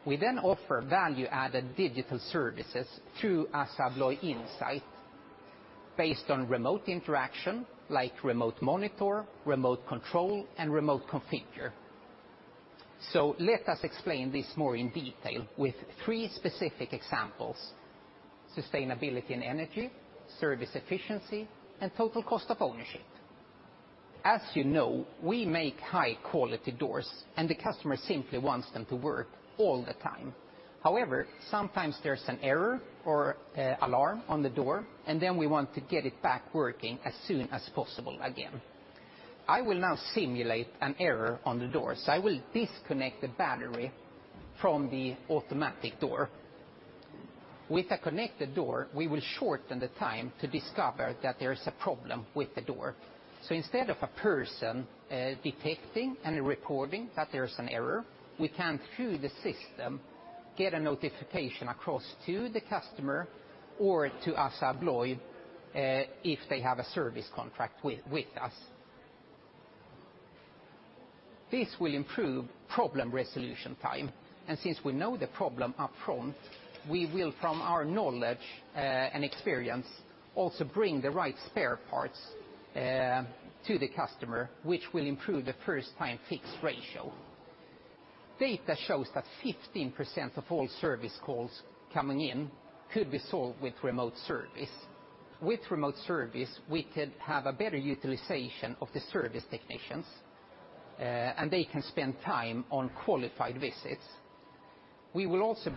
We then offer value-added digital services through ASSA ABLOY Insight based on remote interaction like remote monitor, remote control, and remote configure. Let us explain this more in detail with three specific examples, sustainability and energy, service efficiency, and total cost of ownership. As you know, we make high-quality doors, and the customer simply wants them to work all the time. However, sometimes there's an error or an alarm on the door, and then we want to get it back working as soon as possible again. I will now simulate an error on the door. I will disconnect the battery from the automatic door. With a connected door, we will shorten the time to discover that there is a problem with the door. Instead of a person detecting and recording that there's an error, we can through the system get a notification across to the customer or to ASSA ABLOY, if they have a service contract with us. This will improve problem resolution time, and since we know the problem upfront, we will from our knowledge and experience also bring the right spare parts to the customer, which will improve the first time fix ratio. Data shows that 15% of all service calls coming in could be solved with remote service. With remote service, we could have a better utilization of the service technicians, and they can spend time on qualified visits. We will also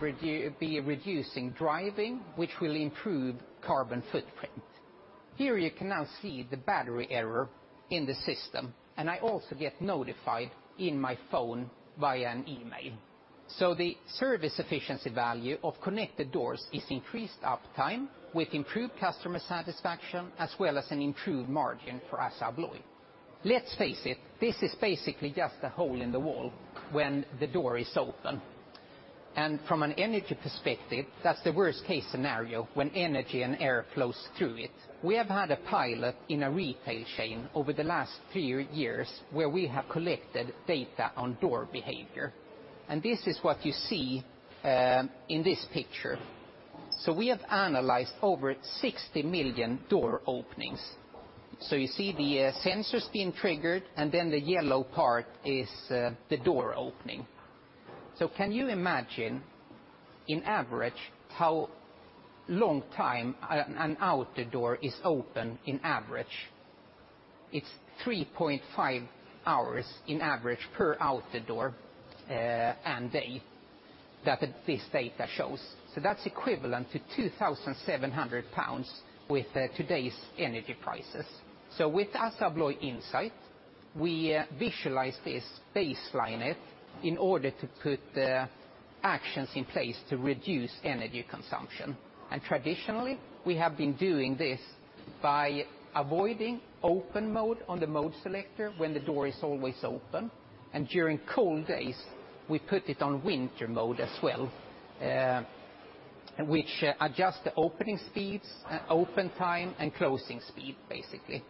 be reducing driving, which will improve carbon footprint. Here you can now see the battery error in the system, and I also get notified in my phone via an email. The service efficiency value of connected doors is increased uptime with improved customer satisfaction, as well as an improved margin for ASSA ABLOY. Let's face it, this is basically just a hole in the wall when the door is open. From an energy perspective, that's the worst case scenario when energy and air flows through it. We have had a pilot in a retail chain over the last few years where we have collected data on door behavior. This is what you see in this picture. We have analyzed over 60 million door openings. You see the sensors being triggered, and then the yellow part is the door opening. Can you imagine, in average, how long time an outer door is open in average? It's 3.5 hours in average per outer door and day that this data shows. That's equivalent to 2,700 pounds with today's energy prices. With ASSA ABLOY Insight, we visualize this, baseline it, in order to put the actions in place to reduce energy consumption. Traditionally, we have been doing this by avoiding open mode on the mode selector when the door is always open, and during cold days, we put it on winter mode as well, which adjusts the opening speeds, open time, and closing speed, basically.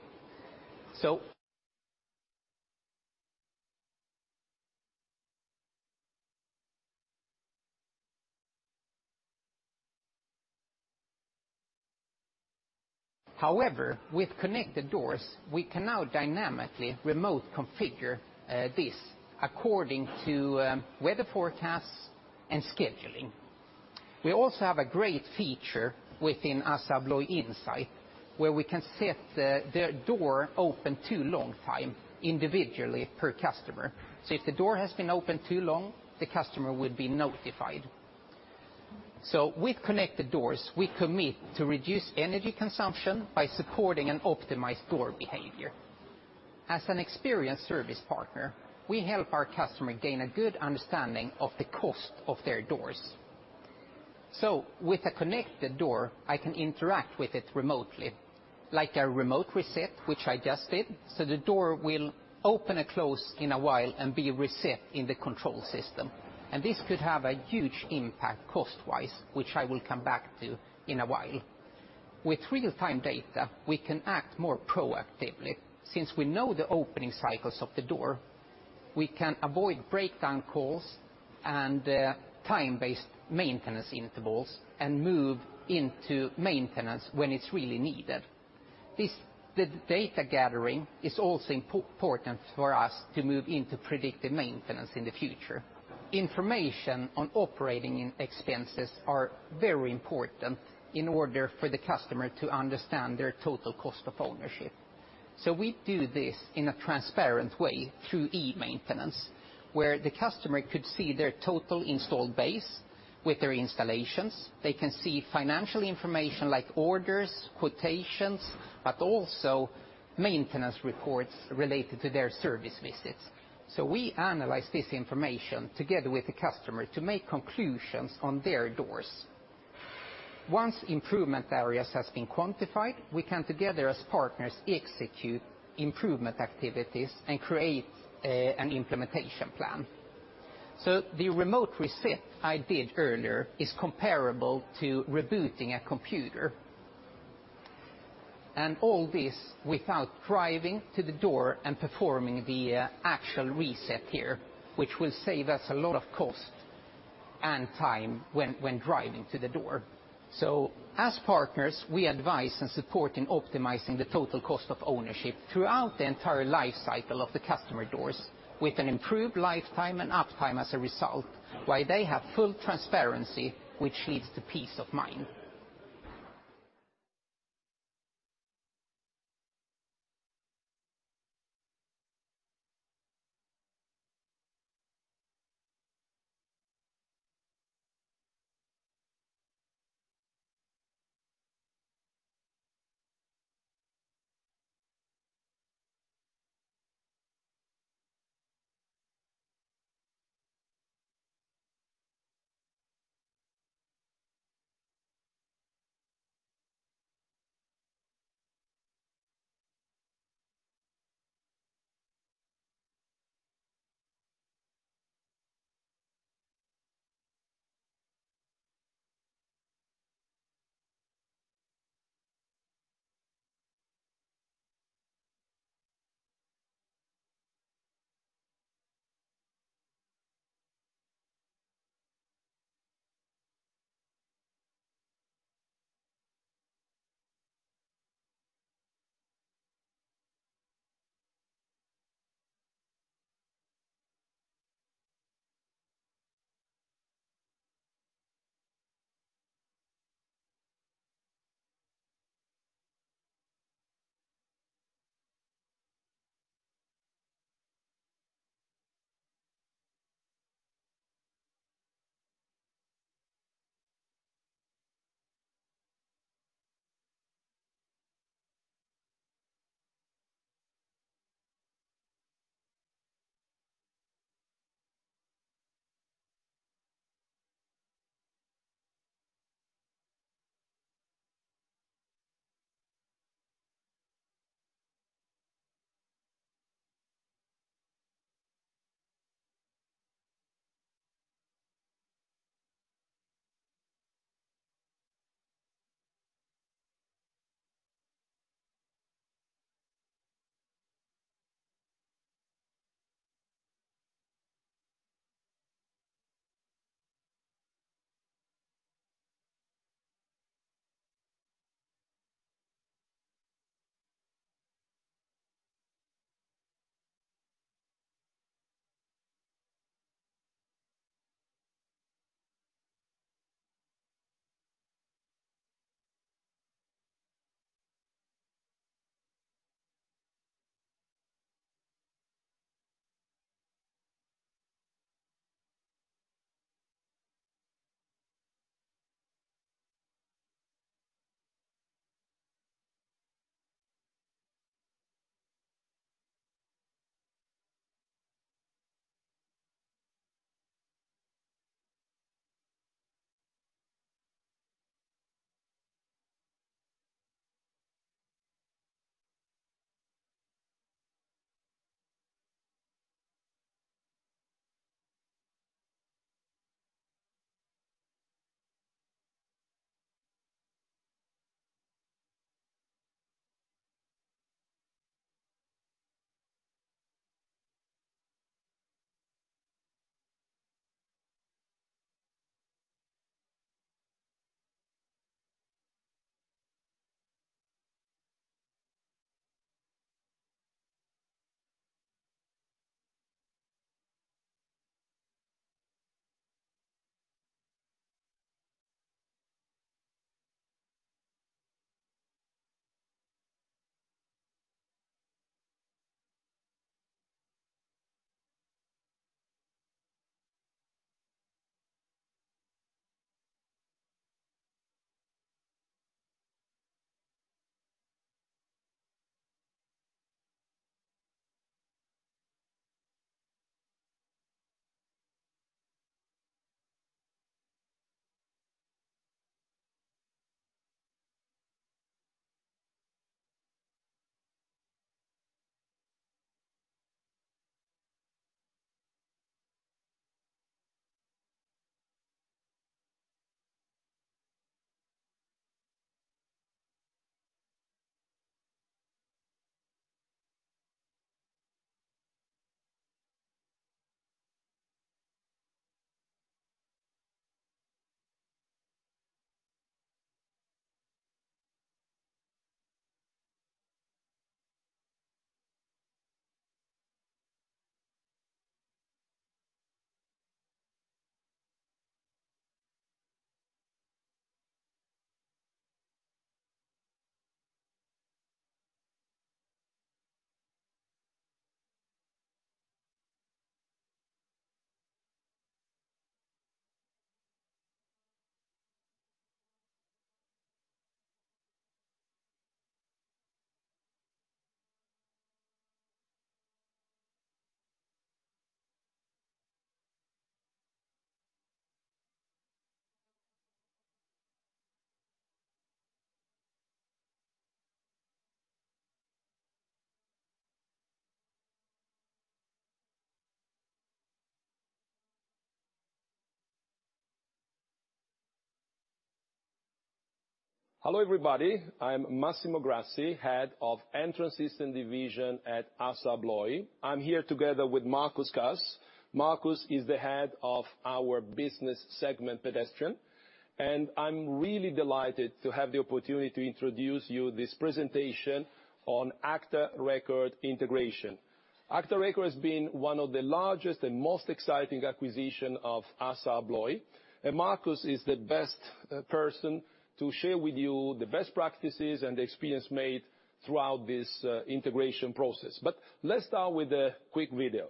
However, with connected doors, we can now dynamically remote configure this according to weather forecasts and scheduling. We also have a great feature within ASSA ABLOY Insight, where we can set the door open too long time individually per customer. If the door has been open too long, the customer will be notified. With connected doors, we commit to reduce energy consumption by supporting an optimized door behavior. As an experienced service partner, we help our customer gain a good understanding of the cost of their doors. With a connected door, I can interact with it remotely, like a remote reset, which I just did, so the door will open and close in a while and be reset in the control system. This could have a huge impact cost-wise, which I will come back to in a while. With real-time data, we can act more proactively. Since we know the opening cycles of the door, we can avoid breakdown calls and time-based maintenance intervals and move into maintenance when it's really needed. The data gathering is also important for us to move into predictive maintenance in the future. Information on operating expenses are very important in order for the customer to understand their total cost of ownership. We do this in a transparent way through e-maintenance, where the customer could see their total installed base with their installations. They can see financial information like orders, quotations, but also maintenance reports related to their service visits. We analyze this information together with the customer to make conclusions on their doors. Once improvement areas has been quantified, we can together as partners execute improvement activities and create an implementation plan. The remote reset I did earlier is comparable to rebooting a computer. All this without driving to the door and performing the actual reset here, which will save us a lot of cost and time when driving to the door. As partners, we advise and support in optimizing the total cost of ownership throughout the entire life cycle of the customer doors with an improved lifetime and uptime as a result, while they have full transparency, which leads to peace of mind. Hello, everybody. I'm Massimo Grassi, head of Entrance Systems Division at ASSA ABLOY. I'm here together with Markus Kast. Markus is the head of our business segment, Pedestrian, and I'm really delighted to have the opportunity to introduce you this presentation agta record has been one of the largest and most exciting acquisition of ASSA ABLOY, and Markus is the best person to share with you the best practices and the experience made throughout this integration process. Let's start with a quick video.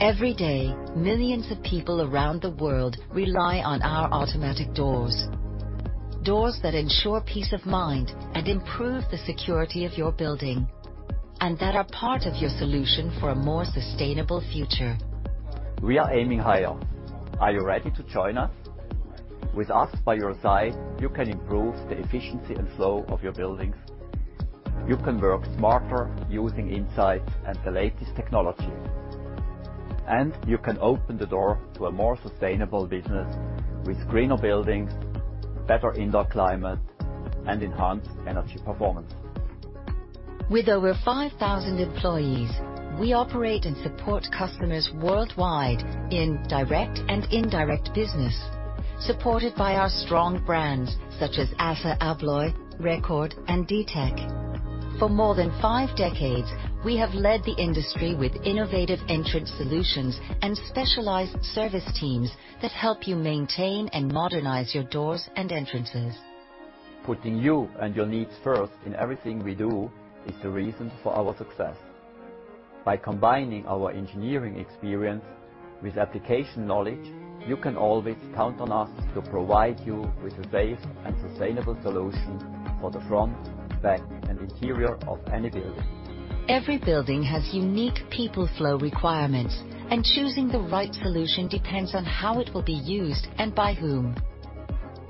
Every day, millions of people around the world rely on our automatic doors. Doors that ensure peace of mind and improve the security of your building, and that are part of your solution for a more sustainable future. We are Aiming Higher. Are you ready to join us? With us by your side, you can improve the efficiency and flow of your buildings. You can work smarter using insight and the latest technology. You can open the door to a more sustainable business with greener buildings, better indoor climate, and enhanced energy performance. With over 5,000 employees, we operate and support customers worldwide in direct and indirect business, supported by our strong brands, such as ASSA ABLOY, Record, and Ditec. For more than five decades, we have led the industry with innovative entrance solutions and specialized service teams that help you maintain and modernize your doors and entrances. Putting you and your needs first in everything we do is the reason for our success. By combining our engineering experience with application knowledge, you can always count on us to provide you with a safe and sustainable solution for the front, back, and interior of any building. Every building has unique people flow requirements, and choosing the right solution depends on how it will be used and by whom.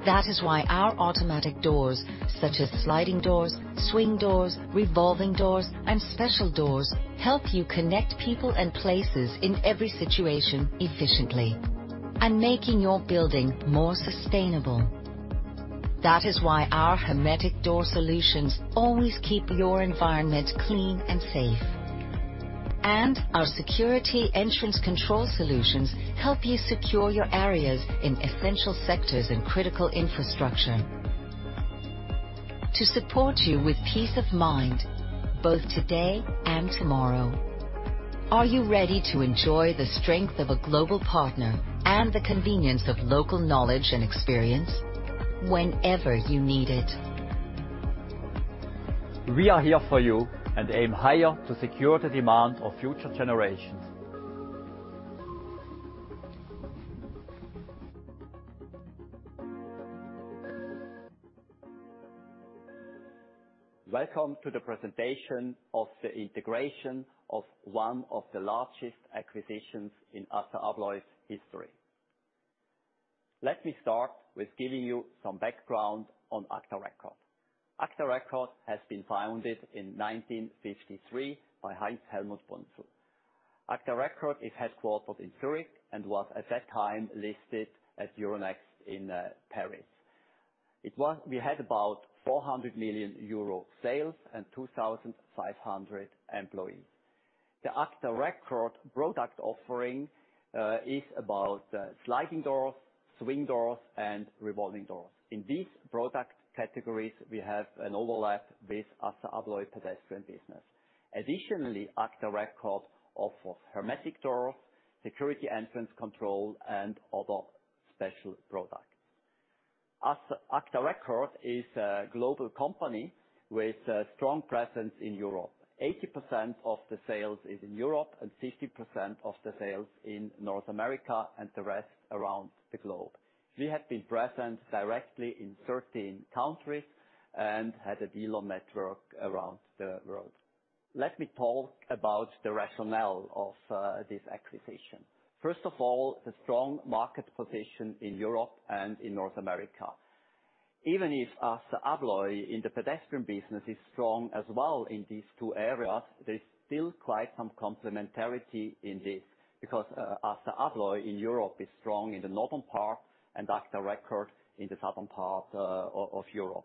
That is why our automatic doors, such as sliding doors, swing doors, revolving doors, and special doors, help you connect people and places in every situation efficiently and making your building more sustainable. That is why our hermetic door solutions always keep your environment clean and safe. Our security entrance control solutions help you secure your areas in essential sectors and critical infrastructure to support you with peace of mind, both today and tomorrow. Are you ready to enjoy the strength of a global partner and the convenience of local knowledge and experience whenever you need it? We are here for you and aim higher to secure the demands of future generations. Welcome to the presentation of the integration of one of the largest acquisitions in ASSA ABLOY's history. Let me start with giving you some background agta record has been founded in 1953 by Helmut Heinz agta record is headquartered in Zurich and was at that time listed at Euronext in Paris. We had about 400 million euro sales and 2,500 employees. agta record product offering is about sliding doors, swing doors, and revolving doors. In these product categories, we have an overlap with ASSA ABLOY pedestrian business. agta record offer hermetic doors, security entrance control, and other special agta record is a global company with a strong presence in Europe. 80% of the sales is in Europe and 50% of the sales in North America and the rest around the globe. We have been present directly in 13 countries and had a dealer network around the world. Let me talk about the rationale of this acquisition. First of all, the strong market position in Europe and in North America. Even if ASSA ABLOY in the pedestrian business is strong as well in these two areas, there's still quite some complementarity in this because ASSA ABLOY in Europe is strong in the northern part agta record in the southern part of Europe.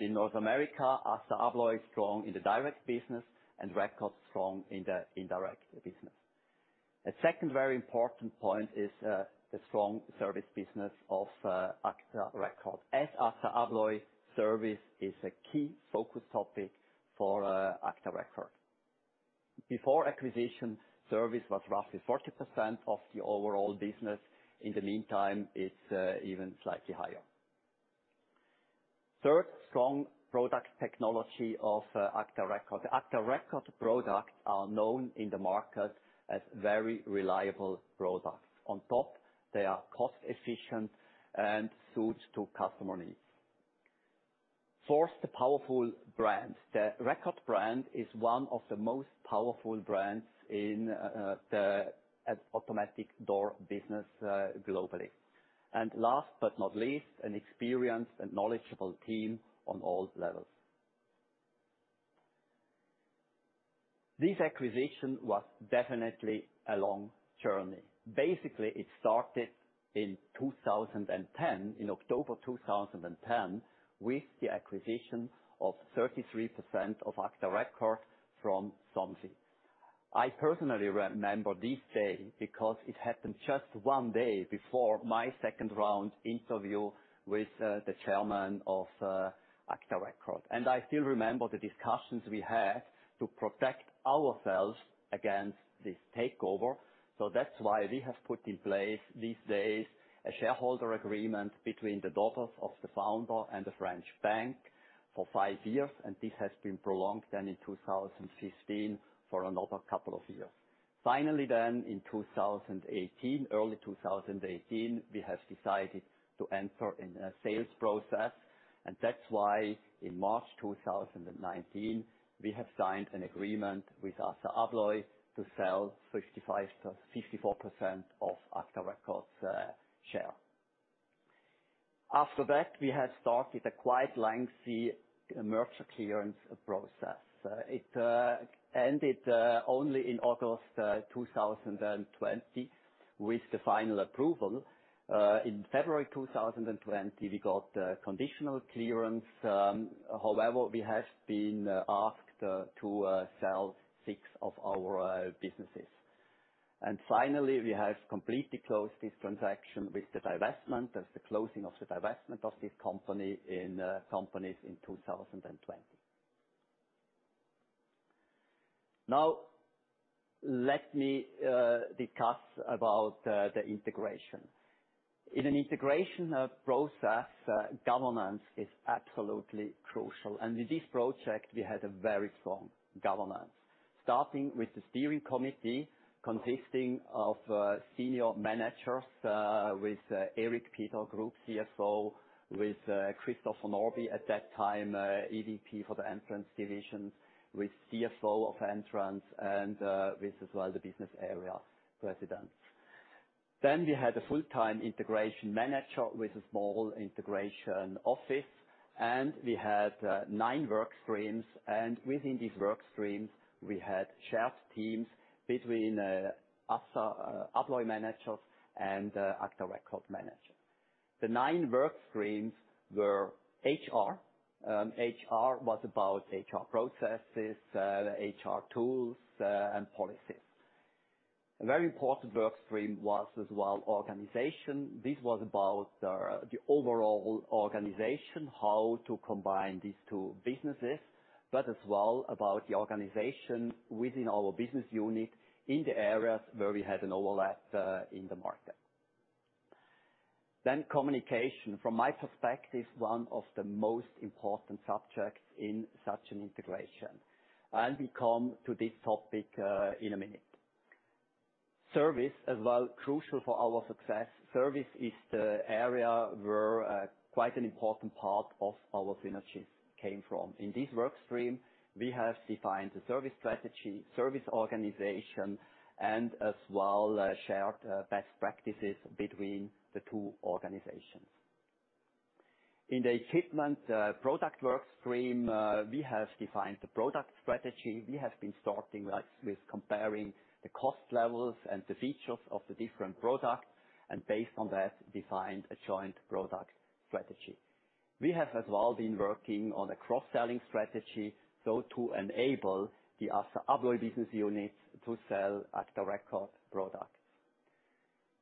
In North America, ASSA ABLOY is strong in the direct business and record strong in the indirect business. A second very important point is the strong service business of agta record. As ASSA ABLOY, service is a key focus topic agta record. before acquisition, service was roughly 40% of the overall business. In the meantime, it's even slightly higher. Third, strong product technology agta record products are known in the market as very reliable products. On top, they are cost efficient and suits to customer needs. Fourth, the powerful brand. The Record brand is one of the most powerful brands in the automatic door business globally. Last but not least, an experienced and knowledgeable team on all levels. This acquisition was definitely a long journey. Basically, it started in 2010, in October 2010, with the acquisition of 33% agta record from Somfy. I personally remember this day because it happened just 1one day before my second round interview with the chairman agta record. i still remember the discussions we had to protect ourselves against this takeover. That's why we have put in place these days a shareholder agreement between the daughters of the founder and the French bank for five years, and this has been prolonged then in 2015 for another couple of years. In 2018, early 2018, we have decided to enter in a sales process, and that's why in March 2019, we have signed an agreement with ASSA ABLOY to sell 55%-54% agta record's share. After that, we had started a quite lengthy merger clearance process. It ended only in August 2020 with the final approval. In February 2020, we got conditional clearance. However, we have been asked to sell six of our businesses. Finally, we have completely closed this transaction with the divestment. There's the closing of the divestment of this company in companies in 2020. Now, let me discuss about the integration. In an integration process, governance is absolutely crucial. With this project, we had a very strong governance. Starting with the steering committee, consisting of senior managers, with Erik Pieder, Group CFO, with Christopher Norbye at that time, EVP for the Entrance division, with CFO of Entrance and with as well the business area presidents. We had a full-time integration manager with a small integration office, and we had nine work streams. Within these work streams, we had shared teams between ASSA ABLOY managers agta record managers. The nine work streams were HR. HR was about HR processes, HR tools, and policies. A very important work stream was as well organization. This was about the overall organization, how to combine these two businesses, but as well about the organization within our business unit in the areas where we had an overlap in the market. Communication, from my perspective, one of the most important subjects in such an integration. I'll come back to this topic in a minute. Service as well crucial for our success. Service is the area where quite an important part of our synergies came from. In this work stream, we have defined the service strategy, service organization, and as well, shared best practices between the two organizations. In the equipment product work stream, we have defined the product strategy. We have been starting with comparing the cost levels and the features of the different products, and based on that, defined a joint product strategy. We have as well been working on a cross-selling strategy, so to enable the ASSA ABLOY business unit to agta record products.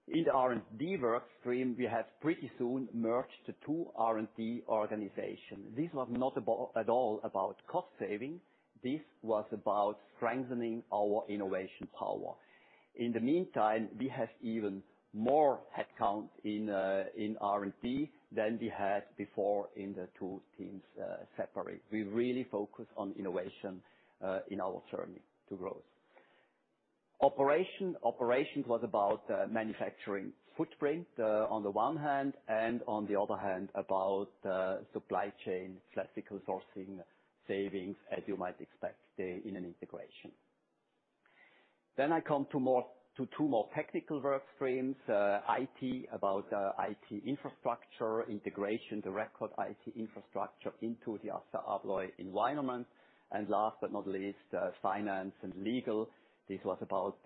In R&D work stream, we have pretty soon merged the two R&D organizations. This was not at all about cost saving. This was about strengthening our innovation power. In the meantime, we have even more headcount in R&D than we had before in the two teams separate. We really focus on innovation in our journey to growth. Operation. Operation was about manufacturing footprint on the one hand, and on the other hand, about supply chain, classical sourcing, savings, as you might expect, in an integration. I come to more, to two more technical work streams. IT about IT infrastructure the agta record it infrastructure into the ASSA ABLOY environment. Last but not least, finance and legal. This was about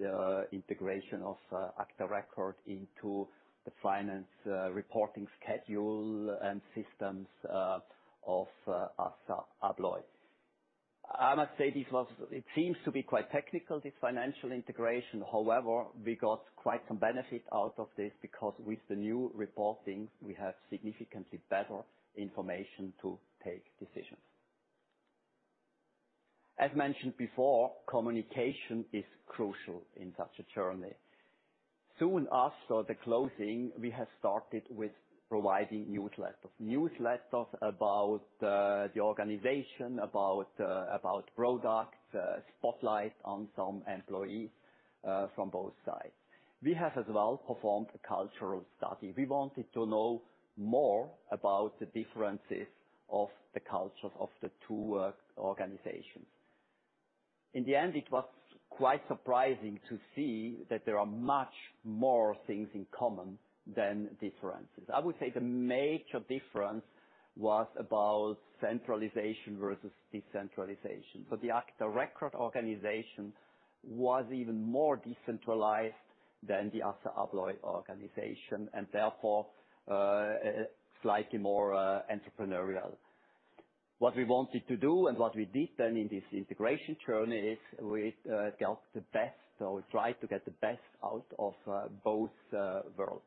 integration agta record into the finance reporting schedule and systems of ASSA ABLOY. I must say this was, it seems to be quite technical, this financial integration. However, we got quite some benefit out of this because with the new reporting, we have significantly better information to take decisions. As mentioned before, communication is crucial in such a journey. Soon after the closing, we have started with providing newsletters. Newsletters about the organization, about products, spotlight on some employees from both sides. We have as well performed a cultural study. We wanted to know more about the differences of the cultures of the two organizations. In the end, it was quite surprising to see that there are much more things in common than differences. I would say the major difference was about centralization versus decentralization. agta record organization was even more decentralized than the ASSA ABLOY organization, and therefore, slightly more entrepreneurial. What we wanted to do and what we did then in this integration journey is we got the best or tried to get the best out of both worlds.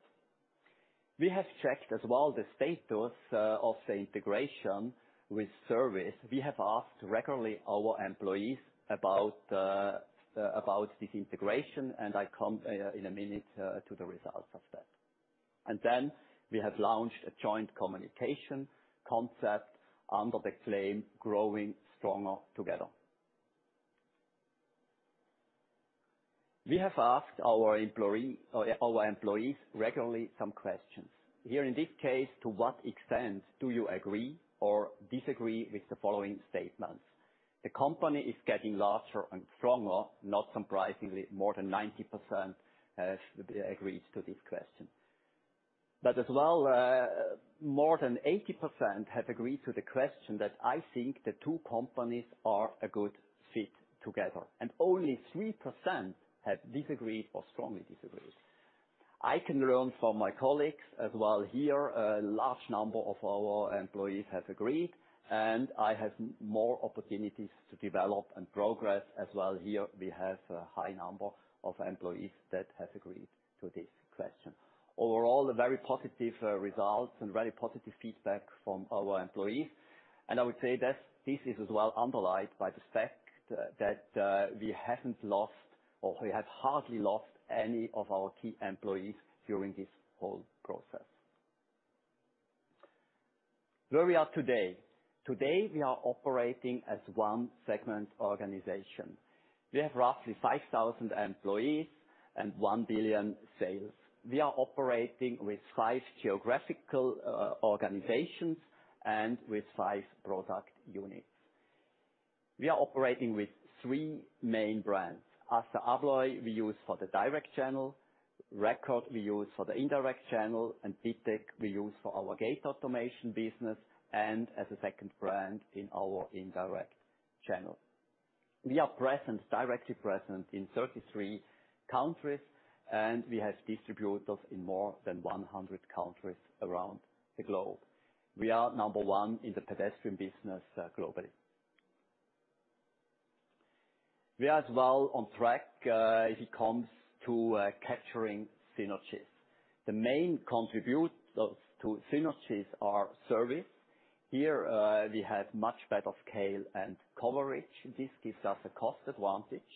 We have checked as well the status of the integration with service. We have asked regularly our employees about this integration, and I come in a minute to the results of that. Then we have launched a joint communication concept under the claim Growing Stronger Together. We have asked our employees regularly some questions. Here in this case, to what extent do you agree or disagree with the following statements? The company is getting larger and stronger, not surprisingly, more than 90% agrees to this question. As well, more than 80% have agreed to the question that I think the two companies are a good fit together, and only 3% have disagreed or strongly disagreed. I can learn from my colleagues as well here, a large number of our employees have agreed, and I have more opportunities to develop and progress as well. Here we have a high number of employees that have agreed to this question. Overall, a very positive result and very positive feedback from our employees. I would say that this is as well underlined by the fact that, we haven't lost, or we have hardly lost any of our key employees during this whole process. Where we are today. Today, we are operating as one segment organization. We have roughly 5,000 employees and 1 billion sales. We are operating with five geographical organizations and with five product units. We are operating with three main brands. ASSA ABLOY we use for the direct channel, Record we use for the indirect channel, and Ditec we use for our gate automation business and as a second brand in our indirect channel. We are present, directly present in 33 countries, and we have distributors in more than 100 countries around the globe. We are number one in the pedestrian business globally. We are as well on track if it comes to capturing synergies. The main contributors to synergies are service. Here we have much better scale and coverage. This gives us a cost advantage.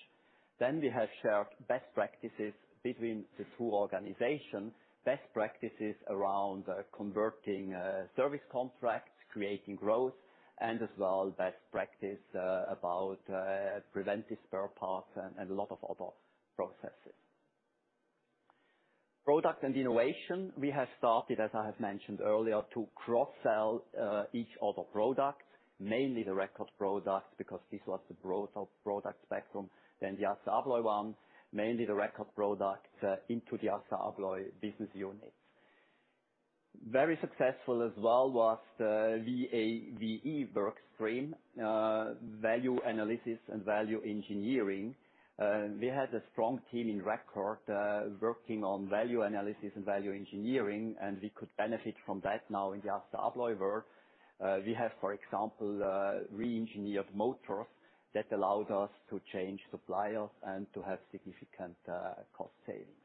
We have shared best practices between the two organizations, best practices around converting service contracts, creating growth, and as well, best practice about preventive spare parts and a lot of other processes. Product and innovation. We have started, as I have mentioned earlier, to cross-sell each other products, mainly the Record products, because this was the broader product spectrum than the ASSA ABLOY one, mainly the Record products into the ASSA ABLOY business units. Very successful as well was the VAVE work stream, value analysis and value engineering. We had a strong in agta record, working on value analysis and value engineering, and we could benefit from that now in the ASSA ABLOY world. We have, for example, re-engineered motors that allowed us to change suppliers and to have significant, cost savings.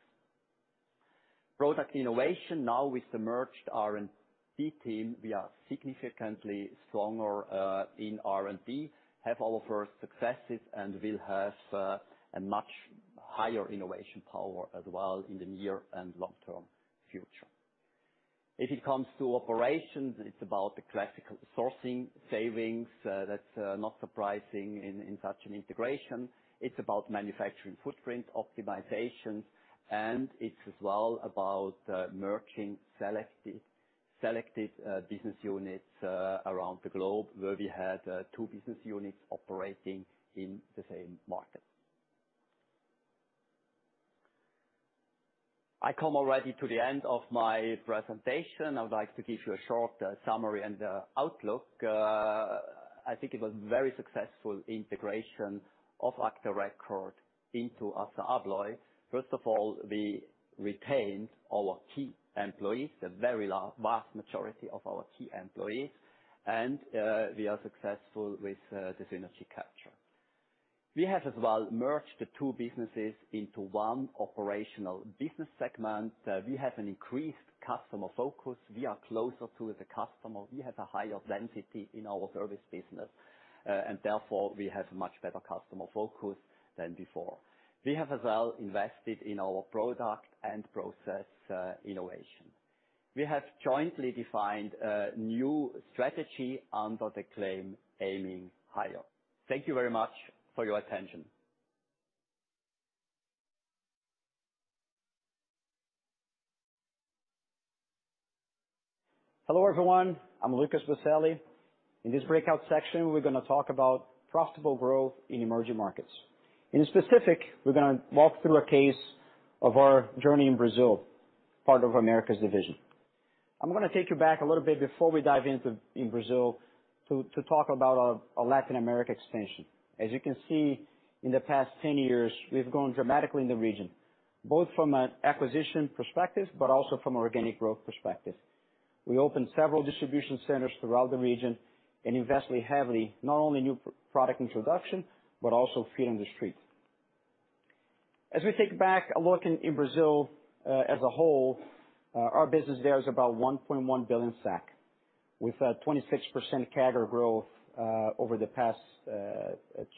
Product innovation. Now with the merged R&D team, we are significantly stronger, in R&D, have all of our successes, and will have, a much higher innovation power as well in the near and long-term future. If it comes to operations, it's about the classical sourcing savings, that's not surprising in such an integration. It's about manufacturing footprint optimization, and it's as well about merging selected business units around the globe, where we had two business units operating in the same market. I come already to the end of my presentation. I would like to give you a short summary and outlook. I think it was very successful integration agta record into ASSA ABLOY. First of all, we retained our key employees, the very vast majority of our key employees. We are successful with the synergy capture. We have as well merged the two businesses into one operational business segment. We have an increased customer focus. We are closer to the customer. We have a higher density in our service business, and therefore, we have much better customer focus than before. We have as well invested in our product and process innovation. We have jointly defined a new strategy under the claim Aiming Higher. Thank you very much for your attention. Hello, everyone. I'm Lucas Boselli. In this breakout section, we're gonna talk about profitable growth in emerging markets. Specifically, we're gonna walk through a case of our journey in Brazil, part of Americas division. I'm gonna take you back a little bit before we dive into Brazil to talk about our Latin America expansion. As you can see, in the past 10 years, we've grown dramatically in the region, both from an acquisition perspective, but also from organic growth perspective. We opened several distribution centers throughout the region and invested heavily, not only new product introduction, but also feet on the street. As we take a look back in Brazil as a whole, our business there is about 1.1 billion, with 26% CAGR growth over the past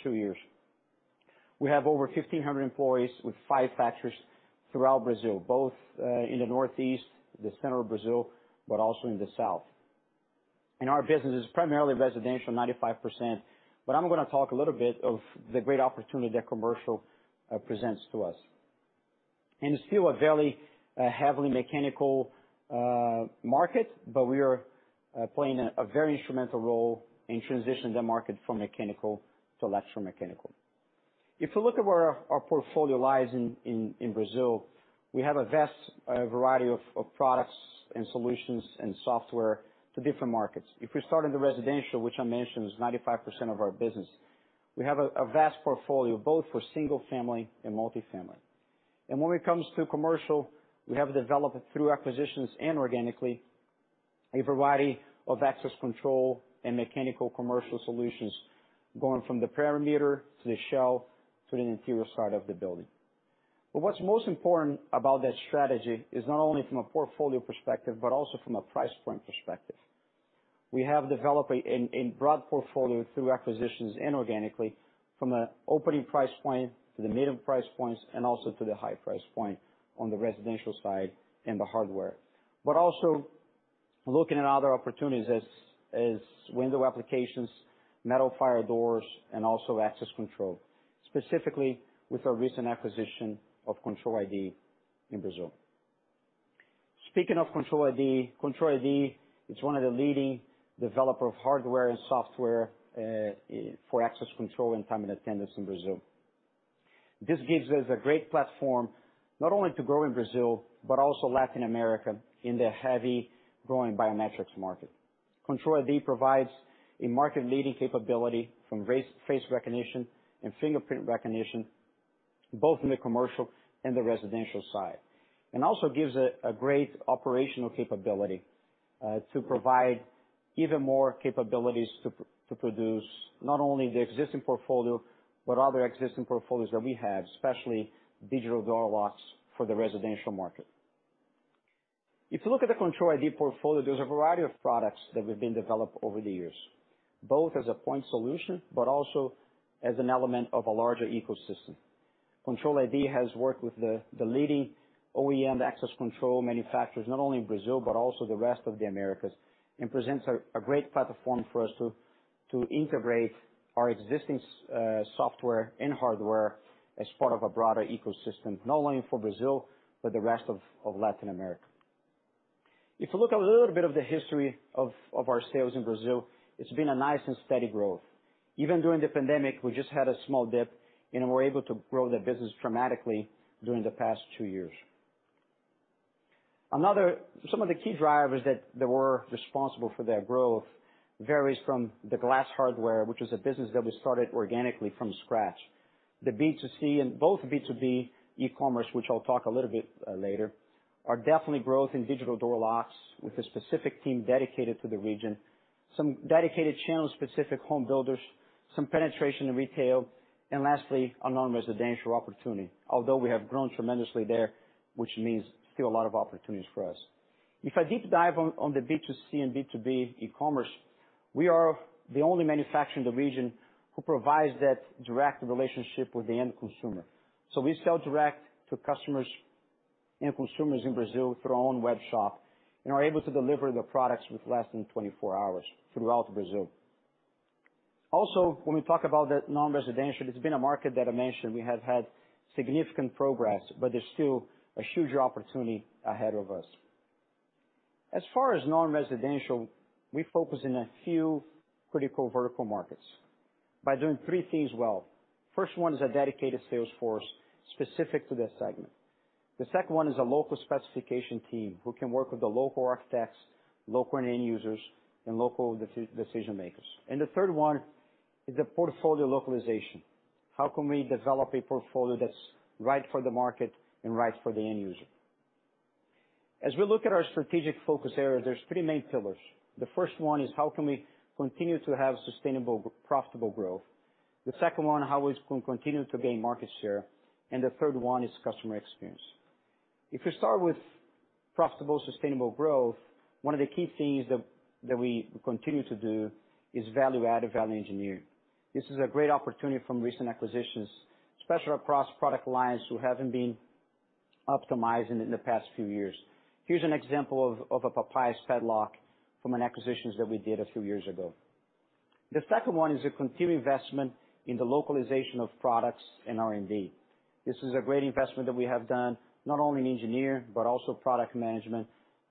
two years. We have over 1,500 employees with five factories throughout Brazil, both in the northeast, the center of Brazil, but also in the south. Our business is primarily residential, 95%, but I'm gonna talk a little bit of the great opportunity that commercial presents to us. Still a very heavily mechanical market, but we are playing a very instrumental role in transitioning the market from mechanical to electromechanical. If you look at where our portfolio lies in Brazil, we have a vast variety of products and solutions and software to different markets. If we start in the residential, which I mentioned is 95% of our business, we have a vast portfolio, both for single family and multifamily. When it comes to commercial, we have developed through acquisitions and organically a variety of access control and mechanical commercial solutions, going from the perimeter to the shell to the interior side of the building. What's most important about that strategy is not only from a portfolio perspective, but also from a price point perspective. We have developed a broad portfolio through acquisitions and organically from the opening price point to the medium price points and also to the high price point on the residential side and the hardware. Also looking at other opportunities as window applications, metal fire doors, and also access control, specifically with our recent acquisition of Control iD in Brazil. Speaking of Control iD, Control iD is one of the leading developer of hardware and software for access control and time and attendance in Brazil. This gives us a great platform not only to grow in Brazil, but also Latin America in the heavily growing biometrics market. Control iD provides a market leading capability from iris- face recognition and fingerprint recognition, both in the commercial and the residential side. It also gives a great operational capability to provide even more capabilities to produce not only the existing portfolio, but other existing portfolios that we have, especially digital door locks for the residential market. If you look at the Control iD portfolio, there's a variety of products that we've developed over the years, both as a point solution, but also as an element of a larger ecosystem. Control iD has worked with the leading OEM access control manufacturers, not only in Brazil, but also the rest of the Americas, and presents a great platform for us to integrate our existing software and hardware as part of a broader ecosystem, not only for Brazil, but the rest of Latin America. If you look at a little bit of the history of our sales in Brazil, it's been a nice and steady growth. Even during the pandemic, we just had a small dip, and we're able to grow the business dramatically during the past two years. Some of the key drivers that were responsible for that growth varies from the glass hardware, which is a business that we started organically from scratch. The B2C and both B2B e-commerce, which I'll talk a little bit later, are definitely growth in digital door locks with a specific team dedicated to the region. Some dedicated channel specific home builders, some penetration in retail, and lastly, a non-residential opportunity. Although we have grown tremendously there, which means still a lot of opportunities for us. If I deep dive on the B2C and B2B e-commerce, we are the only manufacturer in the region who provides that direct relationship with the end consumer. We sell direct to customers and consumers in Brazil through our own web shop, and are able to deliver the products in less than 24 hours throughout Brazil. Also, when we talk about the non-residential, it's been a market that I mentioned we have had significant progress, but there's still a huge opportunity ahead of us. As far as non-residential, we focus in a few critical vertical markets by doing three things well. First one is a dedicated sales force specific to this segment. The second one is a local specification team who can work with the local architects, local end users, and local decision makers. The third one is a portfolio localization. How can we develop a portfolio that's right for the market and right for the end user? As we look at our strategic focus areas, there's three main pillars. The first one is how can we continue to have sustainable profitable growth? The second one, how we can continue to gain market share, and the third one is customer experience. If you start with profitable, sustainable growth, one of the key things that we continue to do is value add and value engineer. This is a great opportunity from recent acquisitions, especially across product lines who haven't been optimized in the past few years. Here's an example of a. From an acquisition that we did a few years ago. The second one is a continued investment in the localization of products and R&D. This is a great investment that we have done, not only in engineering, but also product management,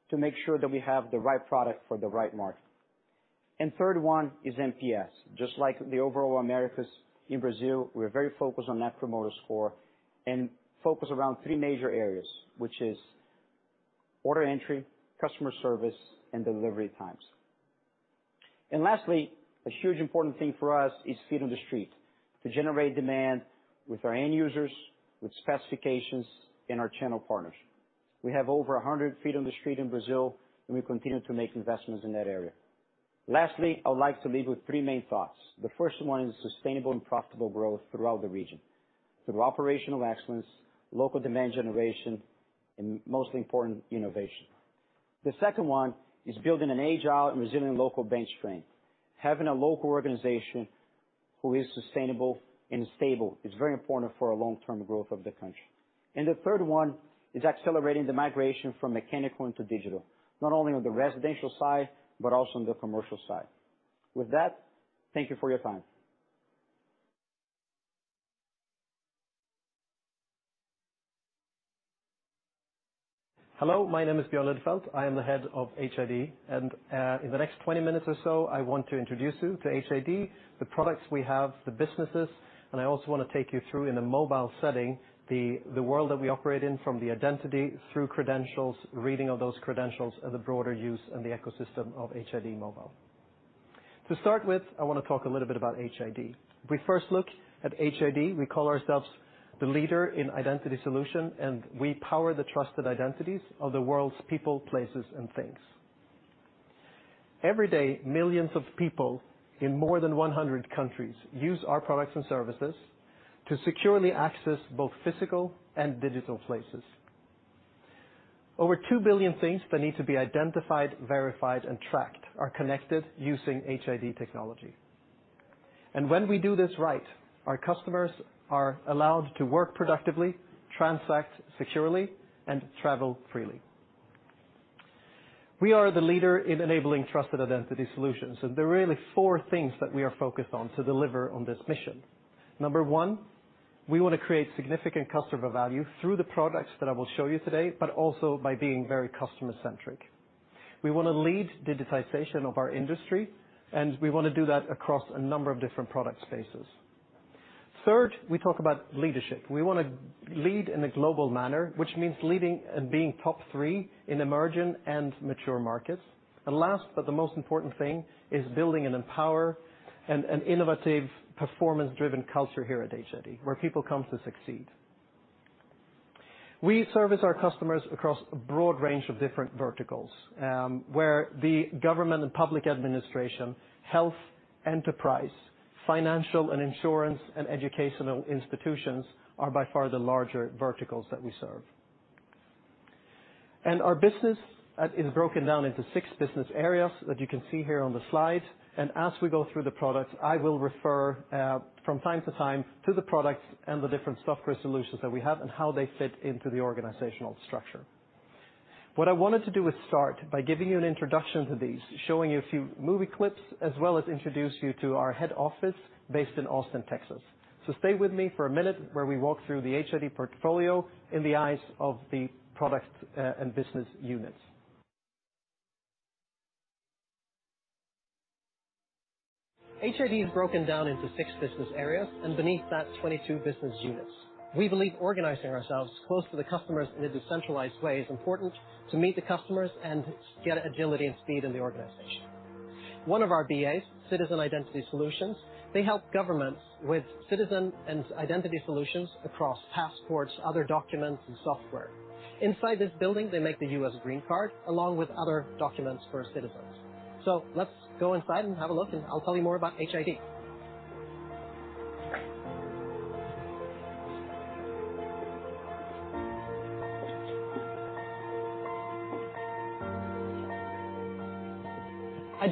to make sure that we have the right product for the right market. Third one is NPS. Just like the overall Americas in Brazil, we're very focused on Net Promoter Score and focus around three major areas, which is order entry, customer service, and delivery times. Lastly, a huge important thing for us is feet on the street to generate demand with our end users, with specifications, and our channel partners. We have over 100 feet on the street in Brazil, and we continue to make investments in that area. Lastly, I would like to leave with three main thoughts. The first one is sustainable and profitable growth throughout the region through operational excellence, local demand generation, and most important, innovation. The second one is building an agile and resilient local bench strength. Having a local organization who is sustainable and stable is.very important for a long-term growth of the country. The third one is accelerating the migration from mechanical into digital, not only on the residential side, but also on the commercial side. With that, thank you for your time. Hello, my name is Björn Lidefelt. I am the head of HID, and in the next 20 minutes or so, I want to introduce you to HID, the products we have, the businesses, and I also wanna take you through in a mobile setting, the world that we operate in from the identity through credentials, reading of those credentials, and the broader use in the ecosystem of HID Mobile. To start with, I wanna talk a little bit about HID. If we first look at HID, we call ourselves the leader in identity solution, and we power the trusted identities of the world's people, places and things. Every day, millions of people in more than 100 countries use our products and services to securely access both physical and digital places. Over 2 billion things that need to be identified, verified, and tracked are connected using HID technology. When we do this right, our customers are allowed to work productively, transact securely, and travel freely. We are the leader in enabling trusted identity solutions, and there are really four things that we are focused on to deliver on this mission. Number one, we wanna create significant customer value through the products that I will show you today, but also by being very customer centric. We wanna lead digitization of our industry, and we wanna do that across a number of different product spaces. Third, we talk about leadership. We wanna lead in a global manner, which means leading and being top three in emerging and mature markets. Last, but the most important thing is building and empower an innovative performance-driven culture here at HID, where people come to succeed. We service our customers across a broad range of different verticals, where the government and public administration, health enterprise, financial and insurance, and educational institutions are by far the larger verticals that we serve. Our business is broken down into six business areas that you can see here on the slide. As we go through the products, I will refer from time-to-time to the products and the different software solutions that we have and how they fit into the organizational structure. What I wanted to do is start by giving you an introduction to these, showing you a few movie clips, as well as introduce you to our head office based in Austin, Texas. Stay with me for a minute where we walk through the HID portfolio in the eyes of the product and business units. HID is broken down into 6 business areas, and beneath that, 22 business units. We believe organizing ourselves close to the customers in a decentralized way is important to meet the customers and get agility and speed in the organization. One of our BAs, Citizen Identity Solutions, they help governments with citizen and identity solutions across passports, other documents, and software. Inside this building, they make the U.S. green card along with other documents for citizens. Let's go inside and have a look, and I'll tell you more about HID.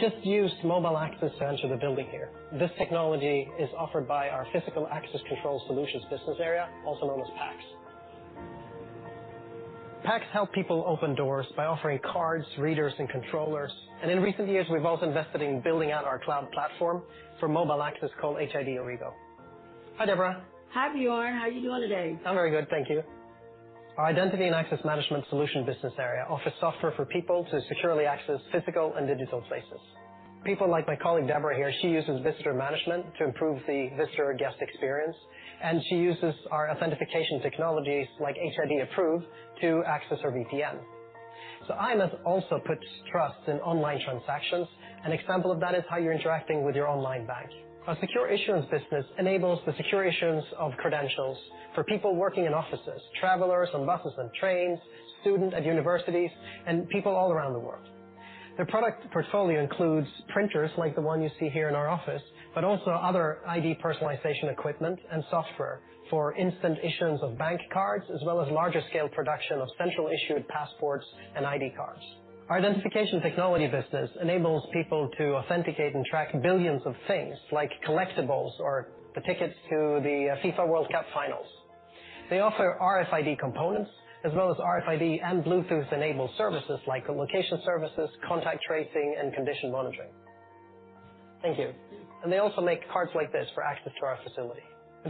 I just used mobile access to enter the building here. This technology is offered by our Physical Access Control Solutions business area, also known as PACS. PACS help people open doors by offering cards, readers, and controllers. In recent years, we've also invested in building out our cloud platform for mobile access called HID Origo. Hi, Deborah. Hi, Björn. How are you doing today? I'm very good, thank you. Our Identity and Access Management Solutions business area offers software for people to securely access physical and digital spaces. People like my colleague Deborah here, she uses visitor management to improve the visitor guest experience, and she uses our authentication technologies like HID Approve to access our VPN. IAMS also puts trust in online transactions. An example of that is how you're interacting with your online bank. Our Secure Issuance business enables the secure issuance of credentials for people working in offices, travelers on buses and trains, student at universities, and people all around the world. Their product portfolio includes printers like the one you see here in our office, but also other ID personalization equipment and software for instant issuance of bank cards, as well as larger scale production of central issued passports and ID cards. Our identification technology business enables people to authenticate and track billions of things like collectibles or the tickets to the FIFA World Cup finals. They offer RFID components as well as RFID and Bluetooth-enabled services like location services, contact tracing, and condition monitoring. Thank you. They also make cards like this for access to our facility.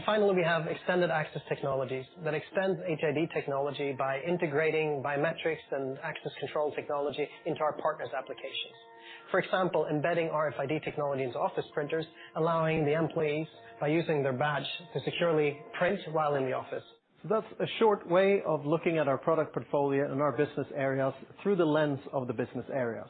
Finally, we have extended access technologies that extend HID technology by integrating biometrics and access control technology into our partners' applications. For example, embedding RFID technology into office printers, allowing the employees, by using their badge, to securely print while in the office. That's a short way of looking at our product portfolio and our business areas through the lens of the business areas.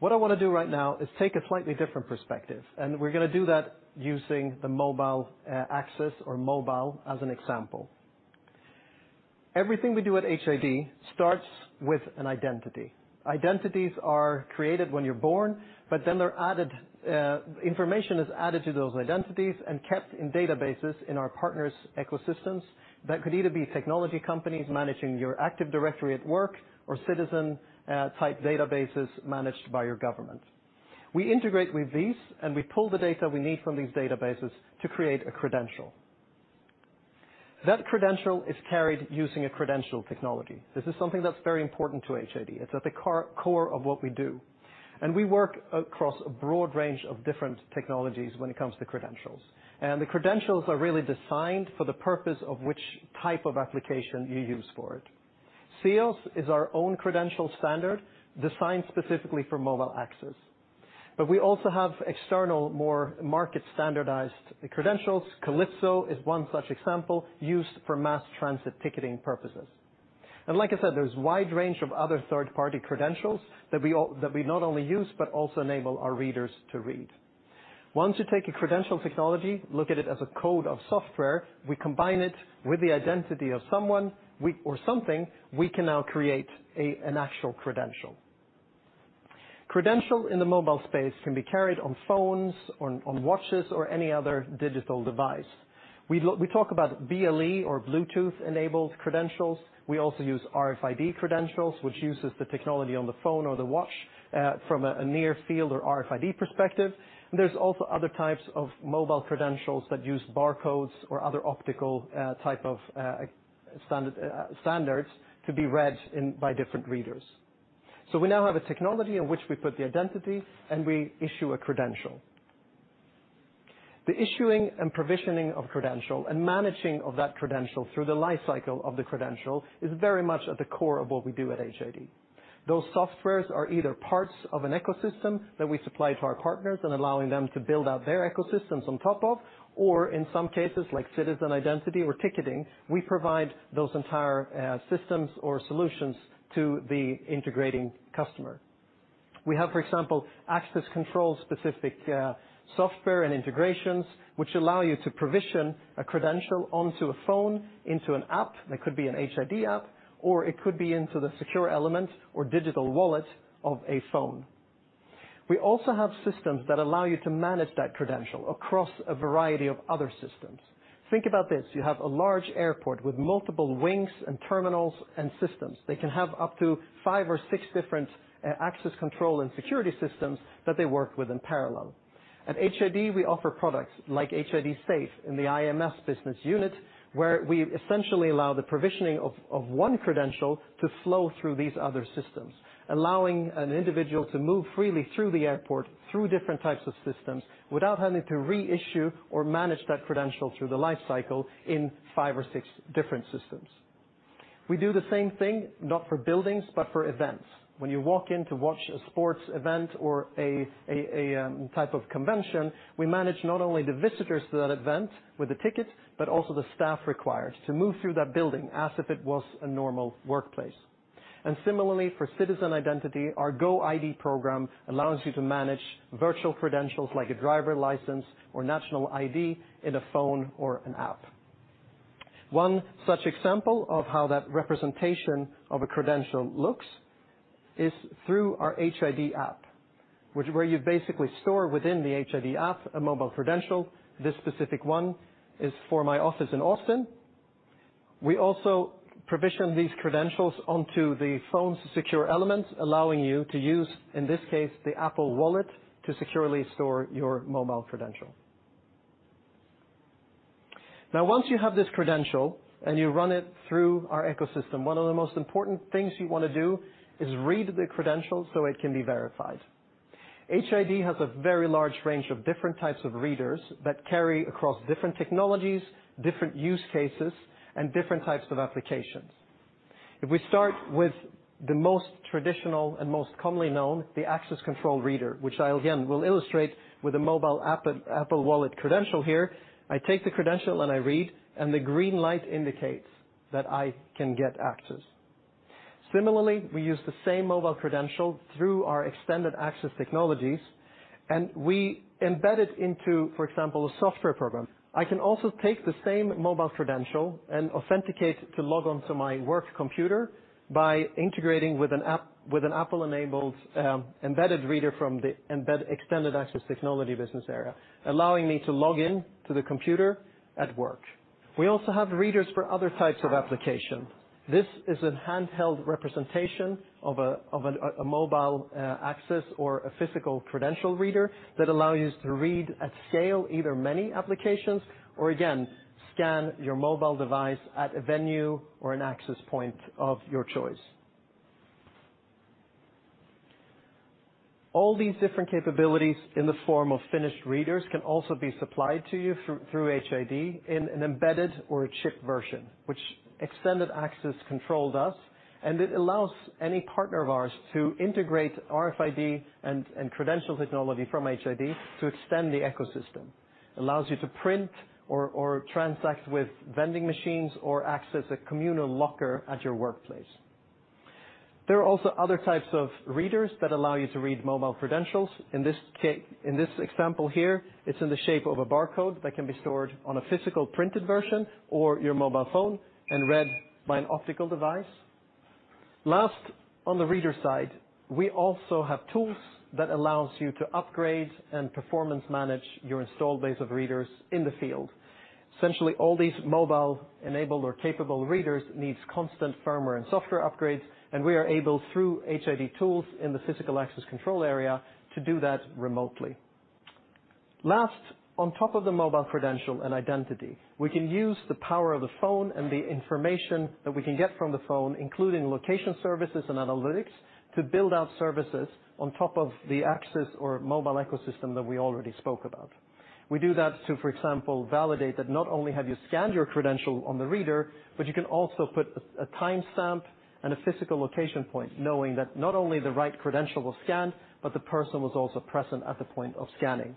What I wanna do right now is take a slightly different perspective, and we're gonna do that using the mobile access or mobile as an example. Everything we do at HID starts with an identity. Identities are created when you're born, but then they're added, information is added to those identities and kept in databases in our partners' ecosystems. That could either be technology companies managing your active directory at work or citizen type databases managed by your government. We integrate with these, and we pull the data we need from these databases to create a credential. That credential is carried using a credential technology. This is something that's very important to HID. It's at the core of what we do. We work across a broad range of different technologies when it comes to credentials. The credentials are really designed for the purpose of which type of application you use for it. Seos is our own credential standard designed specifically for mobile access. We also have external, more market-standardized credentials. Calypso is one such example used for mass transit ticketing purposes. Like I said, there's wide range of other third-party credentials that we not only use, but also enable our readers to read. Once you take a credential technology, look at it as a code of software, we combine it with the identity of someone, or something, we can now create a, an actual credential. Credential in the mobile space can be carried on phones, on watches, or any other digital device. We talk about BLE or Bluetooth-enabled credentials. We also use RFID credentials, which uses the technology on the phone or the watch, from a near-field or RFID perspective. There's also other types of mobile credentials that use barcodes or other optical type of standards to be read in by different readers. We now have a technology in which we put the identity, and we issue a credential. The issuing and provisioning of credential and managing of that credential through the life cycle of the credential is very much at the core of what we do at HID. Those softwares are either parts of an ecosystem that we supply to our partners and allowing them to build out their ecosystems on top of, or in some cases, like citizen identity or ticketing, we provide those entire systems or solutions to the integrating customer. We have, for example, access control-specific software and integrations, which allow you to provision a credential onto a phone into an app. That could be an HID app, or it could be into the secure element or digital wallet of a phone. We also have systems that allow you to manage that credential across a variety of other systems. Think about this. You have a large airport with multiple wings and terminals and systems. They can have up to five or six different access control and security systems that they work with in parallel. At HID, we offer products like HID SAFE in the IAMS business unit, where we essentially allow the provisioning of one credential to flow through these other systems, allowing an individual to move freely through the airport, through different types of systems without having to reissue or manage that credential through the life cycle in five or six different systems. We do the same thing, not for buildings, but for events. When you walk in to watch a sports event or a type of convention, we manage not only the visitors to that event with a ticket, but also the staff required to move through that building as if it was a normal workplace. Similarly, for citizen identity, our goID program allows you to manage virtual credentials like a driver license or national ID in a phone or an app. One such example of how that representation of a credential looks is through our HID app, which is where you basically store within the HID app a mobile credential. This specific one is for my office in Austin. We also provision these credentials onto the phone's secure element, allowing you to use, in this case, the Apple Wallet to securely store your mobile credential. Now, once you have this credential and you run it through our ecosystem, one of the most important things you wanna do is read the credential so it can be verified. HID has a very large range of different types of readers that carry across different technologies, different use cases, and different types of applications. If we start with the most traditional and most commonly known, the access control reader, which I, again, will illustrate with a mobile app, Apple Wallet credential here. I take the credential and I read, and the green light indicates that I can get access. Similarly, we use the same mobile credential through our Extended Access Technologies, and we embed it into, for example, a software program. I can also take the same mobile credential and authenticate to log on to my work computer by integrating with an app, with an Apple-enabled embedded reader from the embedded Extended Access Technologies business area, allowing me to log in to the computer at work. We also have readers for other types of application. This is a handheld representation of a mobile access or a physical credential reader that allows you to read at scale, either many applications, or again, scan your mobile device at a venue or an access point of your choice. All these different capabilities in the form of finished readers can also be supplied to you through HID in an embedded or a chip version, which Extended Access Technologies does, and it allows any partner of ours to integrate RFID and credential technology from HID to extend the ecosystem. Allows you to print or transact with vending machines or access a communal locker at your workplace. There are also other types of readers that allow you to read mobile credentials. In this example here, it's in the shape of a barcode that can be stored on a physical printed version or your mobile phone and read by an optical device. Last, on the reader side, we also have tools that allows you to upgrade and performance manage your install base of readers in the field. Essentially, all these mobile-enabled or capable readers need constant firmware and software upgrades, and we are able, through HID tools in the physical access control area, to do that remotely. Last, on top of the mobile credential and identity, we can use the power of the phone and the information that we can get from the phone, including location services and analytics, to build out services on top of the access or mobile ecosystem that we already spoke about. We do that to, for example, validate that not only have you scanned your credential on the reader, but you can also put a timestamp and a physical location point knowing that not only the right credential was scanned, but the person was also present at the point of scanning.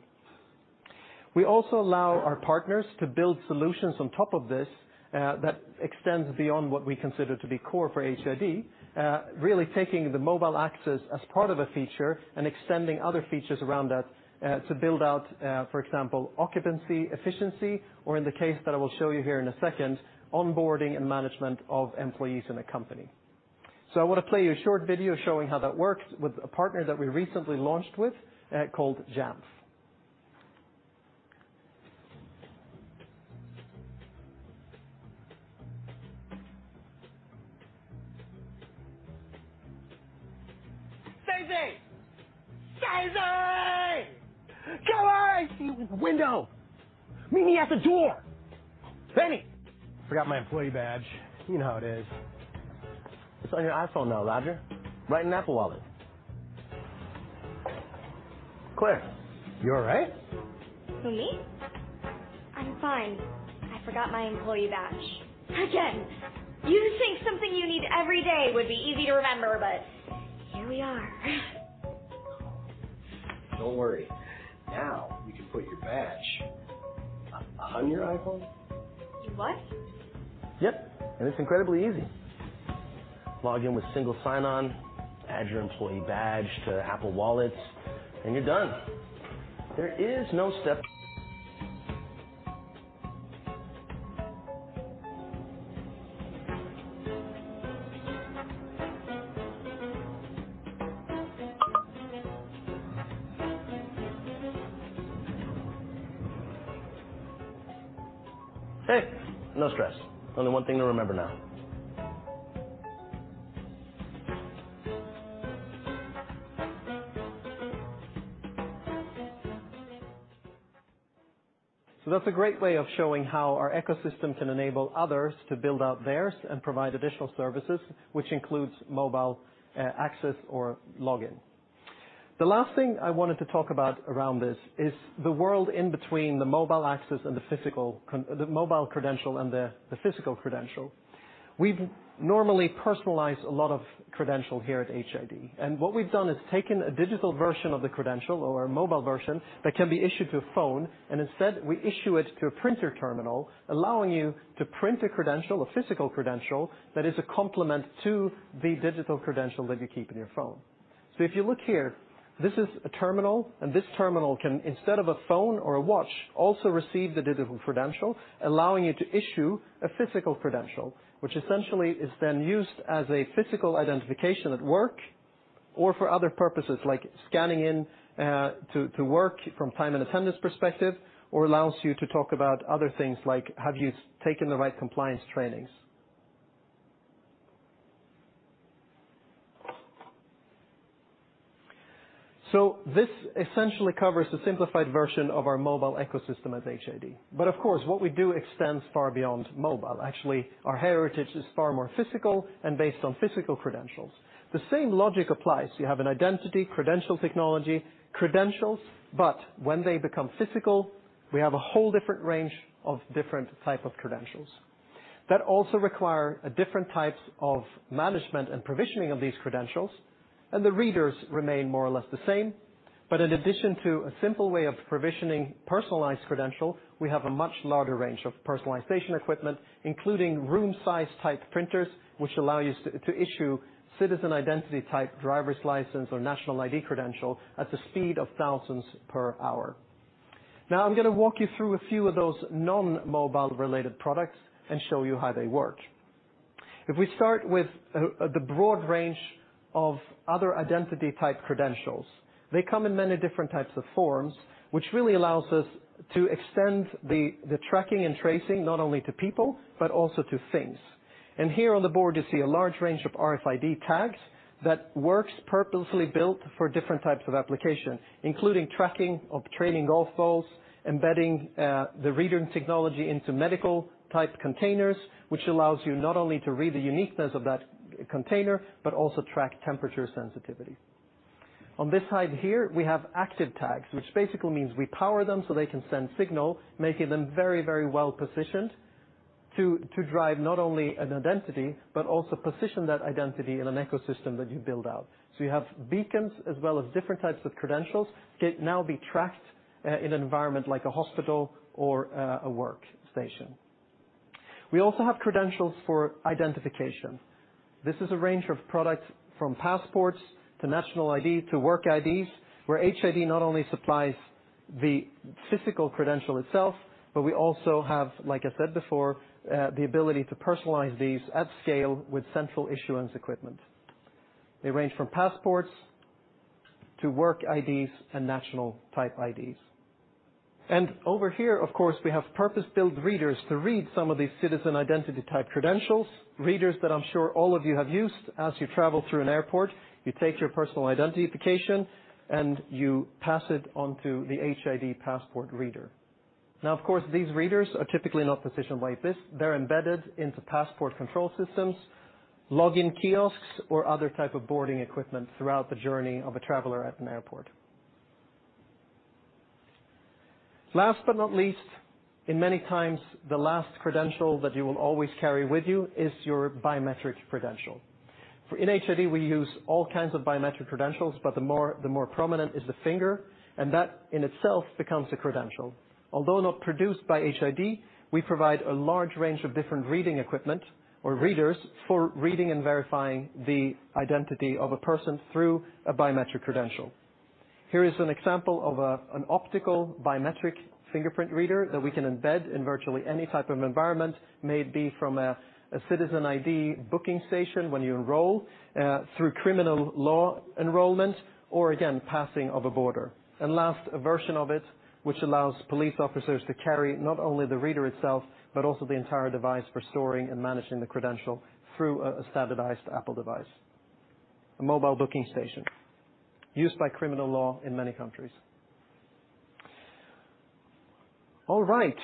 We also allow our partners to build solutions on top of this, that extends beyond what we consider to be core for HID, really taking the mobile access as part of a feature and extending other features around that, to build out, for example, occupancy, efficiency, or in the case that I will show you here in a second, onboarding and management of employees in a company. I wanna play you a short video showing how that works with a partner that we recently launched with, called Jamf. Stacy. Stacy. Come on. Window. Meet me at the door. Benny. Forgot my employee badge. You know how it is. It's on your iPhone now, Roger. Right in Apple Wallet. Claire, you all right? Who, me? I'm fine. I forgot my employee badge. Again. You'd think something you need every day would be easy to remember, but here we are. Don't worry. Now we can put your badge on your iPhone. What? Yep, it's incredibly easy. Log in with single sign-on, add your employee badge to Apple Wallet, and you're done. Hey, no stress. Only one thing to remember now. That's a great way of showing how our ecosystem can enable others to build out theirs and provide additional services, which includes mobile access or login. The last thing I wanted to talk about around this is the world in between the mobile credential and the physical credential. We've normally personalized a lot of credential here at HID, and what we've done is taken a digital version of the credential or a mobile version that can be issued to a phone, and instead, we issue it to a printer terminal, allowing you to print a credential, a physical credential, that is a complement to the digital credential that you keep in your phone. If you look here, this is a terminal, and this terminal can, instead of a phone or a watch, also receive the digital credential, allowing you to issue a physical credential, which essentially is then used as a physical identification at work or for other purposes like scanning in, to work from time and attendance perspective, or allows you to talk about other things like have you taken the right compliance trainings. This essentially covers the simplified version of our mobile ecosystem at HID. Of course, what we do extends far beyond mobile. Actually, our heritage is far more physical and based on physical credentials. The same logic applies. You have an identity credential technology credentials, but when they become physical, we have a whole different range of different type of credentials that also require a different types of management and provisioning of these credentials, and the readers remain more or less the same. In addition to a simple way of provisioning personalized credential, we have a much larger range of personalization equipment, including room size type printers, which allow you to issue citizen identity type driver's license or national ID credential at the speed of thousands per hour. Now, I'm gonna walk you through a few of those non-mobile related products and show you how they work. If we start with the broad range of other identity type credentials, they come in many different types of forms, which really allows us to extend the tracking and tracing not only to people, but also to things. Here on the board, you see a large range of RFID tags that works purposely built for different types of application, including tracking of training golf balls, embedding the reader technology into medical type containers, which allows you not only to read the uniqueness of that container, but also track temperature sensitivity. On this side here, we have active tags, which basically means we power them, so they can send signal, making them very well-positioned to drive not only an identity, but also position that identity in an ecosystem that you build out. You have beacons as well as different types of credentials can now be tracked in an environment like a hospital or a workstation. We also have credentials for identification. This is a range of products from passports to national ID to work IDs, where HID not only supplies the physical credential itself, but we also have, like I said before, the ability to personalize these at scale with central issuance equipment. They range from passports to work IDs and national type IDs. Over here, of course, we have purpose-built readers to read some of these citizen identity type credentials, readers that I'm sure all of you have used as you travel through an airport, you take your personal identification, and you pass it on to the HID passport reader. Now, of course, these readers are typically not positioned like this. They're embedded into passport control systems, login kiosks, or other type of boarding equipment throughout the journey of a traveler at an airport. Last but not least, in many times, the last credential that you will always carry with you is your biometric credential. In HID, we use all kinds of biometric credentials, but the more prominent is the finger, and that in itself becomes a credential. Although not produced by HID, we provide a large range of different reading equipment or readers for reading and verifying the identity of a person through a biometric credential. Here is an example of an optical biometric fingerprint reader that we can embed in virtually any type of environment, may it be from a citizen ID booking station when you enroll through credential enrollment, or again, passing of a border. Last, a version of it which allows police officers to carry not only the reader itself, but also the entire device for storing and managing the credential through a standardized Apple device. A mobile booking station used by criminal law in many countries. All right.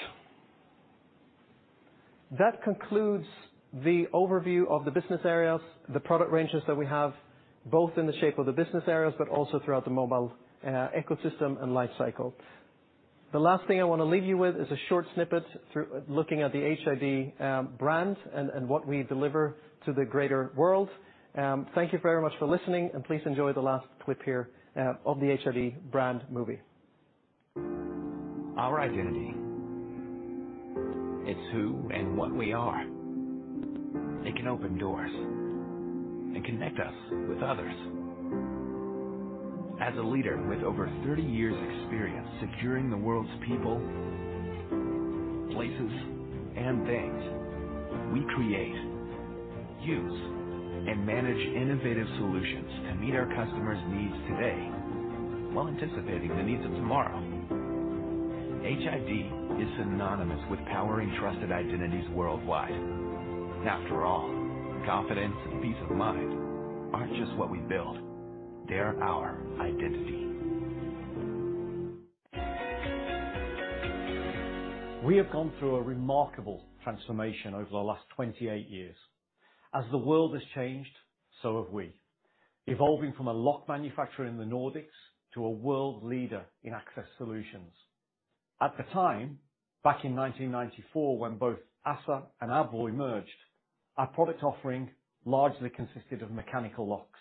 That concludes the overview of the business areas, the product ranges that we have, both in the shape of the business areas but also throughout the mobile ecosystem and life cycle. The last thing I wanna leave you with is a short snippet through looking at the HID brand and what we deliver to the greater world. Thank you very much for listening, and please enjoy the last clip here of the HID brand movie. Our identity. It's who and what we are. It can open doors and connect us with others. As a leader with over 30 years' experience securing the world's people, places, and things, we create, use, and manage innovative solutions to meet our customers' needs today while anticipating the needs of tomorrow. HID is synonymous with powering trusted identities worldwide. After all, confidence and peace of mind aren't just what we build, they're our identity. We have gone through a remarkable transformation over the last 28 years. As the world has changed, so have we, evolving from a lock manufacturer in the Nordics to a world leader in access solutions. At the time, back in 1994, when both ASSA and ABLOY merged, our product offering largely consisted of mechanical locks.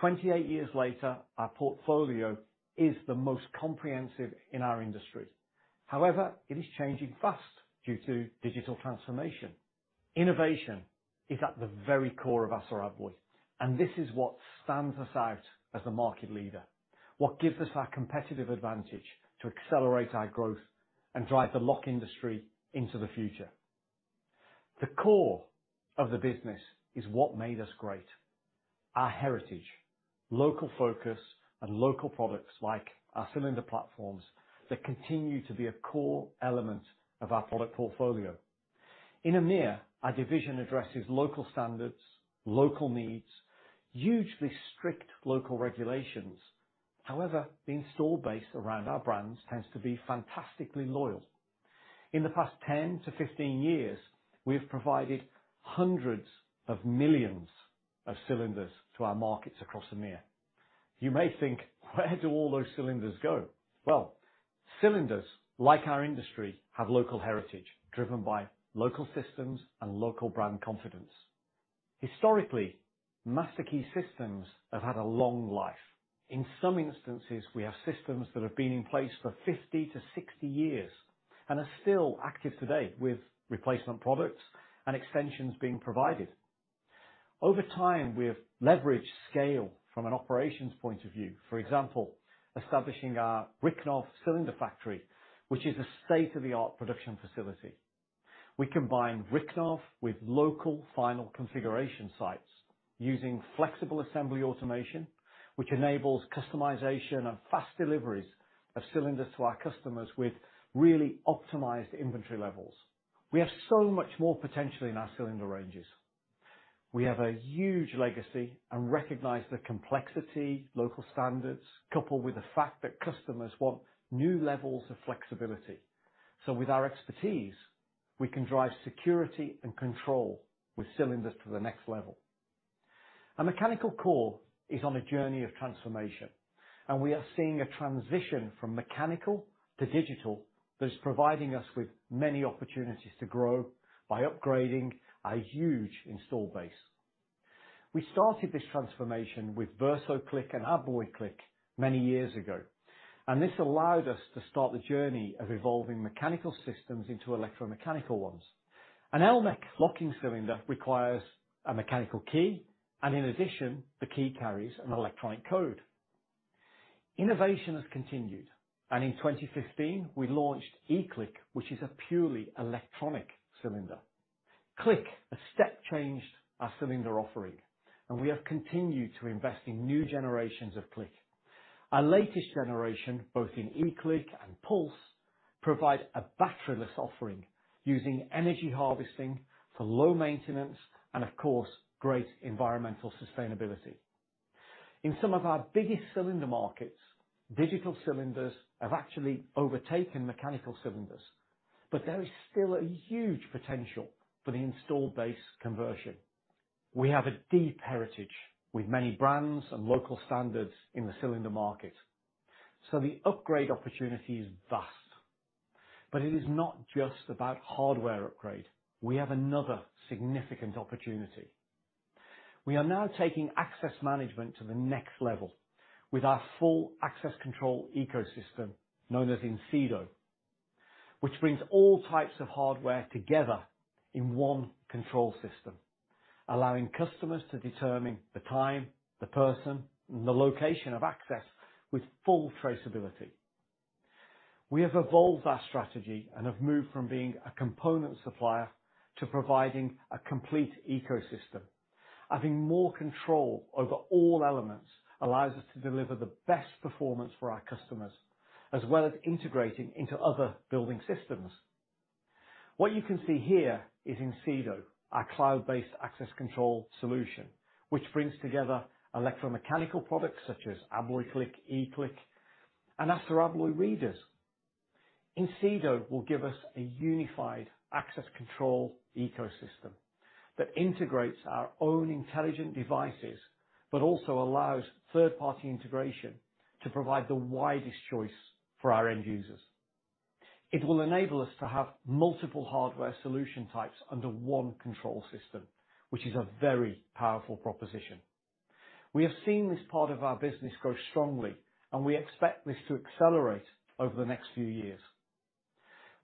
28 years later, our portfolio is the most comprehensive in our industry. However, it is changing fast due to digital transformation. Innovation is at the very core of ASSA ABLOY, and this is what stands us out as a market leader, what gives us our competitive advantage to accelerate our growth and drive the lock industry into the future. The core of the business is what made us great, our heritage, local focus, and local products like our cylinder platforms that continue to be a core element of our product portfolio. In EMEIA, our division addresses local standards, local needs, hugely strict local regulations. However, the install base around our brands tends to be fantastically loyal. In the past 10-15 years, we have provided hundreds of millions of cylinders to our markets across EMEIA. You may think, "Where do all those cylinders go?" Well, cylinders, like our industry, have local heritage driven by local systems and local brand confidence. Historically, master key systems have had a long life. In some instances, we have systems that have been in place for 50-60 years and are still active today with replacement products and extensions being provided. Over time, we have leveraged scale from an operations point of view, for example, establishing our Rychnov cylinder factory, which is a state-of-the-art production facility. We combine Rychnov with local final configuration sites using flexible assembly automation, which enables customization and fast deliveries of cylinders to our customers with really optimized inventory levels. We have so much more potential in our cylinder ranges. We have a huge legacy and recognize the complexity, local standards, coupled with the fact that customers want new levels of flexibility. With our expertise, we can drive security and control with cylinders to the next level. A mechanical core is on a journey of transformation, and we are seeing a transition from mechanical to digital that is providing us with many opportunities to grow by upgrading a huge install base. We started this transformation with VERSO CLIQ and ABLOY CLIQ many years ago, and this allowed us to start the journey of evolving mechanical systems into electromechanical ones. An Elmech locking cylinder requires a mechanical key, and in addition, the key carries an electronic code. Innovation has continued, and in 2015, we launched eCLIQ, which is a purely electronic cylinder. CLIQ has step changed our cylinder offering, and we have continued to invest in new generations of CLIQ. Our latest generation, both in eCLIQ and PULSE, provide a batteryless offering using energy harvesting for low maintenance and of course, great environmental sustainability. In some of our biggest cylinder markets, digital cylinders have actually overtaken mechanical cylinders, but there is still a huge potential for the installed base conversion. We have a deep heritage with many brands and local standards in the cylinder market, so the upgrade opportunity is vast. It is not just about hardware upgrade. We have another significant opportunity. We are now taking access management to the next level with our full access control ecosystem known as Incedo, which brings all types of hardware together in one control system, allowing customers to determine the time, the person, and the location of access with full traceability. We have evolved our strategy and have moved from being a component supplier to providing a complete ecosystem. Having more control over all elements allows us to deliver the best performance for our customers, as well as integrating into other building systems. What you can see here is Incedo, our cloud-based access control solution, which brings together electromechanical products such as ABLOY CLIQ, eCLIQ, and ASSA ABLOY Readers. Incedo will give us a unified access control ecosystem that integrates our own intelligent devices, but also allows third-party integration to provide the widest choice for our end users. It will enable us to have multiple hardware solution types under one control system, which is a very powerful proposition. We have seen this part of our business grow strongly, and we expect this to accelerate over the next few years.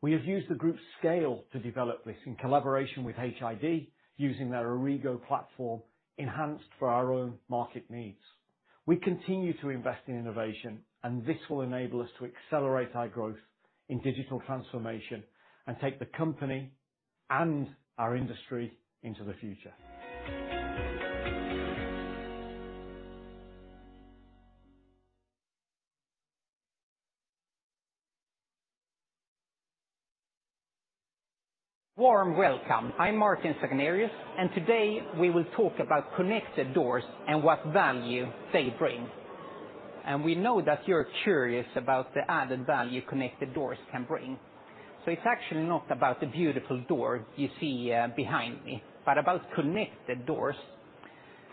We have used the group's scale to develop this in collaboration with HID, using their Origo platform enhanced for our own market needs. We continue to invest in innovation, and this will enable us to accelerate our growth in digital transformation and take the company and our industry into the future. Warm welcome. I'm Martin Sagnérius, and today, we will talk about connected doors and what value they bring. We know that you're curious about the added value connected doors can bring. It's actually not about the beautiful door you see behind me, but about connected doors,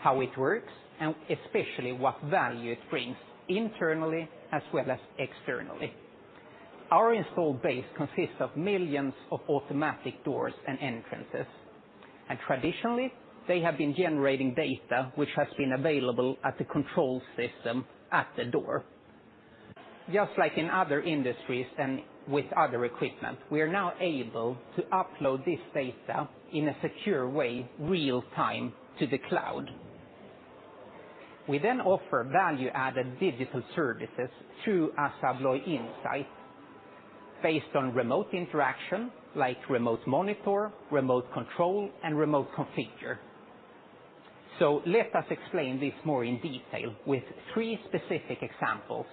how it works, and especially what value it brings internally as well as externally. Our installed base consists of millions of automatic doors and entrances. Traditionally, they have been generating data which has been available at the control system at the door. Just like in other industries and with other equipment, we are now able to upload this data in a secure way real-time to the cloud. We then offer value-added digital services through ASSA ABLOY Insight based on remote interaction, like remote monitor, remote control, and remote configure. Let us explain this more in detail with three specific examples: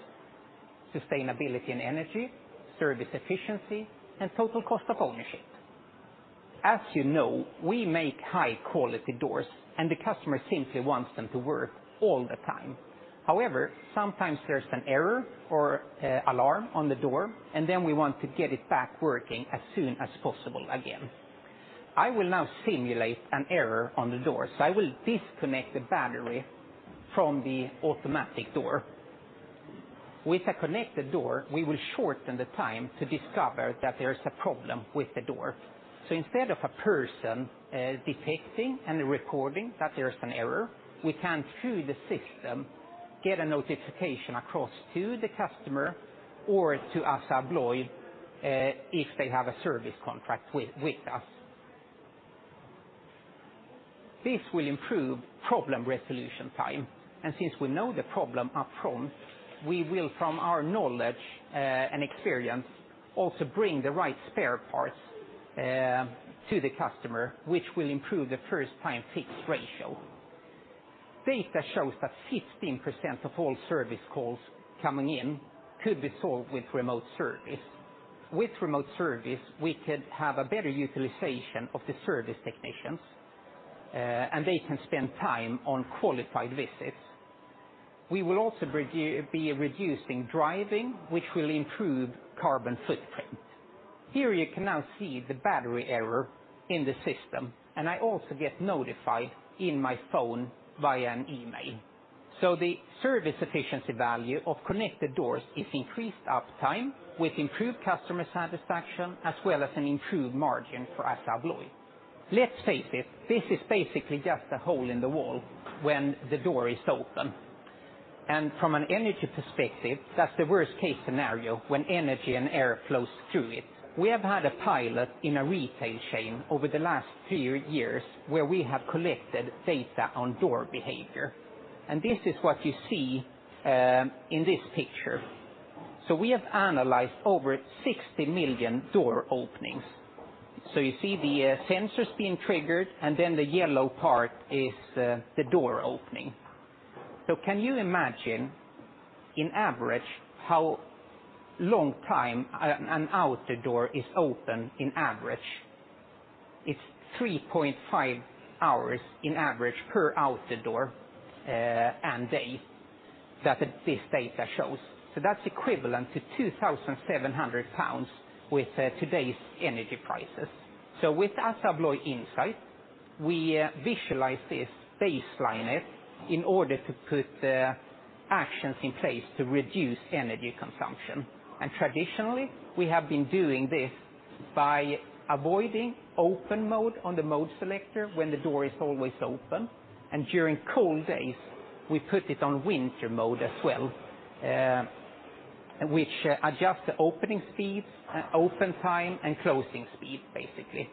sustainability and energy, service efficiency, and total cost of ownership. As you know, we make high-quality doors, and the customer simply wants them to work all the time. However, sometimes there's an error or alarm on the door, and then we want to get it back working as soon as possible again. I will now simulate an error on the door. I will disconnect the battery from the automatic door. With a connected door, we will shorten the time to discover that there's a problem with the door. Instead of a person detecting and recording that there's an error, we can, through the system, get a notification across to the customer or to ASSA ABLOY if they have a service contract with us. This will improve problem resolution time. Since we know the problem upfront, we will, from our knowledge, and experience, also bring the right spare parts, to the customer, which will improve the first time fix ratio. Data shows that 15% of all service calls coming in could be solved with remote service. With remote service, we could have a better utilization of the service technicians, and they can spend time on qualified visits. We will also be reducing driving, which will improve carbon footprint. Here you can now see the battery error in the system, and I also get notified in my phone via an email. The service efficiency value of connected doors is increased up time with improved customer satisfaction as well as an improved margin for ASSA ABLOY. Let's face it, this is basically just a hole in the wall when the door is open. From an energy perspective, that's the worst case scenario when energy and air flows through it. We have had a pilot in a retail chain over the last few years where we have collected data on door behavior. This is what you see in this picture. We have analyzed over 60 million door openings. You see the sensors being triggered, and then the yellow part is the door opening. Can you imagine in average how long time an outer door is open in average? It's 3.5 hours in average per outer door and day that this data shows. That's equivalent to 2,700 pounds with today's energy prices. With ASSA ABLOY Insight, we visualize this, baseline it, in order to put actions in place to reduce energy consumption. Traditionally, we have been doing this by avoiding open mode on the mode selector when the door is always open. During cold days, we put it on winter mode as well, which adjusts the opening speeds, open time, and closing speed, basically.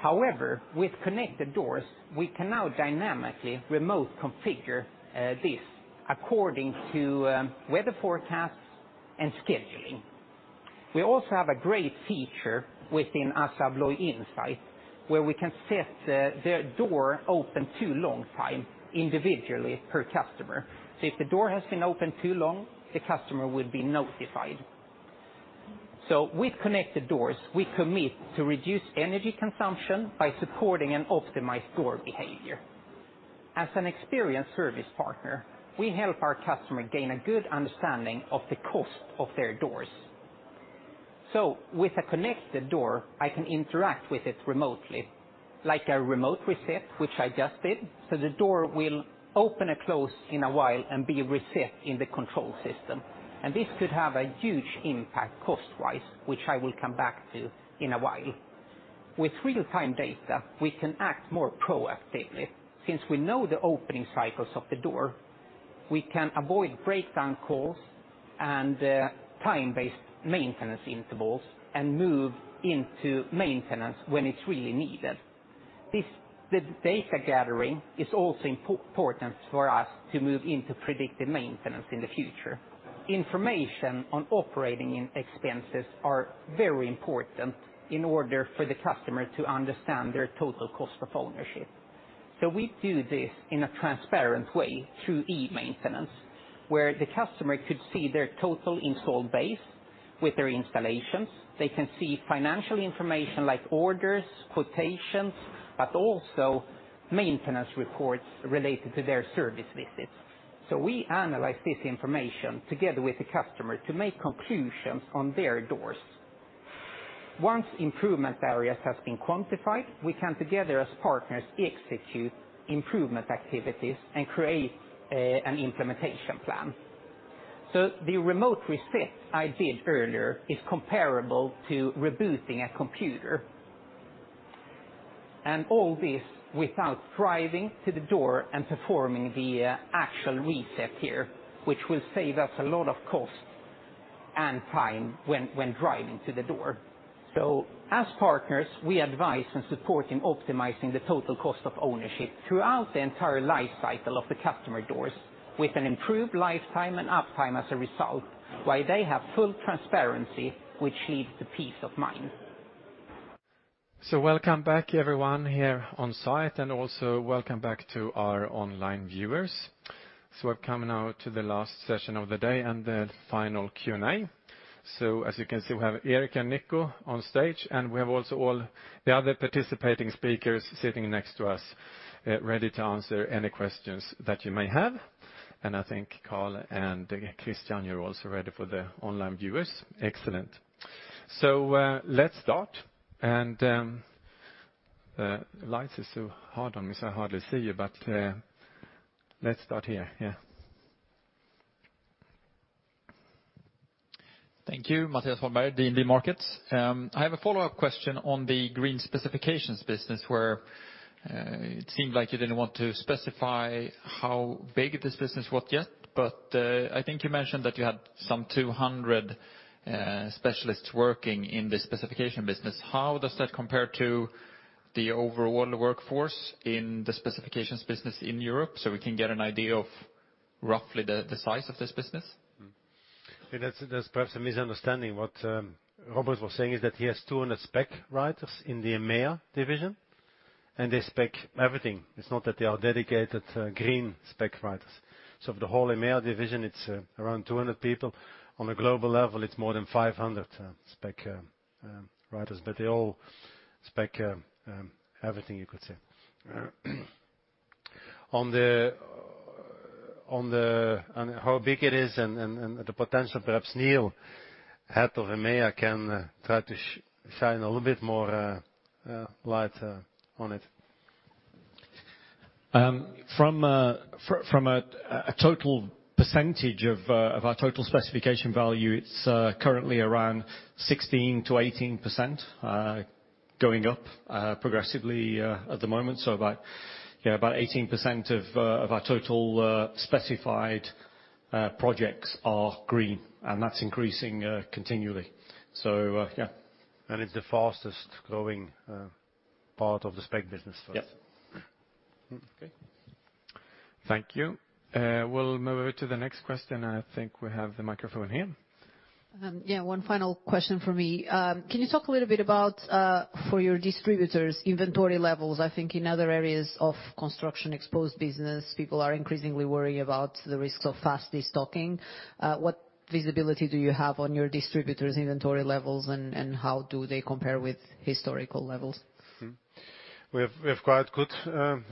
However, with connected doors, we can now dynamically remote configure this according to weather forecasts and scheduling. We also have a great feature within ASSA ABLOY Insight, where we can set the door open too long time individually per customer. If the door has been open too long, the customer will be notified. With connected doors, we commit to reduce energy consumption by supporting an optimized door behavior. As an experienced service partner, we help our customer gain a good understanding of the cost of their doors. With a connected door, I can interact with it remotely, like a remote reset, which I just did. The door will open and close in a while and be reset in the control system. This could have a huge impact cost-wise, which I will come back to in a while. With real-time data, we can act more proactively. Since we know the opening cycles of the door, we can avoid breakdown calls and time-based maintenance intervals and move into maintenance when it's really needed. The data gathering is also important for us to move into predictive maintenance in the future. Information on operating expenses are very important in order for the customer to understand their total cost of ownership. We do this in a transparent way through e-maintenance, where the customer could see their total installed base with their installations. They can see financial information like orders, quotations, but also maintenance reports related to their service visits. We analyze this information together with the customer to make conclusions on their doors. Once improvement areas has been quantified, we can together as partners execute improvement activities and create an implementation plan. The remote reset I did earlier is comparable to rebooting a computer. All this without driving to the door and performing the actual reset here, which will save us a lot of cost and time when driving to the door. As partners, we advise and support in optimizing the total cost of ownership throughout the entire life cycle of the customer doors with an improved lifetime and uptime as a result, while they have full transparency, which leads to peace of mind. Welcome back, everyone, here on site, and also welcome back to our online viewers. We've come now to the last session of the day and the final Q&A. As you can see, we have Erik and Nico on stage, and we have also all the other participating speakers sitting next to us, ready to answer any questions that you may have. I think Carl and Christiane, you're also ready for the online viewers. Excellent. Let's start. The lights are so hard on me, so I hardly see you, but let's start here. Yeah. Thank you. Mattias Holmberg, DNB Markets. I have a follow-up question on the green specifications business, where it seemed like you didn't want to specify how big this business was yet. I think you mentioned that you had some 200 specialists working in the specification business. How does that compare to the overall workforce in the specifications business in Europe so we can get an idea of roughly the size of this business? That's perhaps a misunderstanding. What Robert was saying is that he has 200 spec writers in the EMEIA division, and they spec everything. It's not that they are dedicated green spec writers. Of the whole EMEIA division, it's around 200 people. On a global level, it's more than 500 spec writers. But they all spec everything you could say. On how big it is and the potential, perhaps Neil, head of EMEIA, can try to shine a little bit more light on it. From a total percentage of our total specification value, it's currently around 16%-18%. Going up progressively at the moment. About 18% of our total specified projects are green, and that's increasing continually. It's the fastest-growing part of the spec business for us. Yep. Okay. Thank you. We'll move to the next question. I think we have the microphone here. One final question from me. Can you talk a little bit about for your distributors' inventory levels? I think in other areas of construction-exposed business, people are increasingly worried about the risks of fast destocking. What visibility do you have on your distributors' inventory levels and how do they compare with historical levels? We have quite good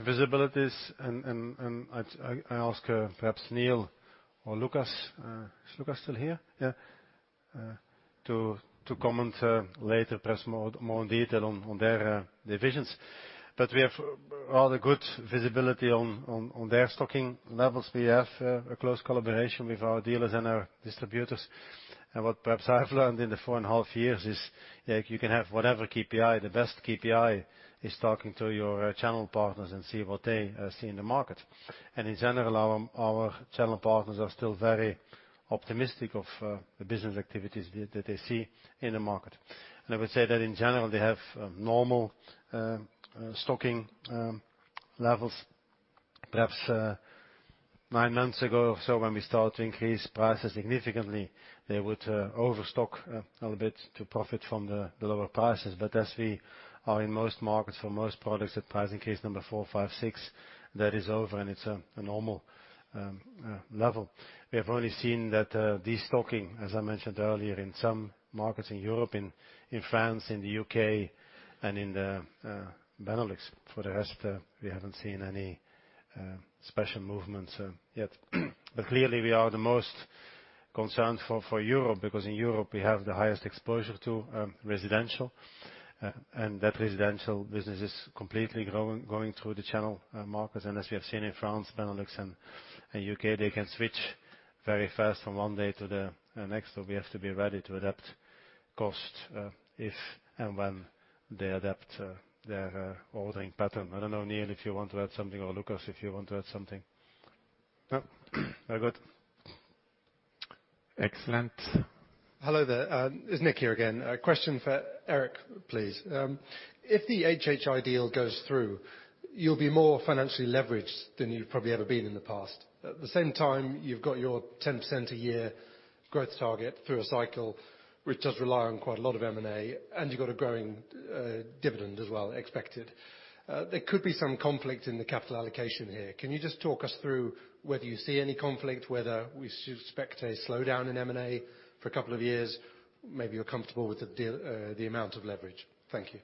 visibilities and I ask perhaps Neil or Lucas. Is Lucas still here? Yeah. To comment later perhaps more in detail on their divisions. We have rather good visibility on their stocking levels. We have a close collaboration with our dealers and our distributors. What perhaps I've learned in the four and a half years is, you can have whatever KPI, the best KPI is talking to your channel partners and see what they see in the market. In general, our channel partners are still very optimistic of the business activities that they see in the market. I would say that in general, they have normal stocking levels. Perhaps nine months ago or so when we started to increase prices significantly, they would overstock a little bit to profit from the lower prices. As we are in most markets for most products at price increase number four, five, six, that is over and it's a normal level. We have only seen that destocking, as I mentioned earlier, in some markets in Europe, in France, in the U.K., and in the Benelux. For the rest, we haven't seen any special movements yet. Clearly we are the most concerned for Europe, because in Europe, we have the highest exposure to residential. That residential business is completely slowing, going through the channel markets. As we have seen in France, Benelux, and U.K., they can switch very fast from one day to the next. So we have to be ready to adapt costs, if and when they adapt their ordering pattern. I don't know, Neil, if you want to add something or Lucas, if you want to add something. No? Very good. Excellent. Hello there. It's Nick here again. A question for Erik, please. If the HHI deal goes through, you'll be more financially leveraged than you've probably ever been in the past. At the same time, you've got your 10% a year growth target through a cycle, which does rely on quite a lot of M&A, and you've got a growing, dividend as well expected. There could be some conflict in the capital allocation here. Can you just talk us through whether you see any conflict, whether we should expect a slowdown in M&A for a couple of years? Maybe you're comfortable with the deal, the amount of leverage. Thank you.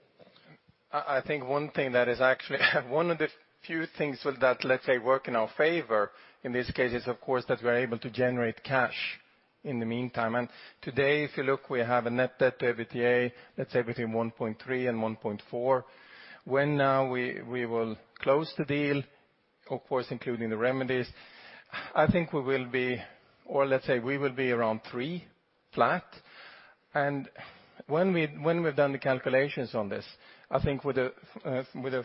I think one thing that is actually one of the few things that, let's say, work in our favor in this case is, of course, that we're able to generate cash in the meantime. Today, if you look, we have a net debt to EBITDA that's 1.3 and 1.4. Now when we will close the deal, of course, including the remedies, I think we will be. Or let's say we will be around three flat. When we've done the calculations on this, I think with a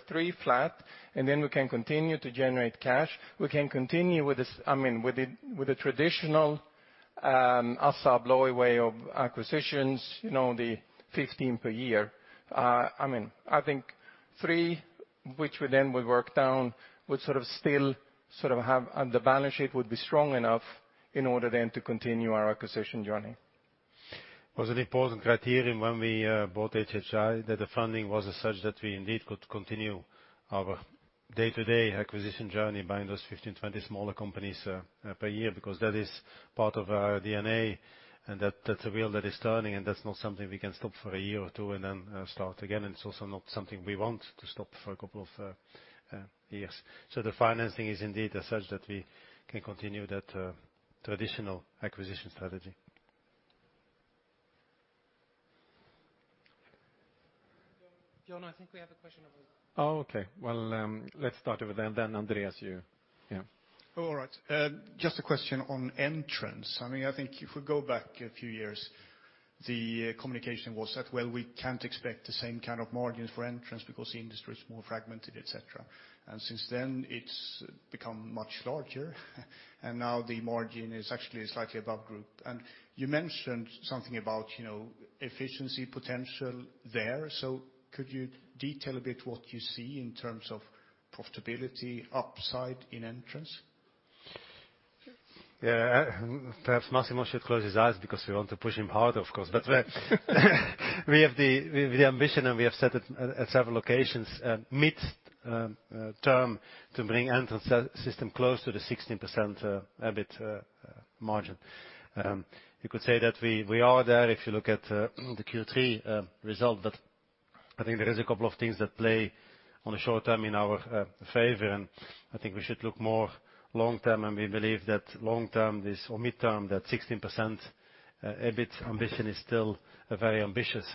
three flat, and then we can continue to generate cash, we can continue with this, I mean, with the traditional ASSA ABLOY way of acquisitions, you know, the 15 per year. I mean, I think three, which we then would work down, would sort of still sort of have, and the balance sheet would be strong enough in order then to continue our acquisition journey. Was an important criterion when we bought HHI, that the funding was as such that we indeed could continue our day-to-day acquisition journey buying those 15, 20 smaller companies per year, because that is part of our DNA, and that's a wheel that is turning, and that's not something we can stop for a year or two and then start again. It's also not something we want to stop for a couple of years. The financing is indeed as such that we can continue that traditional acquisition strategy. John, I think we have a question over. Oh, okay. Well, let's start over there. Andreas, you. Yeah. All right. Just a question on entrance. I mean, I think if we go back a few years, the communication was that, well, we can't expect the same kind of margins for entrance because the industry is more fragmented, etc. Since then it's become much larger, and now the margin is actually slightly above group. You mentioned something about, you know, efficiency potential there. Could you detail a bit what you see in terms of profitability upside in entrance? Yeah. Perhaps Massimo should close his eyes because we want to push him harder, of course. We have the ambition, and we have set it at several locations, mid term to bring entrance system close to the 16% EBIT margin. You could say that we are there if you look at the Q3 result. I think there is a couple of things that play on the short term in our favor, and I think we should look more long term, and we believe that long term or mid term, that 16% EBIT ambition is still a very ambitious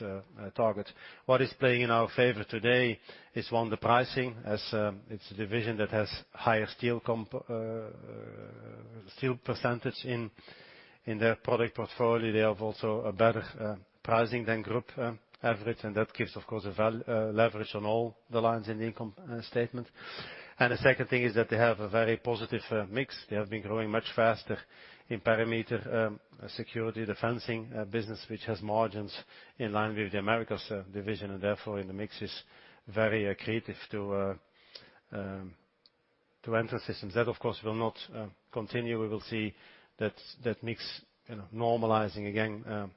target. What is playing in our favor today is one, the pricing as it's a division that has higher steel percentage in their product portfolio. They have also a better pricing than group average, and that gives of course a leverage on all the lines in the income statement. The second thing is that they have a very positive mix. They have been growing much faster in perimeter security, the fencing business which has margins in line with the Americas division, and therefore in the mix is very accretive to Entrance Systems. That of course will not continue. We will see that mix you know normalizing again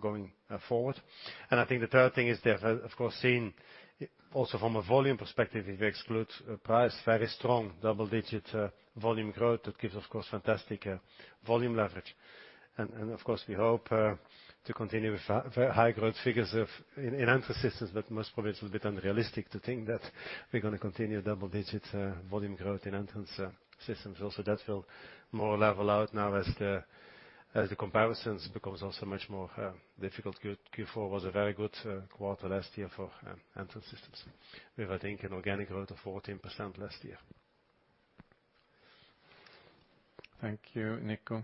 going forward. I think the third thing is they have, of course, seen also from a volume perspective, if you exclude price, very strong double-digit volume growth, that gives of course fantastic volume leverage. Of course, we hope to continue with very high growth figures in Entrance Systems, but most probably it's a bit unrealistic to think that we're going to continue double-digit volume growth in Entrance Systems also. That will more level out now as the comparisons become also much more difficult. Q4 was a very good quarter last year for Entrance Systems. We have, I think, an organic growth of 14% last year. Thank you, Nico.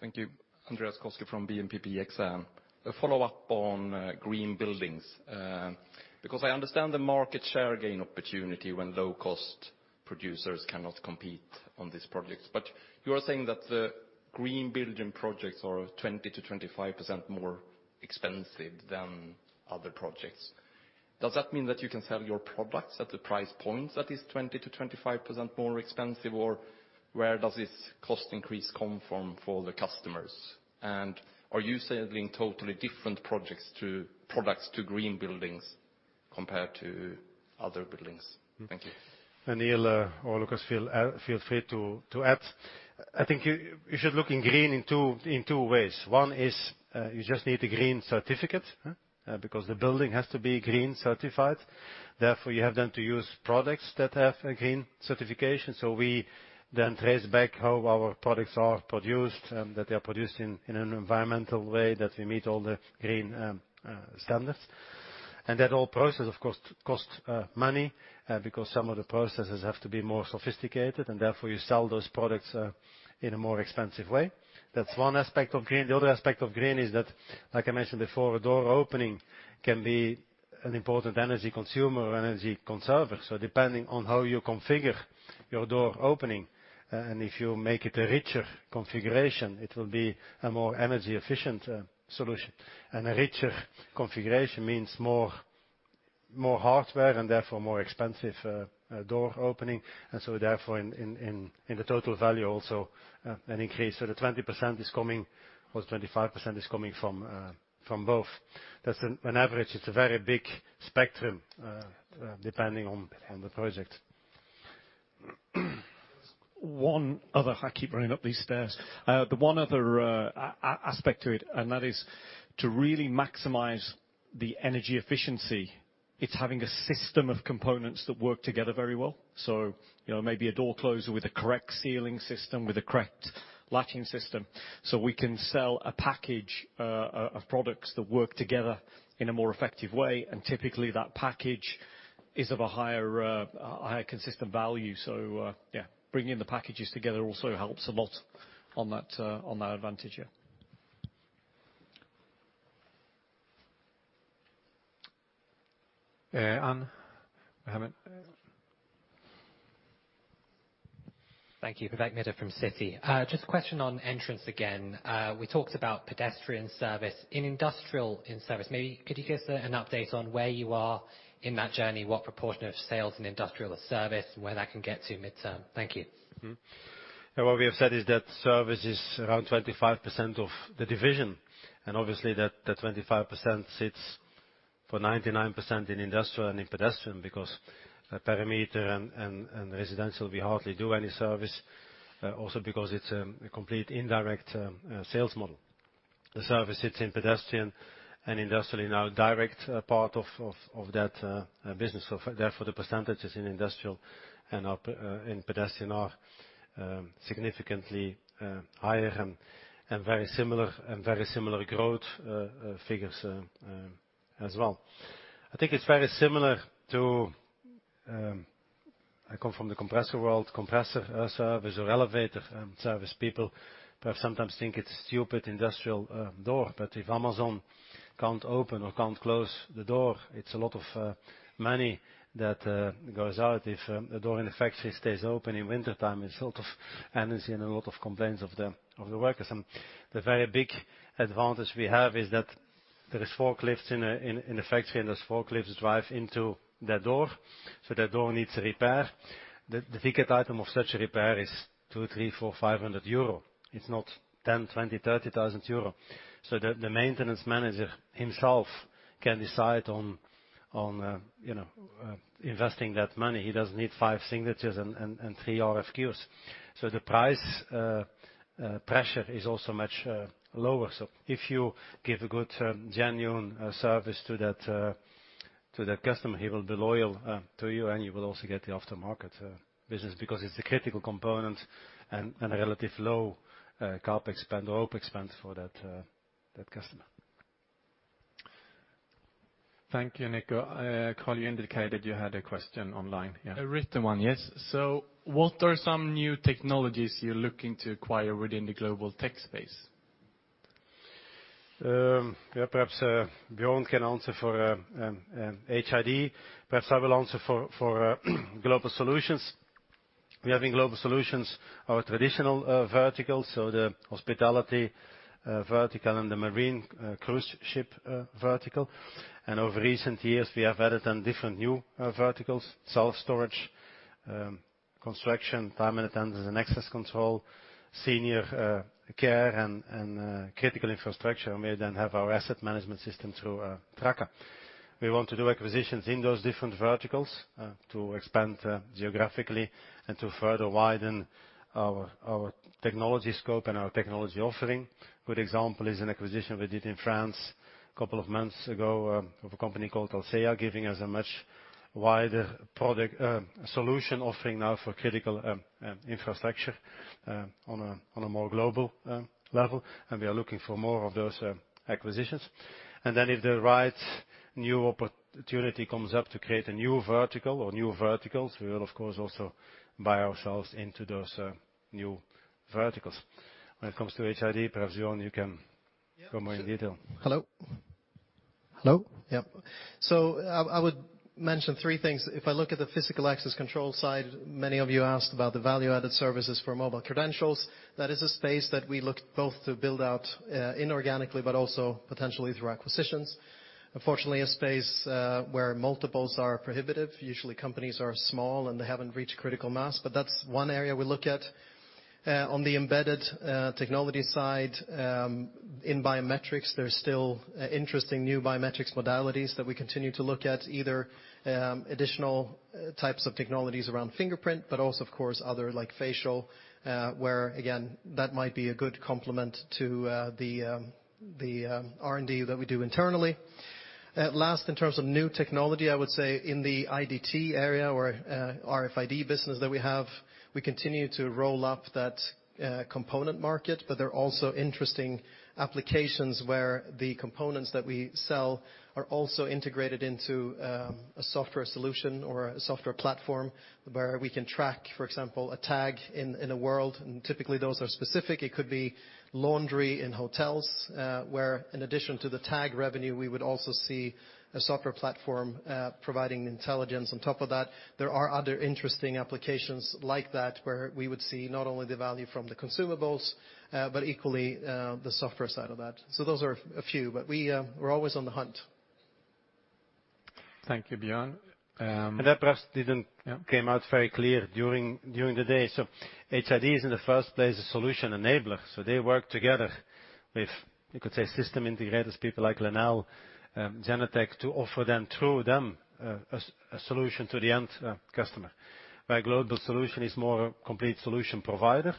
Thank you. Andreas Koski from BNP Paribas Exane. A follow-up on green buildings. Because I understand the market share gain opportunity when low-cost producers cannot compete on these projects. You are saying that the green building projects are 20%-25% more expensive than other projects. Does that mean that you can sell your products at the price point that is 20%-25% more expensive? Or where does this cost increase come from for the customers? And are you selling totally different products to green buildings compared to other buildings? Thank you. Neil or Lucas, feel free to add. I think you should look at green in two ways. One is you just need a green certificate? Because the building has to be green certified. Therefore, you have then to use products that have a green certification. We then trace back how our products are produced, that they are produced in an environmental way, that we meet all the green standards. That all process, of course, cost money because some of the processes have to be more sophisticated, and therefore you sell those products in a more expensive way. That's one aspect of green. The other aspect of green is that, like I mentioned before, a door opening can be an important energy consumer or energy conserver. Depending on how you configure your door opening, and if you make it a richer configuration, it will be a more energy efficient solution. A richer configuration means more hardware and therefore more expensive door opening. Therefore in the total value also an increase. The 20% is coming or 25% is coming from both. That's an average. It's a very big spectrum depending on the project. One other, I keep running up these stairs. The one other aspect to it is to really maximize the energy efficiency. It's having a system of components that work together very well. You know, maybe a door closer with a correct sealing system, with a correct latching system. We can sell a package of products that work together in a more effective way, and typically that package is of a higher consistent value. Yeah, bringing the packages together also helps a lot on that advantage, yeah. Uh, um, we have a- Thank you. Vivek Midha from Citi. Just a question on entrance again. We talked about pedestrian service. In industrial in-service, maybe could you give us an update on where you are in that journey? What proportion of sales in industrial or service, and where that can get to mid-term? Thank you. What we have said is that service is around 25% of the division. Obviously, that 25% sits for 99% in industrial and in pedestrian because a parameter and residential, we hardly do any service, also because it's a complete indirect sales model. The service sits in pedestrian and industrial in our direct part of that business. Therefore, the percentages in industrial and in pedestrian are significantly higher and very similar, and very similar growth figures as well. I think it's very similar to I come from the compressor world, compressor service or elevator service people perhaps sometimes think it's stupid industrial door. If Amazon can't open or can't close the door, it's a lot of money that goes out. If a door in the factory stays open in wintertime, it's a lot of energy and a lot of complaints of the workers. The very big advantage we have is that there are forklifts in the factory, and those forklifts drive into that door, so that door needs repair. The ticket item of such a repair is 200, 300, 400, 500 euro. It's not 10,000, 20,000, 30,000 euro. The maintenance manager himself can decide on investing that money. He doesn't need five signatures and three RFQs. The price pressure is also much lower. If you give a good, genuine, service to that, to that customer, he will be loyal, to you, and you will also get the aftermarket, business because it's a critical component and a relatively low, CapEx spend or OpEx spend for that customer. Thank you, Nico. Carl, you indicated you had a question online, yeah? A written one, yes. What are some new technologies you're looking to acquire within the global tech space? Yeah, perhaps Björn can answer for HID. Perhaps I will answer for Global Solutions. We have in Global Solutions our traditional verticals, so the hospitality vertical and the marine cruise ship vertical. Over recent years, we have added on different new verticals, self-storage, construction, time and attendance, and access control, senior care, and critical infrastructure, and we then have our asset management system through Traka. We want to do acquisitions in those different verticals to expand geographically and to further widen our technology scope and our technology offering. Good example is an acquisition we did in France a couple of months ago, of a company called ALCEA, giving us a much wider product solution offering now for critical infrastructure on a more global level, and we are looking for more of those acquisitions. If the right new opportunity comes up to create a new vertical or new verticals, we will, of course, also buy ourselves into those new verticals. When it comes to HID, perhaps, Björn, you can- Yeah, sure. Go more in detail. Hello? Hello? Yeah. I would mention three things. If I look at the physical access control side, many of you asked about the value-added services for mobile credentials. That is a space that we look both to build out inorganically, but also potentially through acquisitions. Unfortunately, a space where multiples are prohibitive. Usually, companies are small, and they haven't reached critical mass, but that's one area we look at. On the embedded technology side, in biometrics, there's still interesting new biometrics modalities that we continue to look at, either additional types of technologies around fingerprint, but also, of course, other like facial, where again that might be a good complement to the R&D that we do internally. At last, in terms of new technology, I would say in the IDT area or RFID business that we have, we continue to roll up that component market, but there are also interesting applications where the components that we sell are also integrated into a software solution or a software platform where we can track, for example, a tag in the world, and typically those are specific. It could be laundry in hotels, where in addition to the tag revenue, we would also see a software platform providing intelligence on top of that. There are other interesting applications like that, where we would see not only the value from the consumables, but equally the software side of that. Those are a few, but we're always on the hunt. Thank you, Björn. That perhaps didn't. Yeah. It came out very clear during the day. HID is in the first place a solution enabler. They work together with, you could say, system integrators, people like Lenel, Genetec to offer them, through them, a solution to the end customer. Global Solutions is more a complete solution provider.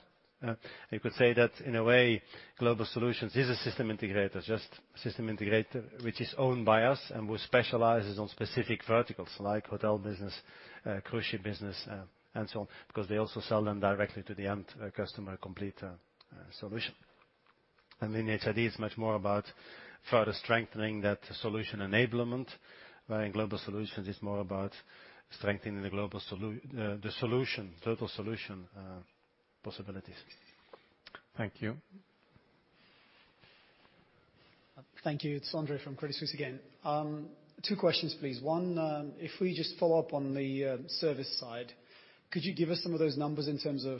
You could say that, in a way, Global Solutions is a system integrator, just system integrator which is owned by us and which specializes on specific verticals like hotel business, cruise ship business, and so on, because they also sell them directly to the end customer complete solution. HID is much more about further strengthening that solution enablement, where Global Solutions is more about strengthening the solution, total solution possibilities. Thank you. Thank you. It's André from Credit Suisse again. Two questions, please. One, if we just follow up on the service side, could you give us some of those numbers in terms of,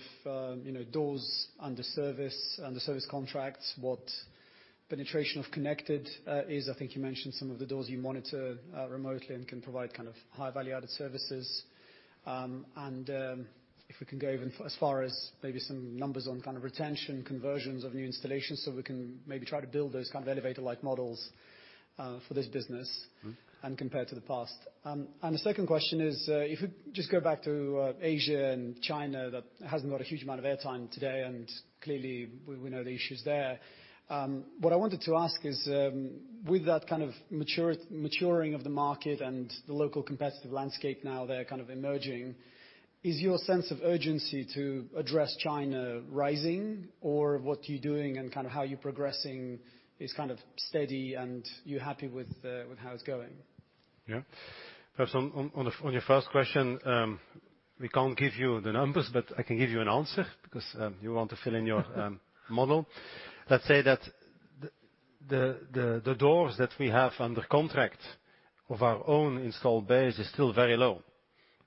you know, doors under service, under service contracts, what penetration of connected is? I think you mentioned some of the doors you monitor remotely and can provide kind of high value-added services. If we can go even as far as maybe some numbers on kind of retention, conversions of new installations, so we can maybe try to build those kind of elevator-like models for this business. Compare to the past. The second question is, if we just go back to Asia and China, that hasn't got a huge amount of airtime today, and clearly we know the issues there. What I wanted to ask is, with that kind of maturing of the market and the local competitive landscape now there kind of emerging, is your sense of urgency to address China rising or what you're doing and kind of how you're progressing is kind of steady and you're happy with how it's going? Yeah. Perhaps on your first question, we can't give you the numbers, but I can give you an answer because you want to fill in your model. Let's say that the doors that we have under contract of our own installed base is still very low.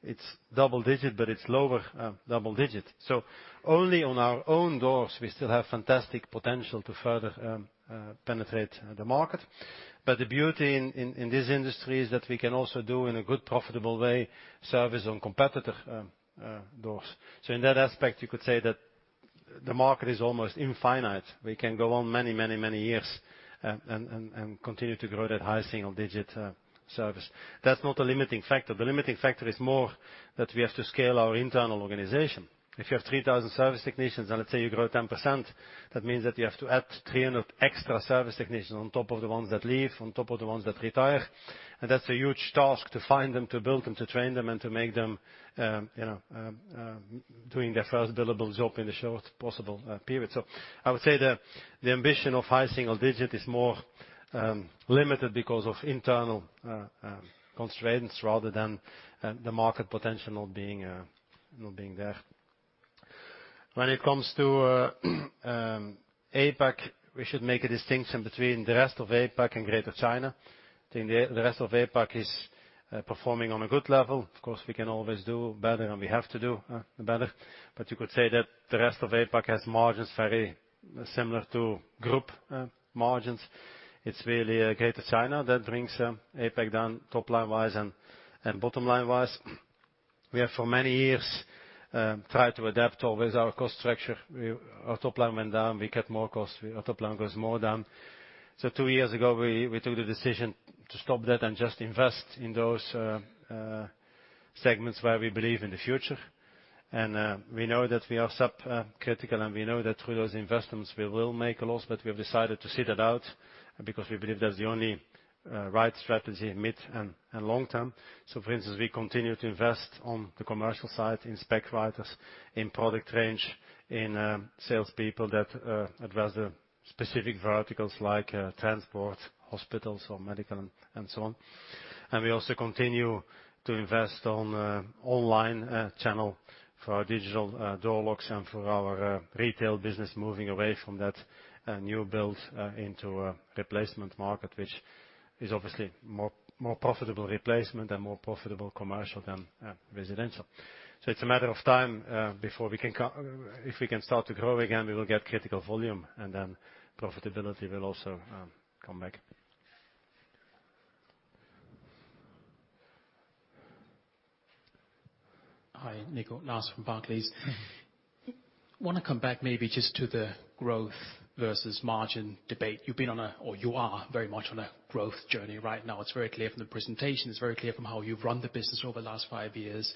It's double-digit, but it's lower double-digit. So only on our own doors we still have fantastic potential to further penetrate the market. The beauty in this industry is that we can also do in a good profitable way service on competitor doors. So in that aspect, you could say that the market is almost infinite. We can go on many years and continue to grow that high single-digit service. That's not a limiting factor. The limiting factor is more that we have to scale our internal organization. If you have 3,000 service technicians and let's say you grow 10%, that means that you have to add 300 extra service technicians on top of the ones that leave, on top of the ones that retire. That's a huge task to find them, to build them, to train them, and to make them doing their first billable job in the shortest possible period. I would say the ambition of high single-digit is more limited because of internal constraints rather than the market potential not being there. When it comes to APAC, we should make a distinction between the rest of APAC and Greater China. The rest of APAC is performing on a good level. Of course, we can always do better, and we have to do better. You could say that the rest of APAC has margins very similar to group margins. It's really Greater China that brings APAC down top-line wise and bottom-line wise. We have for many years tried to adapt always our cost structure. Our top line went down, we cut more costs, our top line goes more down. Two years ago, we took the decision to stop that and just invest in those segments where we believe in the future. We know that we are subcritical, and we know that through those investments, we will make a loss, but we have decided to sit it out because we believe that's the only right strategy mid and long-term. For instance, we continue to invest on the commercial side in spec writers, in product range, in sales people that address the specific verticals like transport, hospitals or medical and so on. We also continue to invest on online channel for our digital door locks and for our retail business moving away from that new build into a replacement market, which is obviously more profitable replacement and more profitable commercial than residential. It's a matter of time. If we can start to grow again, we will get critical volume, and then profitability will also come back. Hi, Nico. Lars from Barclays. Want to come back maybe just to the growth versus margin debate. You are very much on a growth journey right now. It's very clear from the presentation. It's very clear from how you've run the business over the last five years.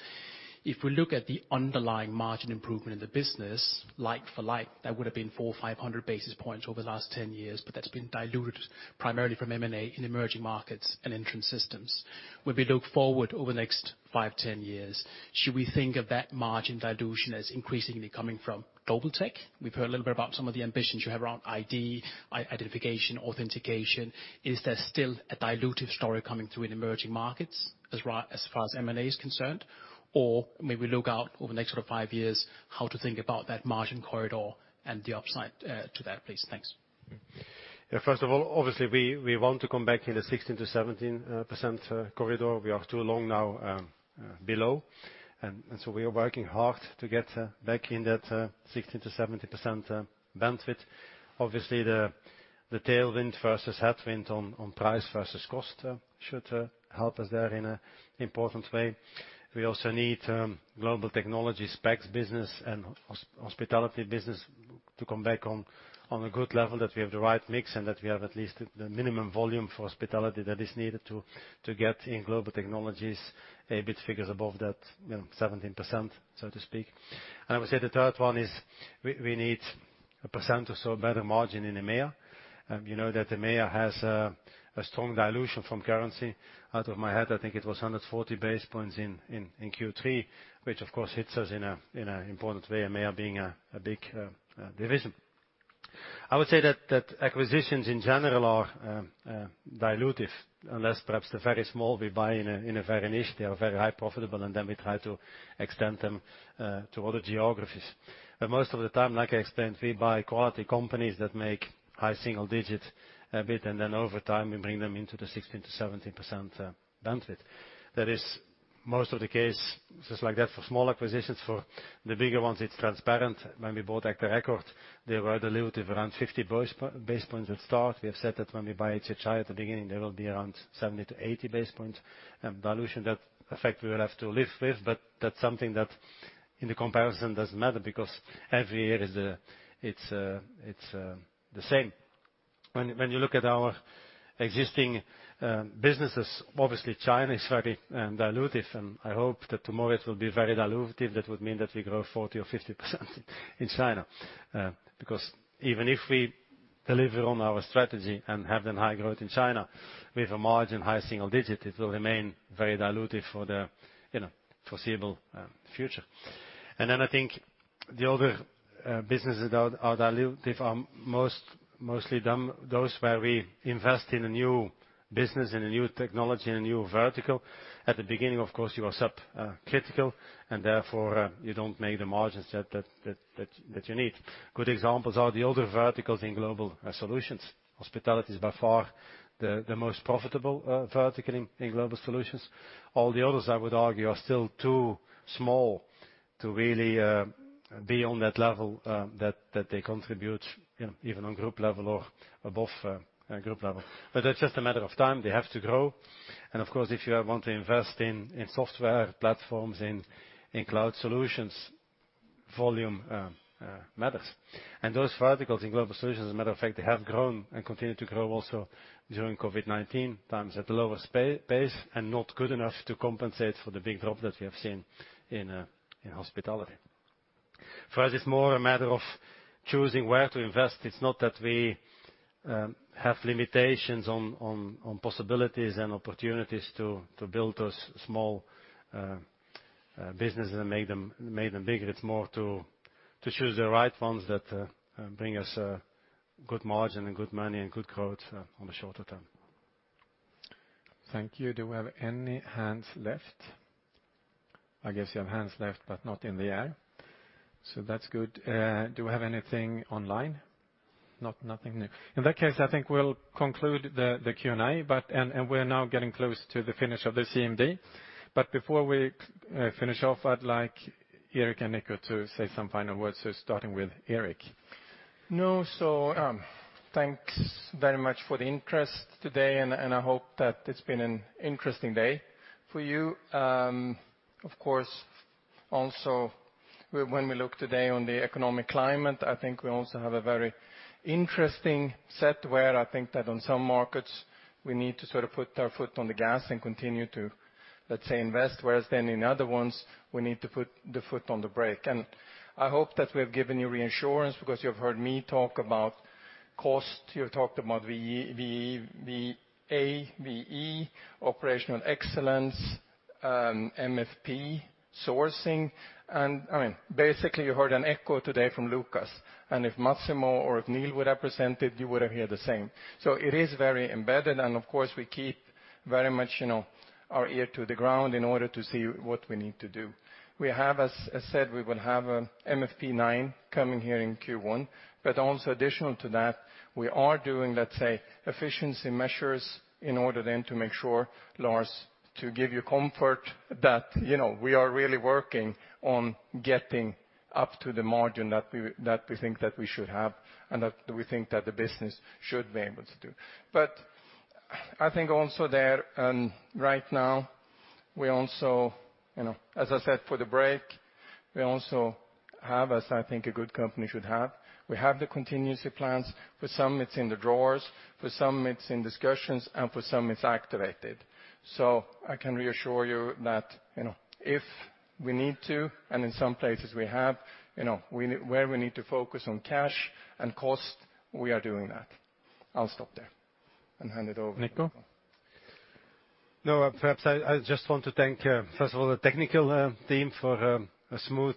If we look at the underlying margin improvement in the business, like for like, that would have been 400 or 500 basis points over the last 10 years, but that's been diluted primarily from M&A in emerging markets and Entrance Systems. When we look forward over the next five, 10 years, should we think of that margin dilution as increasingly coming from Global Technologies? We've heard a little bit about some of the ambitions you have around ID, identification, authentication. Is there still a dilutive story coming through in emerging markets as far as M&A is concerned? Maybe look out over the next sort of five years, how to think about that margin corridor and the upside to that, please. Thanks. Yeah, first of all, obviously, we want to come back in the 16%-17% corridor. We are too long now below, and so we are working hard to get back in that 16%-17% bandwidth. Obviously, the tailwind versus headwind on price versus cost should help us there in an important way. We also need Global Technologies business and hospitality business to come back on a good level that we have the right mix and that we have at least the minimum volume for hospitality that is needed to get Global Technologies EBIT figures above that, you know, 17%, so to speak. I would say the third one is we need 1% or so better margin in EMEIA. You know that EMEIA has a strong dilution from currency. Off the top of my head, I think it was 140 basis points in Q3, which of course hits us in an important way, EMEIA being a big division. I would say that acquisitions in general are dilutive, unless perhaps they're very small. We buy in a very niche. They are very highly profitable, and then we try to extend them to other geographies. But most of the time, like I explained, we buy quality companies that make high single-digit EBIT, and then over time, we bring them into the 16%-17% bandwidth. That is most of the case, just like that for small acquisitions. For the bigger ones, it's transparent. When we agta record, they were dilutive around 50 basis points at start. We have said that when we buy HHI at the beginning, there will be around 70-80 basis points dilution. That effect we will have to live with, but that's something that in the comparison doesn't matter because every year is the same. When you look at our existing businesses, obviously, China is very dilutive, and I hope that tomorrow it will be very dilutive. That would mean that we grow 40% or 50% in China. Because even if we deliver on our strategy and have then high growth in China with a high single-digit margin, it will remain very dilutive for the, you know, foreseeable future. I think the other businesses that are dilutive are mostly those where we invest in a new business and a new technology and a new vertical. At the beginning, of course, you are subcritical, and therefore, you don't make the margins that you need. Good examples are the other verticals in Global Solutions. Hospitality is by far the most profitable vertical in Global Solutions. All the others, I would argue, are still too small to really be on that level that they contribute, you know, even on group level or above group level. But that's just a matter of time. They have to grow. Of course, if you want to invest in software platforms, in cloud solutions, volume matters. Those verticals in Global Solutions, as a matter of fact, they have grown and continue to grow also during COVID-19 times at a lower pace and not good enough to compensate for the big drop that we have seen in hospitality. For us, it's more a matter of choosing where to invest. It's not that we have limitations on possibilities and opportunities to build those small businesses and make them bigger. It's more to choose the right ones that bring us a good margin and good money and good growth on a shorter term. Thank you. Do we have any hands left? I guess you have hands left, but not in the air, so that's good. Do we have anything online? Nothing new. In that case, I think we'll conclude the Q&A, and we're now getting close to the finish of the CMD. Before we finish off, I'd like Erik and Nico to say some final words. Starting with Erik. No. Thanks very much for the interest today, and I hope that it's been an interesting day for you. Of course, also when we look today on the economic climate, I think we also have a very interesting set where I think that on some markets we need to sort of put our foot on the gas and continue to, let's say, invest, whereas then in other ones we need to put the foot on the brake. I hope that we have given you reassurance because you have heard me talk about cost, you have talked about VAVE, operational excellence, MFP, sourcing, and I mean, basically you heard an echo today from Lucas. If Massimo or if Neil would have presented, you would have heard the same. It is very embedded, and of course, we keep very much, you know, our ear to the ground in order to see what we need to do. We have, as said, we will have a MFP9 coming here in Q1. But also additional to that, we are doing, let's say, efficiency measures in order then to make sure, Lars, to give you comfort that, you know, we are really working on getting up to the margin that we think that we should have and that we think that the business should be able to do. But I think also there, right now, we also, you know, as I said, for the break, we also have, as I think a good company should have, we have the contingency plans. For some, it's in the drawers, for some it's in discussions, and for some it's activated. I can reassure you that, you know, if we need to, and in some places we have, you know, where we need to focus on cash and cost, we are doing that. I'll stop there and hand it over. Nico? No, perhaps I just want to thank first of all the technical team for a smooth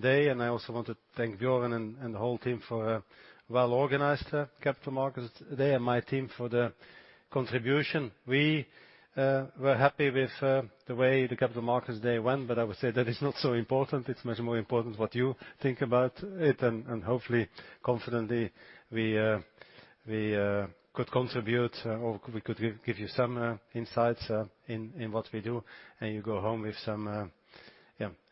day. I also want to thank Björn and the whole team for a well-organized capital markets day and my team for the contribution. We were happy with the way the capital markets day went, but I would say that is not so important. It's much more important what you think about it, and hopefully, confidently, we could contribute or we could give you some insights in what we do, and you go home with some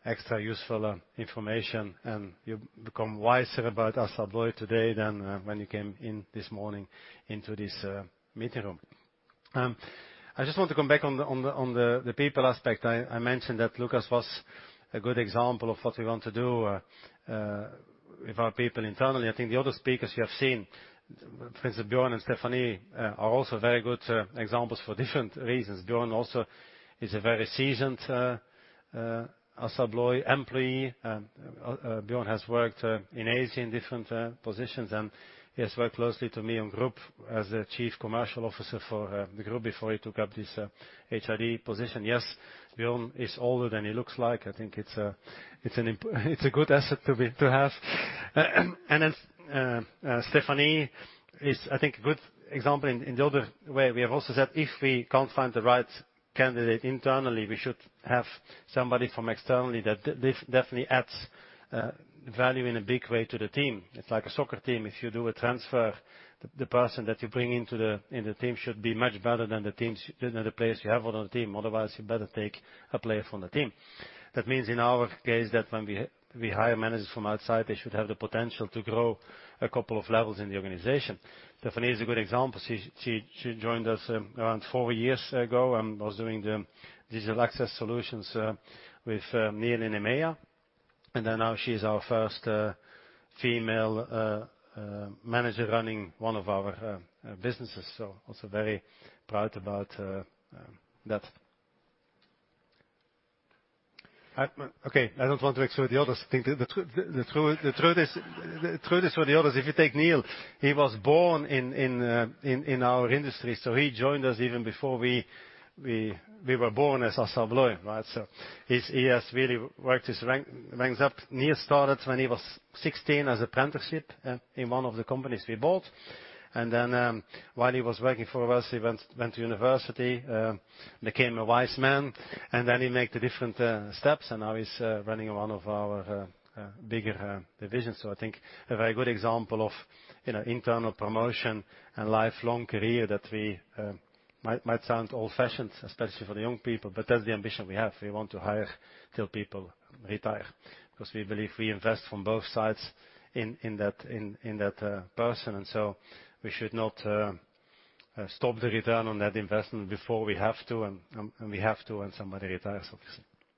extra useful information, and you become wiser about ASSA ABLOY today than when you came in this morning into this meeting room. I just want to come back on the people aspect. I mentioned that Lucas was a good example of what we want to do with our people internally. I think the other speakers you have seen, for instance, Björn and Stephanie, are also very good examples for different reasons. Björn also is a very seasoned ASSA ABLOY employee. Björn has worked in Asia in different positions, and he has worked closely to me on group as a Chief Commercial Officer for the group before he took up this HID position. Yes, Björn is older than he looks like. I think it's a good asset to have. Stephanie is, I think, a good example in the other way. We have also said if we can't find the right candidate internally, we should have somebody from externally that definitely adds value in a big way to the team. It's like a soccer team. If you do a transfer, the person that you bring into the team should be much better than the players you have on the team. Otherwise, you better take a player from the team. That means in our case that when we hire managers from outside, they should have the potential to grow a couple of levels in the organization. Stephanie is a good example. She joined us around four years ago and was doing the digital access solutions with Neil in EMEIA. Then now she's our first female manager running one of our businesses. I am also very proud about that. Okay, I don't want to exclude the others. I think the truth is for the others, if you take Neil, he was born in our industry. He joined us even before we were born as ASSA ABLOY, right? He has really worked his ranks up. Neil started when he was 16 as apprenticeship in one of the companies we bought. While he was working for us, he went to university, became a wise man, and then he make the different steps, and now he's running one of our bigger divisions. I think a very good example of, you know, internal promotion and lifelong career that we might sound old-fashioned, especially for the young people, but that's the ambition we have. We want to hire till people retire 'cause we believe we invest from both sides in that person. We should not stop the return on that investment before we have to, and we have to when somebody retires, obviously.